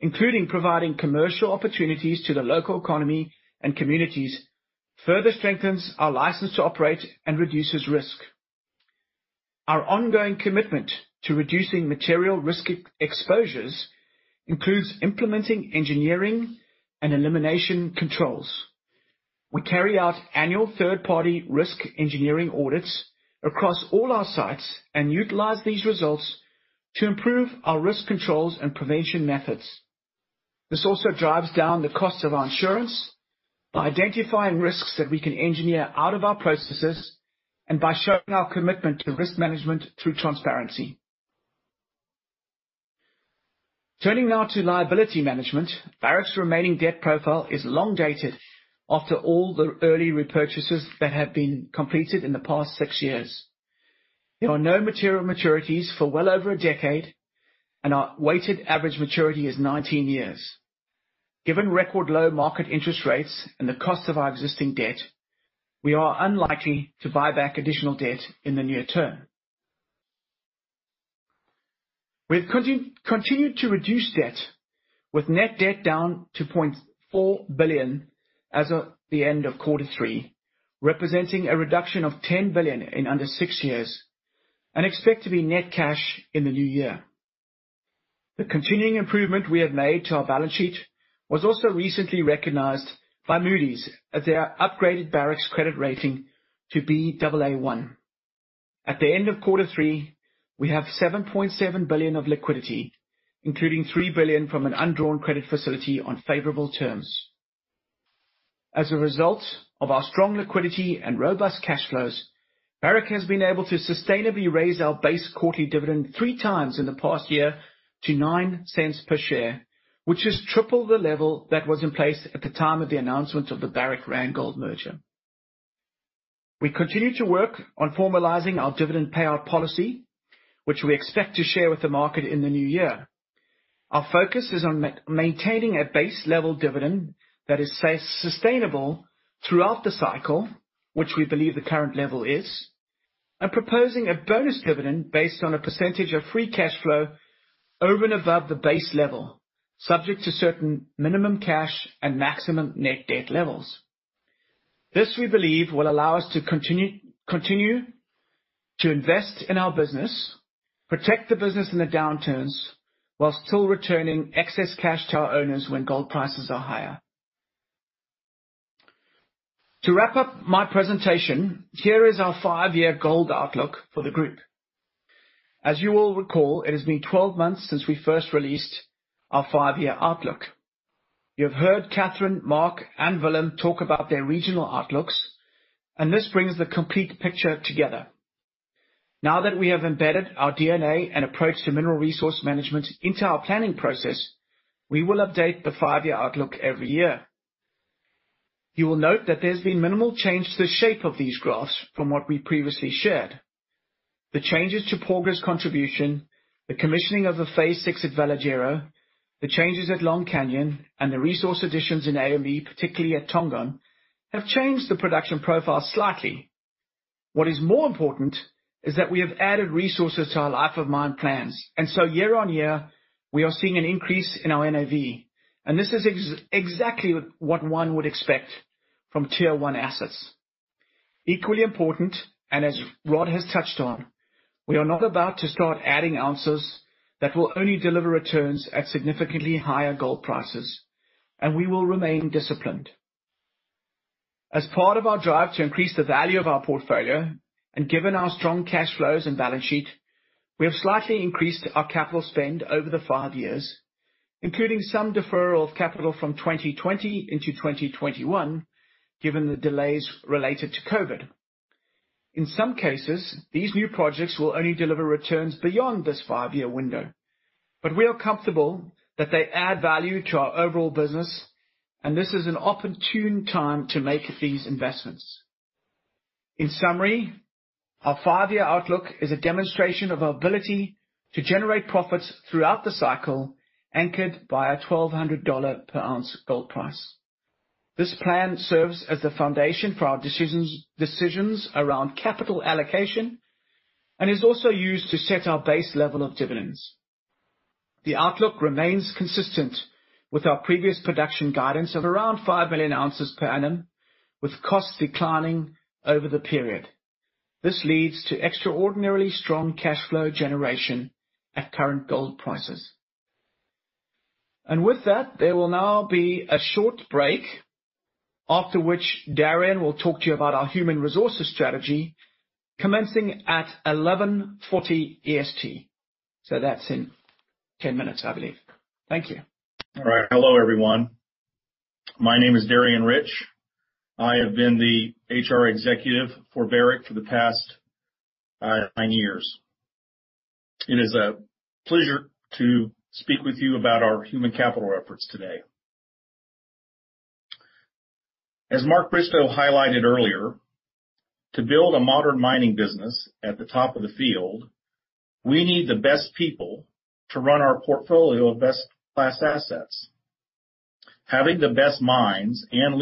including providing commercial opportunities to the local economy and communities, further strengthens our license to operate and reduces risk. Our ongoing commitment to reducing material risk exposures includes implementing engineering and elimination controls. We carry out annual third-party risk engineering audits across all our sites and utilize these results to improve our risk controls and prevention methods. This also drives down the cost of our insurance by identifying risks that we can engineer out of our processes and by showing our commitment to risk management through transparency. Turning now to liability management, Barrick's remaining debt profile is long-dated after all the early repurchases that have been completed in the past six years. There are no material maturities for well over a decade, and our weighted average maturity is 19 years. Given record low market interest rates and the cost of our existing debt, we are unlikely to buy back additional debt in the near term. We have continued to reduce debt, with net debt down to $0.4 billion as of the end of quarter three, representing a reduction of $10 billion in under six years, and expect to be net cash in the new year. The continuing improvement we have made to our balance sheet was also recently recognized by Moody's as they upgraded Barrick's credit rating to Baa1. At the end of quarter three, we have $7.7 billion of liquidity, including $3 billion from an undrawn credit facility on favorable terms. As a result of our strong liquidity and robust cash flows, Barrick has been able to sustainably raise our base quarterly dividend three times in the past year to $0.09 per share, which is triple the level that was in place at the time of the announcement of the Barrick Randgold merger. We continue to work on formalizing our dividend payout policy, which we expect to share with the market in the new year. Our focus is on maintaining a base level dividend that is sustainable throughout the cycle, which we believe the current level is, and proposing a bonus dividend based on a % of free cash flow over and above the base level, subject to certain minimum cash and maximum net debt levels. This, we believe, will allow us to continue to invest in our business, protect the business in the downturns, while still returning excess cash to our owners when gold prices are higher. To wrap up my presentation, here is our five-year gold outlook for the group. As you all recall, it has been 12 months since we first released our five-year outlook. You have heard Catherine, Mark, and Willem talk about their regional outlooks. This brings the complete picture together. Now that we have embedded our DNA and approach to mineral resource management into our planning process, we will update the five-year outlook every year. You will note that there's been minimal change to the shape of these graphs from what we previously shared. The changes to Porgera's contribution, the commissioning of the Phase 6 at Veladero, the changes at Long Canyon, and the resource additions in AME, particularly at Tongon, have changed the production profile slightly. What is more important is that we have added resources to our life of mine plans. Year-on-year, we are seeing an increase in our NAV. This is exactly what one would expect from tier 1 assets. Equally important, as Rod has touched on, we are not about to start adding ounces that will only deliver returns at significantly higher gold prices. We will remain disciplined. As part of our drive to increase the value of our portfolio and given our strong cash flows and balance sheet, we have slightly increased our capital spend over the five years, including some deferral of capital from 2020 into 2021, given the delays related to COVID. In some cases, these new projects will only deliver returns beyond this five-year window. We are comfortable that they add value to our overall business. This is an opportune time to make these investments. In summary, our five-year outlook is a demonstration of our ability to generate profits throughout the cycle, anchored by a $1,200 per ounce gold price. This plan serves as the foundation for our decisions around capital allocation and is also used to set our base level of dividends. The outlook remains consistent with our previous production guidance of around 5 million ounces per annum, with costs declining over the period. With that, there will now be a short break, after which Darian will talk to you about our human resources strategy commencing at 11:40 A.M. EST. That's in 10 minutes, I believe. Thank you. All right. Hello, everyone. My name is Darian Rich. I have been the HR executive for Barrick for the past nine years. It is a pleasure to speak with you about our human capital efforts today. As Mark Bristow highlighted earlier, to build a modern mining business at the top of the field, we need the best people to run our portfolio of best-class assets. Having the best minds and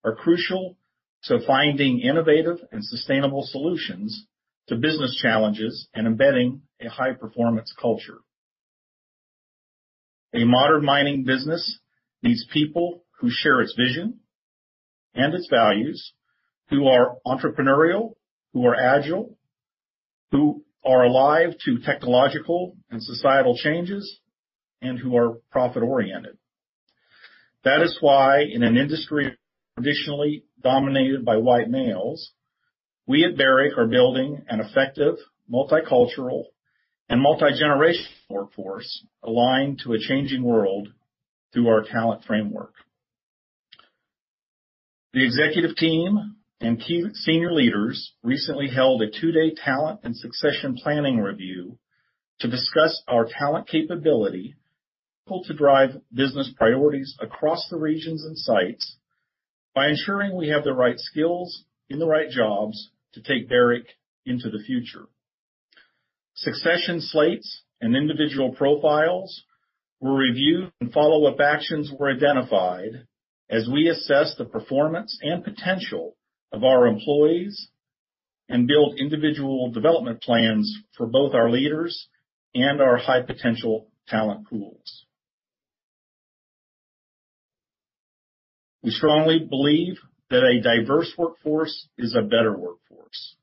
leadership are crucial to finding innovative and sustainable solutions to business challenges and embedding a high-performance culture. A modern mining business needs people who share its vision and its values, who are entrepreneurial, who are agile, who are alive to technological and societal changes, and who are profit-oriented. That is why in an industry traditionally dominated by white males, we at Barrick are building an effective, multicultural, and multigeneration workforce aligned to a changing world through our talent framework. The executive team and key senior leaders recently held a two-day talent and succession planning review to discuss our talent capability, able to drive business priorities across the regions and sites by ensuring we have the right skills in the right jobs to take Barrick into the future. Succession slates and individual profiles were reviewed, and follow-up actions were identified as we assess the performance and potential of our employees and build individual development plans for both our leaders and our high-potential talent pools. We strongly believe that a diverse workforce is a better workforce.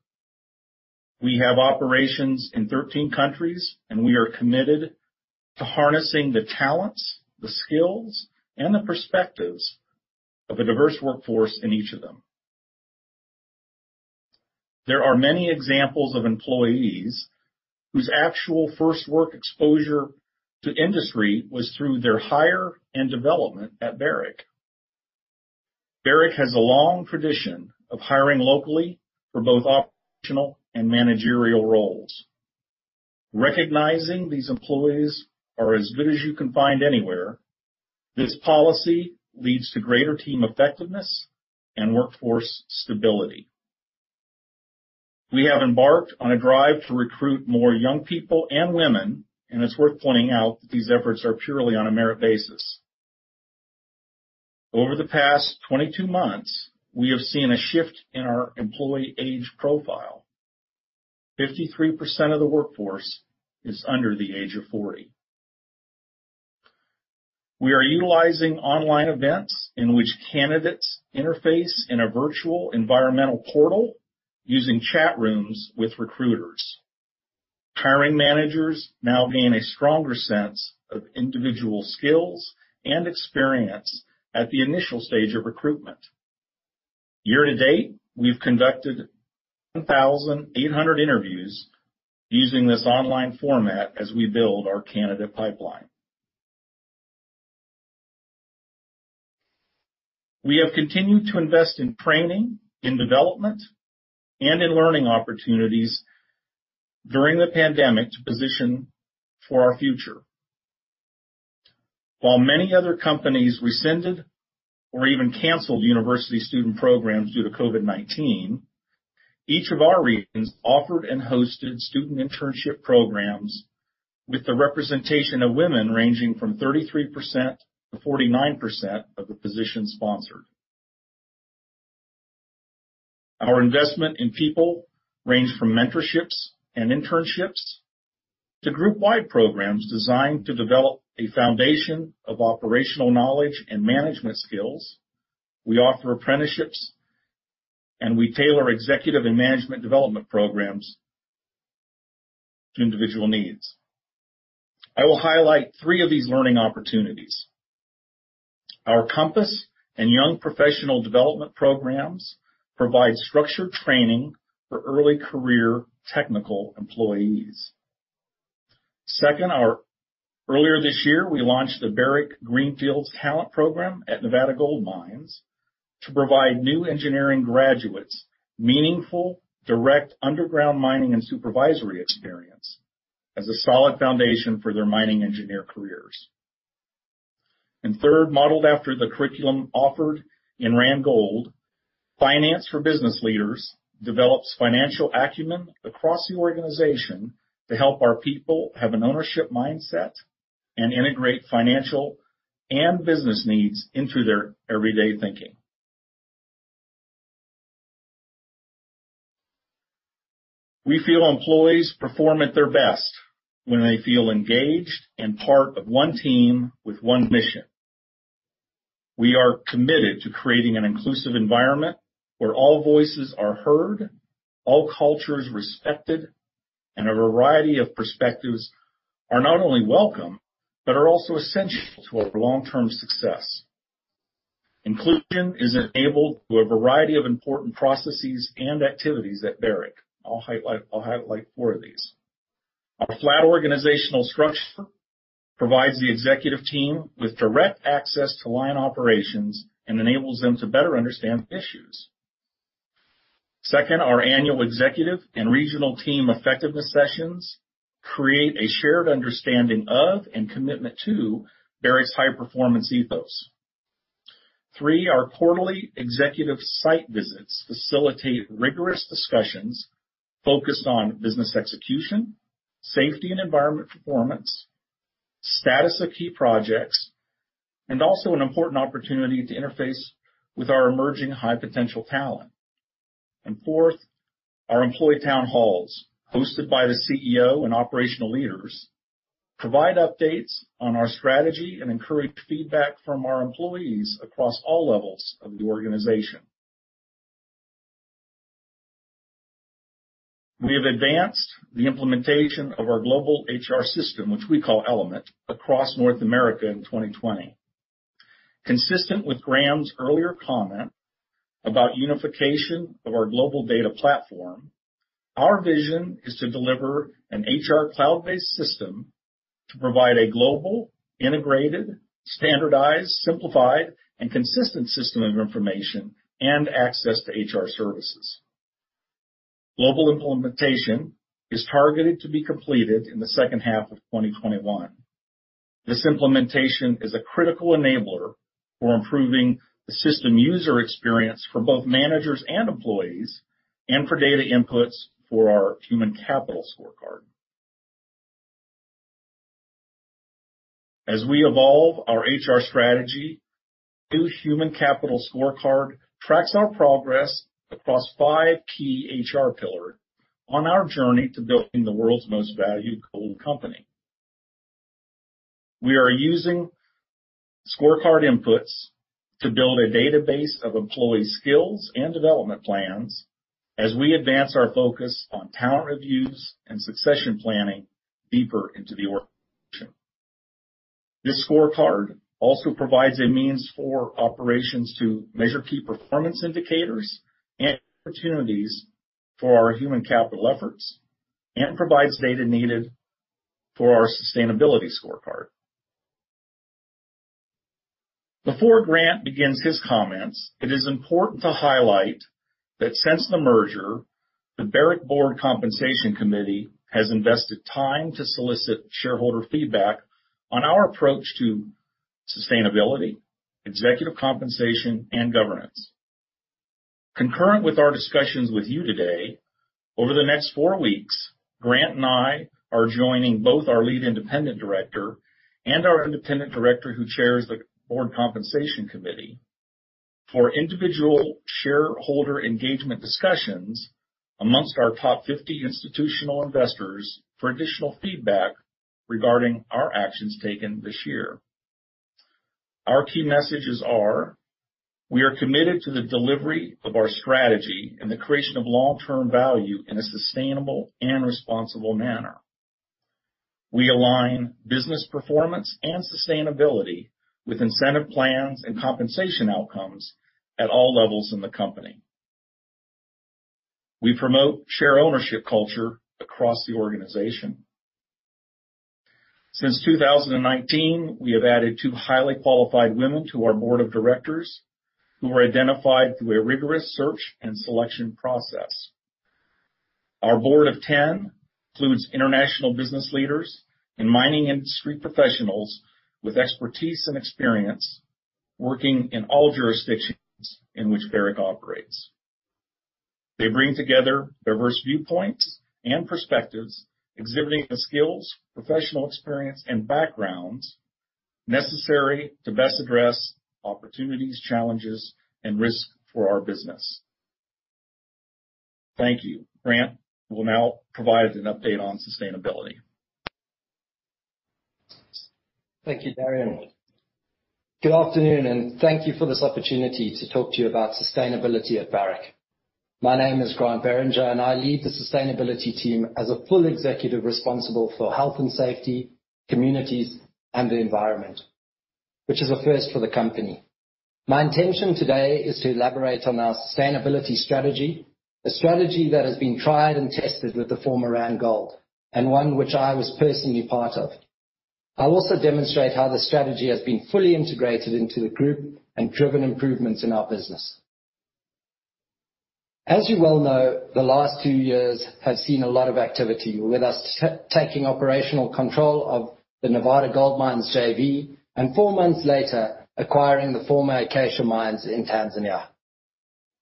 We have operations in 13 countries, and we are committed to harnessing the talents, the skills, and the perspectives of a diverse workforce in each of them. There are many examples of employees whose actual first work exposure to industry was through their hire and development at Barrick. Barrick has a long tradition of hiring locally for both operational and managerial roles. Recognizing these employees are as good as you can find anywhere, this policy leads to greater team effectiveness and workforce stability. We have embarked on a drive to recruit more young people and women, and it's worth pointing out that these efforts are purely on a merit basis. Over the past 22 months, we have seen a shift in our employee age profile. 53% of the workforce is under the age of 40. We are utilizing online events in which candidates interface in a virtual environmental portal using chat rooms with recruiters. Hiring managers now gain a stronger sense of individual skills and experience at the initial stage of recruitment. Year to date, we've conducted 1,800 interviews using this online format as we build our candidate pipeline. We have continued to invest in training, in development, and in learning opportunities during the pandemic to position for our future. While many other companies rescinded or even canceled university student programs due to COVID-19, each of our regions offered and hosted student internship programs with the representation of women ranging from 33% to 49% of the positions sponsored. Our investment in people range from mentorships and internships to group-wide programs designed to develop a foundation of operational knowledge and management skills. We offer apprenticeships, we tailor executive and management development programs to individual needs. I will highlight three of these learning opportunities. Our Compass and Young Professional Development programs provide structured training for early career technical employees. Earlier this year, we launched the Greenfield Talent Program at Nevada Gold Mines to provide new engineering graduates meaningful, direct underground mining and supervisory experience as a solid foundation for their mining engineer careers. Third, modeled after the curriculum offered in Randgold Finance for Business Leaders develops financial acumen across the organization to help our people have an ownership mindset and integrate financial and business needs into their everyday thinking. We feel employees perform at their best when they feel engaged and part of one team with one mission. We are committed to creating an inclusive environment where all voices are heard, all cultures respected, and a variety of perspectives are not only welcome, but are also essential to our long-term success. Inclusion is enabled through a variety of important processes and activities at Barrick. I'll highlight four of these. Our flat organizational structure provides the executive team with direct access to line operations and enables them to better understand issues. Second, our annual executive and regional team effectiveness sessions create a shared understanding of and commitment to Barrick's high-performance ethos. Three, our quarterly executive site visits facilitate rigorous discussions focused on business execution, safety and environment performance, status of key projects, and also an important opportunity to interface with our emerging high-potential talent. Fourth, our employee town halls, hosted by the CEO and operational leaders, provide updates on our strategy and encourage feedback from our employees across all levels of the organization. We have advanced the implementation of our global HR system, which we call Element, across North America in 2020. Consistent with Grant's earlier comment about unification of our global data platform, our vision is to deliver an HR cloud-based system to provide a global, integrated, standardized, simplified, and consistent system of information and access to HR services. Global implementation is targeted to be completed in the second half of 2021. This implementation is a critical enabler for improving the system user experience for both managers and employees, and for data inputs for our Human Capital Scorecard. We evolve our HR strategy, new Human Capital Scorecard tracks our progress across five key HR pillars on our journey to building the world's most valued gold company. We are using scorecard inputs to build a database of employee skills and development plans as we advance our focus on talent reviews and succession planning deeper into the organization. This scorecard also provides a means for operations to measure key performance indicators and opportunities for our human capital efforts and provides data needed for our sustainability scorecard. Before Grant begins his comments, it is important to highlight that since the merger, the Barrick Board Compensation Committee has invested time to solicit shareholder feedback on our approach to sustainability, executive compensation, and governance. Concurrent with our discussions with you today, over the next 4 weeks, Grant and I are joining both our Lead Independent Director and our Independent Director who chairs the Board Compensation Committee for individual shareholder engagement discussions amongst our top 50 institutional investors for additional feedback regarding our actions taken this year. Our key messages are: We are committed to the delivery of our strategy and the creation of long-term value in a sustainable and responsible manner. We align business performance and sustainability with incentive plans and compensation outcomes at all levels in the company. We promote share ownership culture across the organization. Since 2019, we have added two highly qualified women to our board of directors who were identified through a rigorous search and selection process. Our board of 10 includes international business leaders and mining industry professionals with expertise and experience working in all jurisdictions in which Barrick operates. They bring together diverse viewpoints and perspectives, exhibiting the skills, professional experience, and backgrounds necessary to best address opportunities, challenges, and risk for our business. Thank you. Grant will now provide an update on sustainability. Thank you, Darian. Good afternoon, and thank you for this opportunity to talk to you about sustainability at Barrick. My name is Grant Beringer, and I lead the sustainability team as a full executive responsible for health and safety, communities, and the environment, which is a first for the company. My intention today is to elaborate on our sustainability strategy, a strategy that has been tried and tested with the former Randgold, and one which I was personally part of. I'll also demonstrate how the strategy has been fully integrated into the group and driven improvements in our business. As you well know, the last 2 years have seen a lot of activity with us taking operational control of the Nevada Gold Mines JV, and 4 months later, acquiring the former Acacia Mines in Tanzania.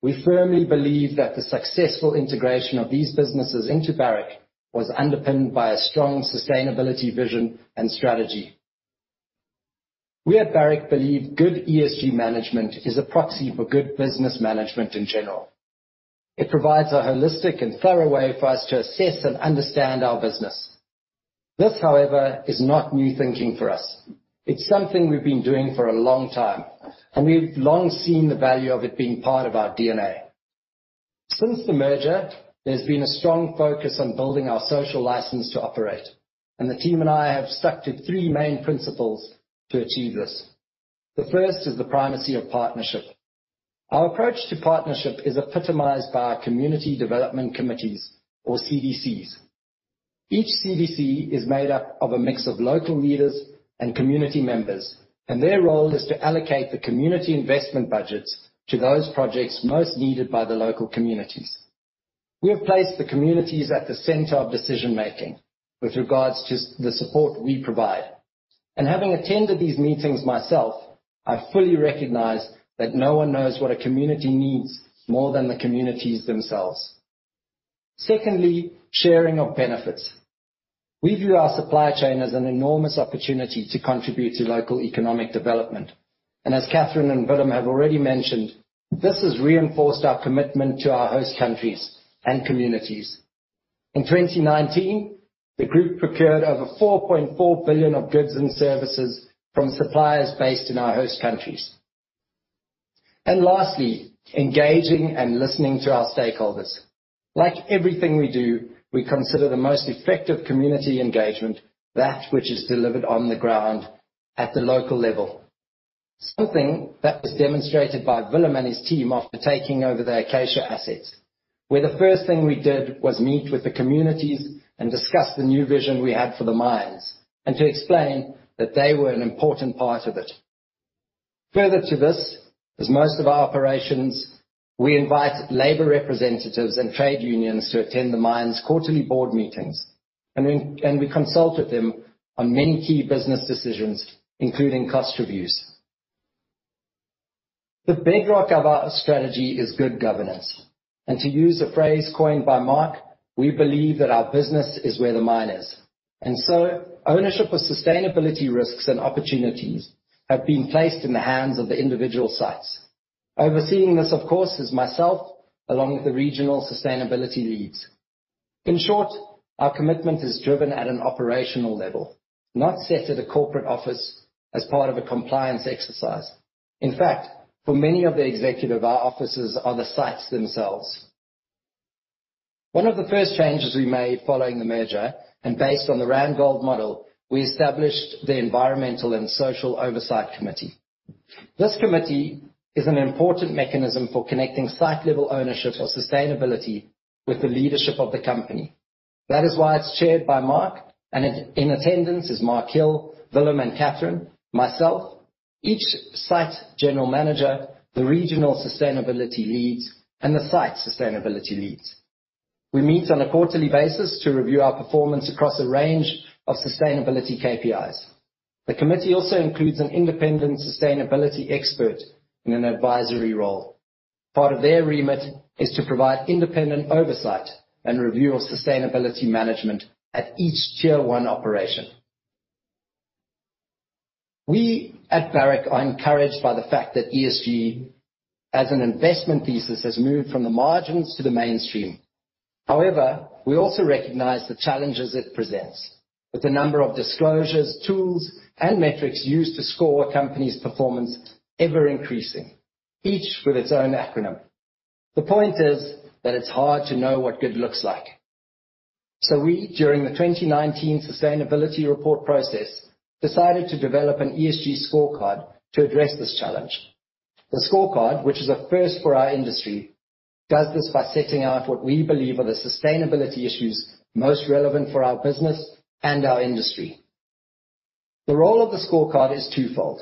We firmly believe that the successful integration of these businesses into Barrick was underpinned by a strong sustainability vision and strategy. We at Barrick believe good ESG management is a proxy for good business management in general. It provides a holistic and thorough way for us to assess and understand our business. This, however, is not new thinking for us. It's something we've been doing for a long time, and we've long seen the value of it being part of our DNA. Since the merger, there's been a strong focus on building our social license to operate, and the team and I have stuck to three main principles to achieve this. The first is the primacy of partnership. Our approach to partnership is epitomized by our community development committees, or CDCs. Each CDC is made up of a mix of local leaders and community members. Their role is to allocate the community investment budgets to those projects most needed by the local communities. We have placed the communities at the center of decision-making with regards to the support we provide. Having attended these meetings myself, I fully recognize that no one knows what a community needs more than the communities themselves. Secondly, sharing of benefits. We view our supply chain as an enormous opportunity to contribute to local economic development. As Catherine and Willem have already mentioned, this has reinforced our commitment to our host countries and communities. In 2019, the group procured over $4.4 billion of goods and services from suppliers based in our host countries. Lastly, engaging and listening to our stakeholders. Like everything we do, we consider the most effective community engagement that which is delivered on the ground at the local level. Something that was demonstrated by Willem and his team after taking over the Acacia assets, where the first thing we did was meet with the communities and discuss the new vision we had for the mines, and to explain that they were an important part of it. Further to this, as most of our operations, we invite labor representatives and trade unions to attend the mine's quarterly board meetings, and we consult with them on many key business decisions, including cost reviews. The bedrock of our strategy is good governance, and to use a phrase coined by Mark, we believe that our business is where the mine is. Ownership of sustainability risks and opportunities have been placed in the hands of the individual sites. Overseeing this, of course, is myself along with the regional sustainability leads. In short, our commitment is driven at an operational level, not set at a corporate office as part of a compliance exercise. In fact, for many of the executives, our offices are the sites themselves. One of the first changes we made following the merger, and based on the Randgold model, we established the Environmental and Social Oversight Committee. This committee is an important mechanism for connecting site-level ownership for sustainability with the leadership of the company. That is why it's chaired by Mark, and in attendance is Mark Hill, Willem and Catherine, myself, each site general manager, the regional sustainability leads, and the site sustainability leads. We meet on a quarterly basis to review our performance across a range of sustainability KPIs. The committee also includes an independent sustainability expert in an advisory role. Part of their remit is to provide independent oversight and review of sustainability management at each tier 1 operation. We at Barrick are encouraged by the fact that ESG as an investment thesis has moved from the margins to the mainstream. We also recognize the challenges it presents with the number of disclosures, tools, and metrics used to score a company's performance ever-increasing, each with its own acronym. The point is that it's hard to know what good looks like. We, during the 2019 sustainability report process, decided to develop an ESG scorecard to address this challenge. The scorecard, which is a first for our industry, does this by setting out what we believe are the sustainability issues most relevant for our business and our industry. The role of the scorecard is twofold.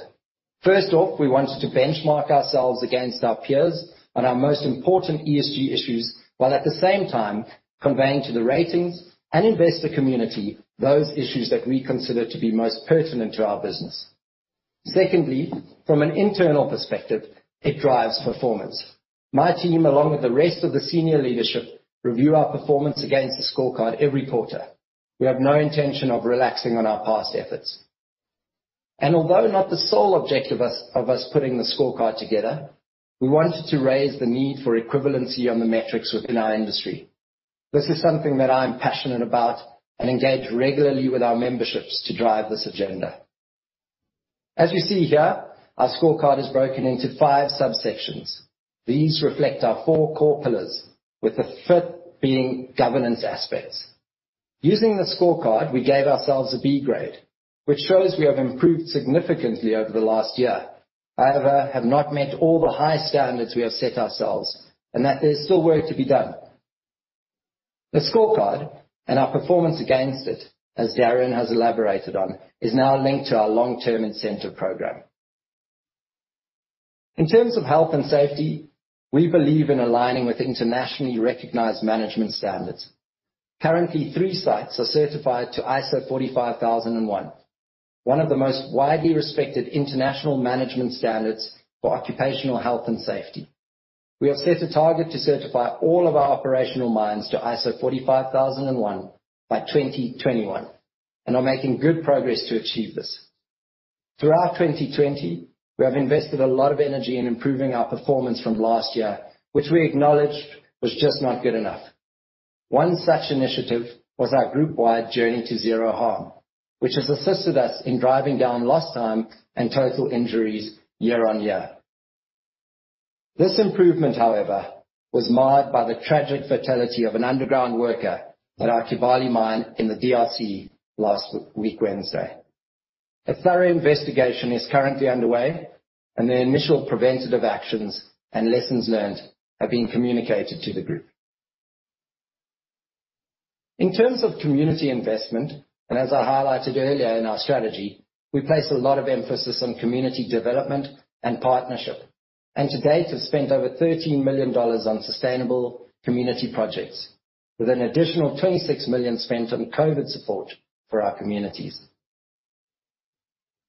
First off, we wanted to benchmark ourselves against our peers on our most important ESG issues, while at the same time conveying to the ratings and investor community those issues that we consider to be most pertinent to our business. Secondly, from an internal perspective, it drives performance. My team, along with the rest of the senior leadership, review our performance against the scorecard every quarter. We have no intention of relaxing on our past efforts. Although not the sole objective of us putting the scorecard together, we wanted to raise the need for equivalency on the metrics within our industry. This is something that I'm passionate about and engage regularly with our memberships to drive this agenda. As you see here, our scorecard is broken into five subsections. These reflect our four core pillars, with the fifth being governance aspects. Using the scorecard, we gave ourselves a B grade, which shows we have improved significantly over the last year. However, we have not met all the high standards we have set ourselves, and that there's still work to be done. The scorecard and our performance against it, as Darian has elaborated on, is now linked to our long-term incentive program. In terms of health and safety, we believe in aligning with internationally recognized management standards. Currently, three sites are certified to ISO 45001, one of the most widely respected international management standards for occupational health and safety. We have set a target to certify all of our operational mines to ISO 45001 by 2021 and are making good progress to achieve this. Throughout 2020, we have invested a lot of energy in improving our performance from last year, which we acknowledge was just not good enough. One such initiative was our group-wide journey to zero harm, which has assisted us in driving down lost time and total injuries year-on-year. This improvement, however, was marred by the tragic fatality of an underground worker at our Kibali mine in the D.R.C. last week Wednesday. A thorough investigation is currently underway, and the initial preventative actions and lessons learned are being communicated to the group. In terms of community investment, and as I highlighted earlier in our strategy, we place a lot of emphasis on community development and partnership, and to date have spent over $13 million on sustainable community projects, with an additional $26 million spent on COVID support for our communities.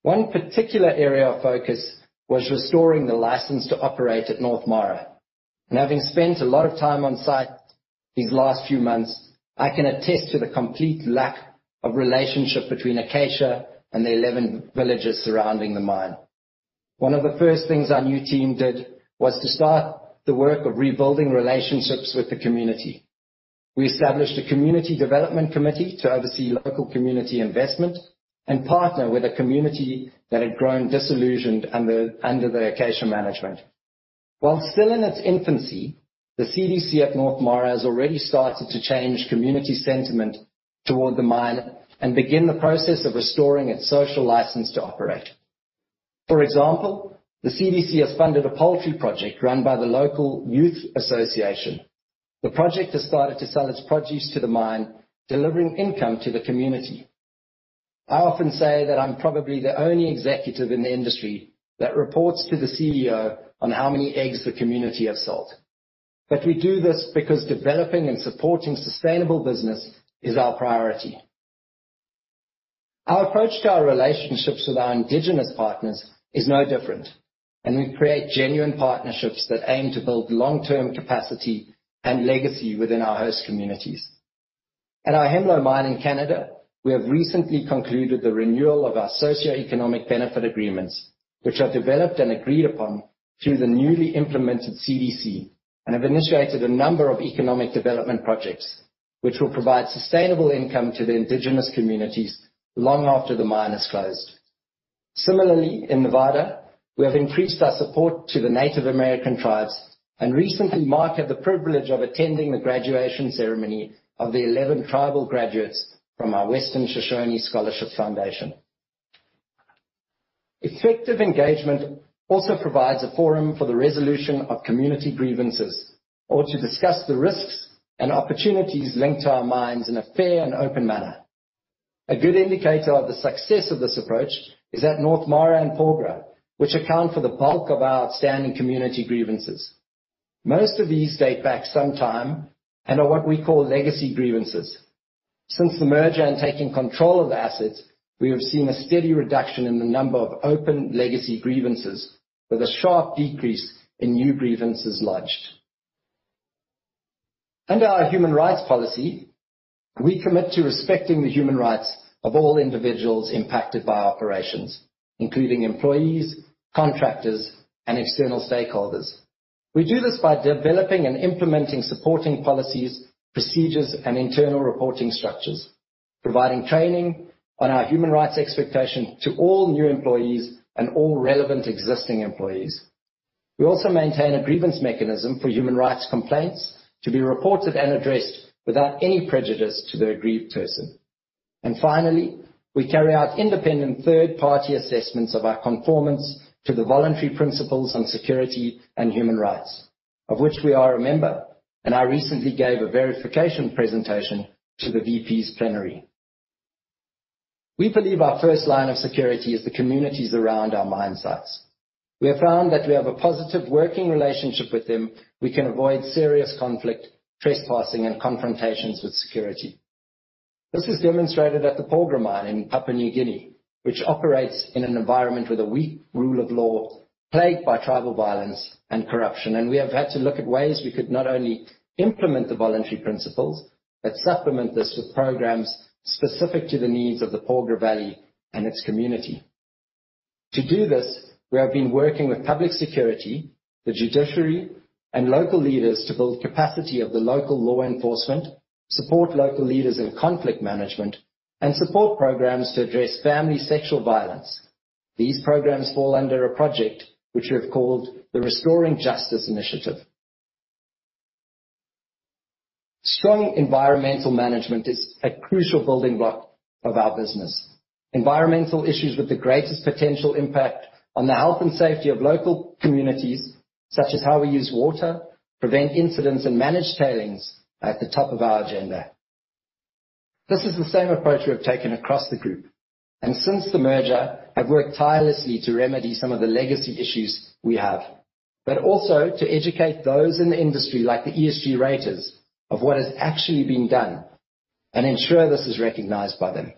One particular area of focus was restoring the license to operate at North Mara, and having spent a lot of time on site these last few months, I can attest to the complete lack of relationship between Acacia and the 11 villages surrounding the mine. One of the first things our new team did was to start the work of rebuilding relationships with the community. We established a Community Development Committee to oversee local community investment and partner with a community that had grown disillusioned under the Acacia management. While still in its infancy, the CDC at North Mara has already started to change community sentiment toward the mine and begin the process of restoring its social license to operate. For example, the CDC has funded a poultry project run by the local youth association. The project has started to sell its produce to the mine, delivering income to the community. I often say that I'm probably the only executive in the industry that reports to the CEO on how many eggs the community have sold. We do this because developing and supporting sustainable business is our priority. Our approach to our relationships with our indigenous partners is no different, and we create genuine partnerships that aim to build long-term capacity and legacy within our host communities. At our Hemlo Mine in Canada, we have recently concluded the renewal of our socioeconomic benefit agreements, which are developed and agreed upon through the newly implemented CDC and have initiated a number of economic development projects, which will provide sustainable income to the indigenous communities long after the mine is closed. Similarly, in Nevada, we have increased our support to the Native American tribes, and recently Mark had the privilege of attending the graduation ceremony of the 11 tribal graduates from our Western Shoshone Scholarship Foundation. Effective engagement also provides a forum for the resolution of community grievances or to discuss the risks and opportunities linked to our mines in a fair and open manner. A good indicator of the success of this approach is at North Mara and Porgera, which account for the bulk of our outstanding community grievances. Most of these date back some time and are what we call legacy grievances. Since the merger and taking control of assets, we have seen a steady reduction in the number of open legacy grievances with a sharp decrease in new grievances lodged. Under our human rights policy, we commit to respecting the human rights of all individuals impacted by our operations, including employees, contractors, and external stakeholders. We do this by developing and implementing supporting policies, procedures, and internal reporting structures, providing training on our human rights expectation to all new employees and all relevant existing employees. We also maintain a grievance mechanism for human rights complaints to be reported and addressed without any prejudice to the aggrieved person. Finally, we carry out independent third-party assessments of our conformance to the Voluntary Principles on Security and Human Rights, of which we are a member, and I recently gave a verification presentation to the VP's plenary. We believe our first line of security is the communities around our mine sites. We have found that we have a positive working relationship with them, we can avoid serious conflict, trespassing, and confrontations with security. This is demonstrated at the Porgera Mine in Papua New Guinea, which operates in an environment with a weak rule of law plagued by tribal violence and corruption. We have had to look at ways we could not only implement the Voluntary Principles but supplement this with programs specific to the needs of the Porgera Valley and its community. To do this, we have been working with public security, the judiciary, and local leaders to build capacity of the local law enforcement, support local leaders in conflict management, and support programs to address family sexual violence. These programs fall under a project which we have called the Restoring Justice Initiative. Strong environmental management is a crucial building block of our business. Environmental issues with the greatest potential impact on the health and safety of local communities-Such as how we use water, prevent incidents, and manage tailings at the top of our agenda. This is the same approach we have taken across the group, and since the merger, have worked tirelessly to remedy some of the legacy issues we have. Also to educate those in the industry, like the ESG raters, of what is actually being done and ensure this is recognized by them.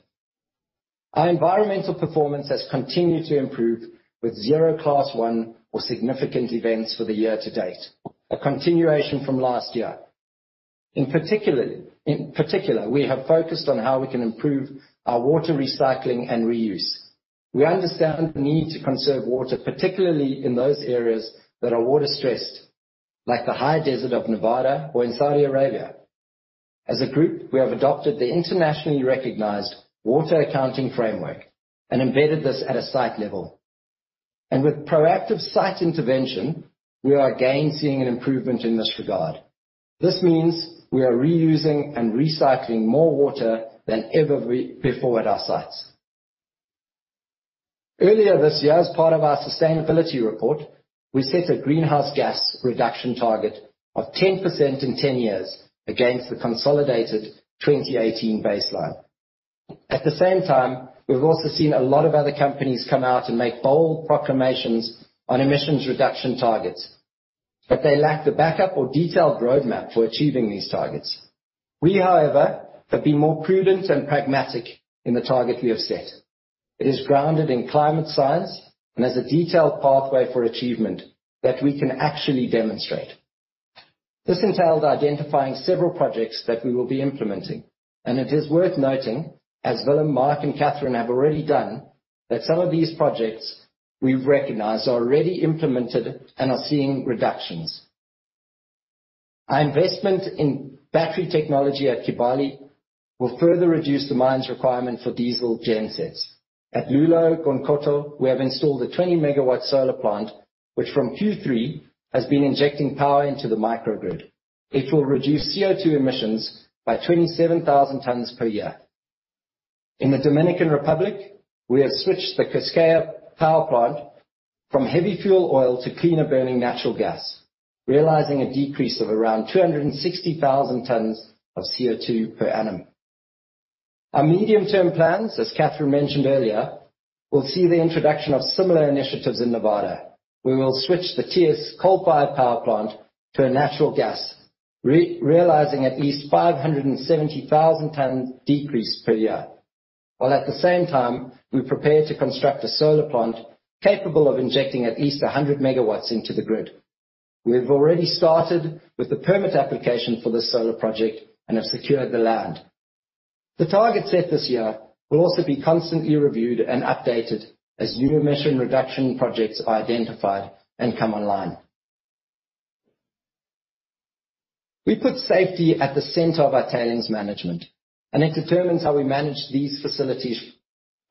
Our environmental performance has continued to improve with zero Class 1 or significant events for the year to date, a continuation from last year. In particular, we have focused on how we can improve our water recycling and reuse. We understand the need to conserve water, particularly in those areas that are water-stressed, like the high desert of Nevada or in Saudi Arabia. As a group, we have adopted the internationally recognized water accounting framework and embedded this at a site level. With proactive site intervention, we are again seeing an improvement in this regard. This means we are reusing and recycling more water than ever before at our sites. Earlier this year, as part of our sustainability report, we set a greenhouse gas reduction target of 10% in 10 years against the consolidated 2018 baseline. At the same time, we've also seen a lot of other companies come out and make bold proclamations on emissions reduction targets, but they lack the backup or detailed roadmap for achieving these targets. We, however, have been more prudent and pragmatic in the target we have set. It is grounded in climate science and has a detailed pathway for achievement that we can actually demonstrate. This entailed identifying several projects that we will be implementing, and it is worth noting, as Willem, Mark, and Catherine have already done, that some of these projects we've recognized are already implemented and are seeing reductions. Our investment in battery technology at Kibali will further reduce the mine's requirement for diesel gensets. At Loulo-Gounkoto, we have installed a 20-megawatt solar plant, which from Q3 has been injecting power into the microgrid. It will reduce CO2 emissions by 27,000 tons per year. In the Dominican Republic, we have switched the Quisqueya power plant from heavy fuel oil to cleaner-burning natural gas, realizing a decrease of around 260,000 tons of CO2 per annum. Our medium-term plans, as Catherine mentioned earlier, will see the introduction of similar initiatives in Nevada, where we'll switch the TS Power Plant to a natural gas, realizing at least 570,000 tons decrease per year, while at the same time, we prepare to construct a solar plant capable of injecting at least 100 megawatts into the grid. We have already started with the permit application for the solar project and have secured the land. The target set this year will also be constantly reviewed and updated as new emission reduction projects are identified and come online. We put safety at the center of our tailings management, and it determines how we manage these facilities,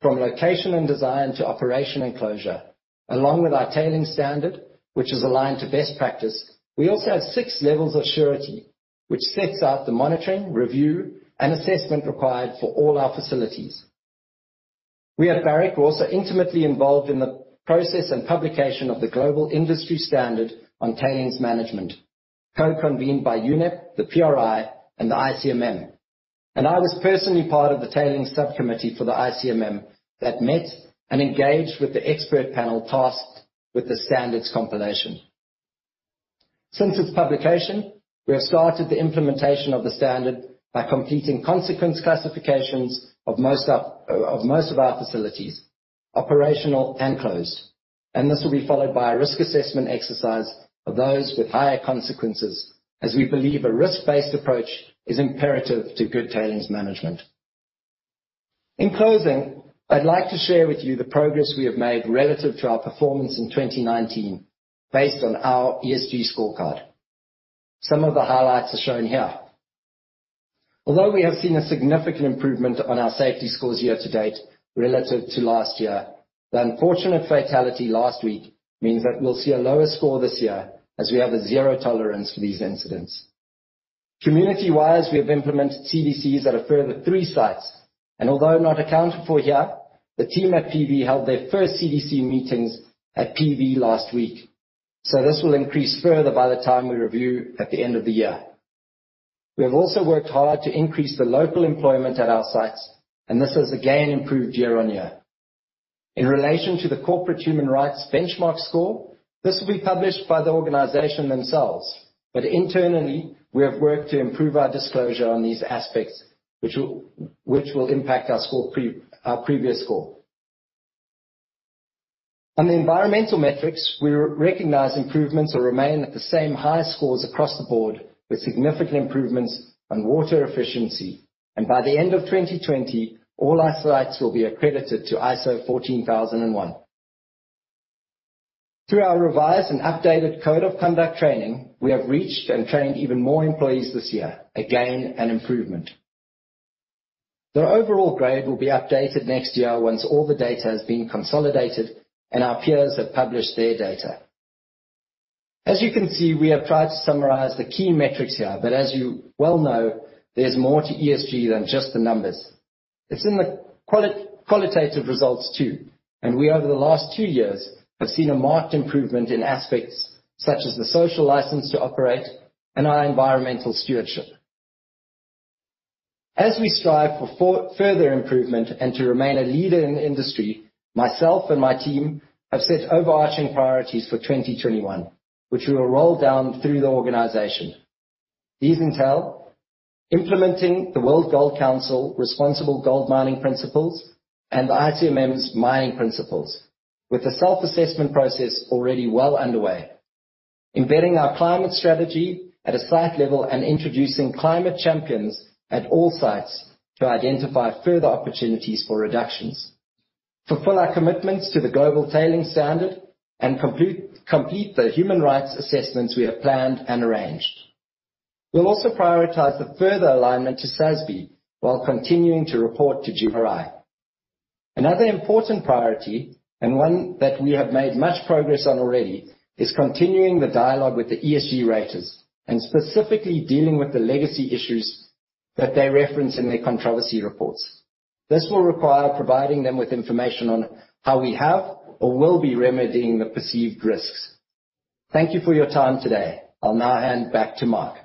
from location and design to operation and closure. Along with our tailings standard, which is aligned to best practice, we also have 6 levels of surety, which sets out the monitoring, review, and assessment required for all our facilities. We at Barrick were also intimately involved in the process and publication of the Global Industry Standard on Tailings Management, co-convened by UNEP, the PRI, and the ICMM. I was personally part of the tailings subcommittee for the ICMM that met and engaged with the expert panel tasked with the standards compilation. Since its publication, we have started the implementation of the standard by completing consequence classifications of most of our facilities, operational and closed, and this will be followed by a risk assessment exercise of those with higher consequences, as we believe a risk-based approach is imperative to good tailings management. In closing, I'd like to share with you the progress we have made relative to our performance in 2019 based on our ESG scorecard. Some of the highlights are shown here. Although we have seen a significant improvement on our safety scores year-to-date relative to last year, the unfortunate fatality last week means that we'll see a lower score this year as we have a zero tolerance for these incidents. Community-wise, we have implemented CDCs at a further three sites, and although not accounted for here, the team at PV held their first CDC meetings at PV last week. This will increase further by the time we review at the end of the year. We have also worked hard to increase the local employment at our sites, and this has again improved year-on-year. In relation to the corporate human rights benchmark score, this will be published by the organization themselves, but internally, we have worked to improve our disclosure on these aspects, which will impact our previous score. On the environmental metrics, we recognize improvements or remain at the same high scores across the board, with significant improvements on water efficiency. By the end of 2020, all our sites will be accredited to ISO 14001. Through our revised and updated code of conduct training, we have reached and trained even more employees this year. Again, an improvement. Their overall grade will be updated next year once all the data has been consolidated and our peers have published their data. As you can see, we have tried to summarize the key metrics here, but as you well know, there's more to ESG than just the numbers. It's in the qualitative results too, and we over the last two years have seen a marked improvement in aspects such as the social license to operate and our environmental stewardship. As we strive for further improvement and to remain a leader in the industry, myself and my team have set overarching priorities for 2021, which we will roll down through the organization. These entail implementing the World Gold Council Responsible Gold Mining Principles and the ICMM's Mining Principles with the self-assessment process already well underway. Embedding our climate strategy at a site level and introducing climate champions at all sites to identify further opportunities for reductions. Fulfill our commitments to the Global Tailings Standard and complete the human rights assessments we have planned and arranged. We'll also prioritize the further alignment to SASB while continuing to report to GRI. Another important priority, and one that we have made much progress on already, is continuing the dialogue with the ESG raters and specifically dealing with the legacy issues that they reference in their controversy reports. This will require providing them with information on how we have or will be remedying the perceived risks. Thank you for your time today. I'll now hand back to Mark.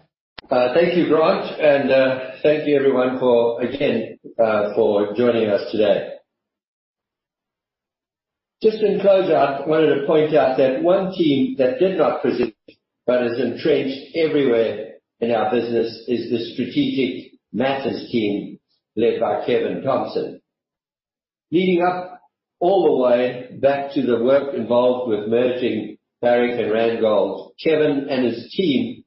Thank you, Grant, and thank you everyone again for joining us today. Just in closeout, I wanted to point out that one team that did not present but is entrenched everywhere in our business is the Strategic Matters Team led by Kevin Thomson. Leading up all the way back to the work involved with merging Barrick and Randgold, Kevin and his team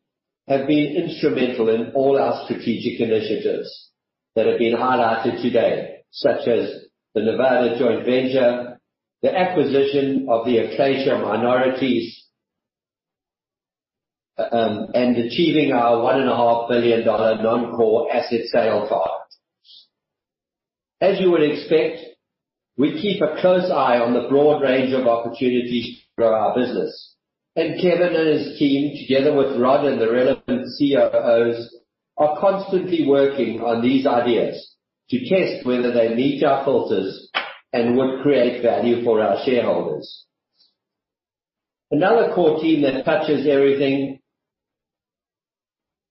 have been instrumental in all our strategic initiatives that have been highlighted today, such as the Nevada joint venture, the acquisition of the Acacia minorities, and achieving our $1.5 billion non-core asset sale target. As you would expect, we keep a close eye on the broad range of opportunities to grow our business. Kevin and his team, together with Rod and the relevant COOs, are constantly working on these ideas to test whether they meet our filters and would create value for our shareholders. Another core team that touches everything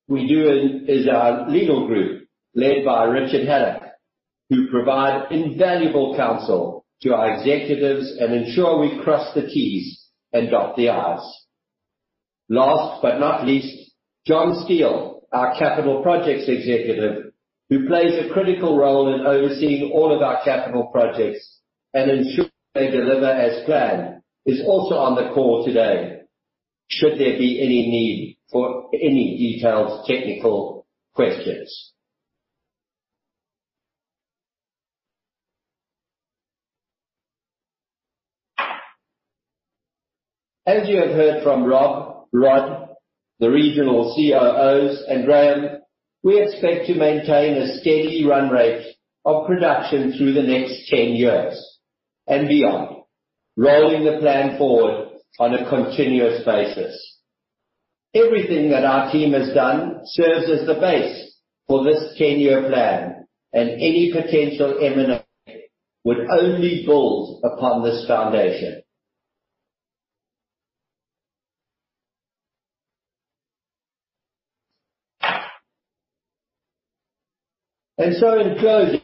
we do is our legal group led by Richard Haddock, who provide invaluable counsel to our executives and ensure we cross the T's and dot the I's. Last but not least, John Steele, our Capital Projects Executive, who plays a critical role in overseeing all of our capital projects and ensuring they deliver as planned, is also on the call today should there be any need for any detailed technical questions. As you have heard from Rob, Rod, the regional COOs, and Graham, we expect to maintain a steady run rate of production through the next 10 years and beyond, rolling the plan forward on a continuous basis. Everything that our team has done serves as the base for this 10-year plan, and any potential M&A would only build upon this foundation. In closing,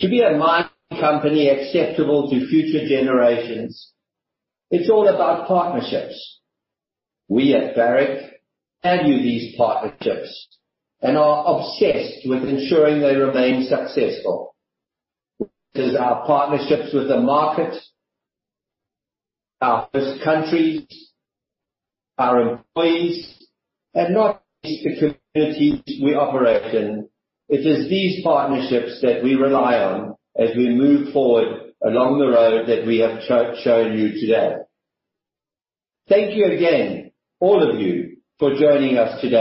to be a mining company acceptable to future generations, it is all about partnerships. We at Barrick value these partnerships and are obsessed with ensuring they remain successful. It is our partnerships with the market, our host countries, our employees, and not just the communities we operate in. It is these partnerships that we rely on as we move forward along the road that we have shown you today. Thank you again, all of you, for joining us today.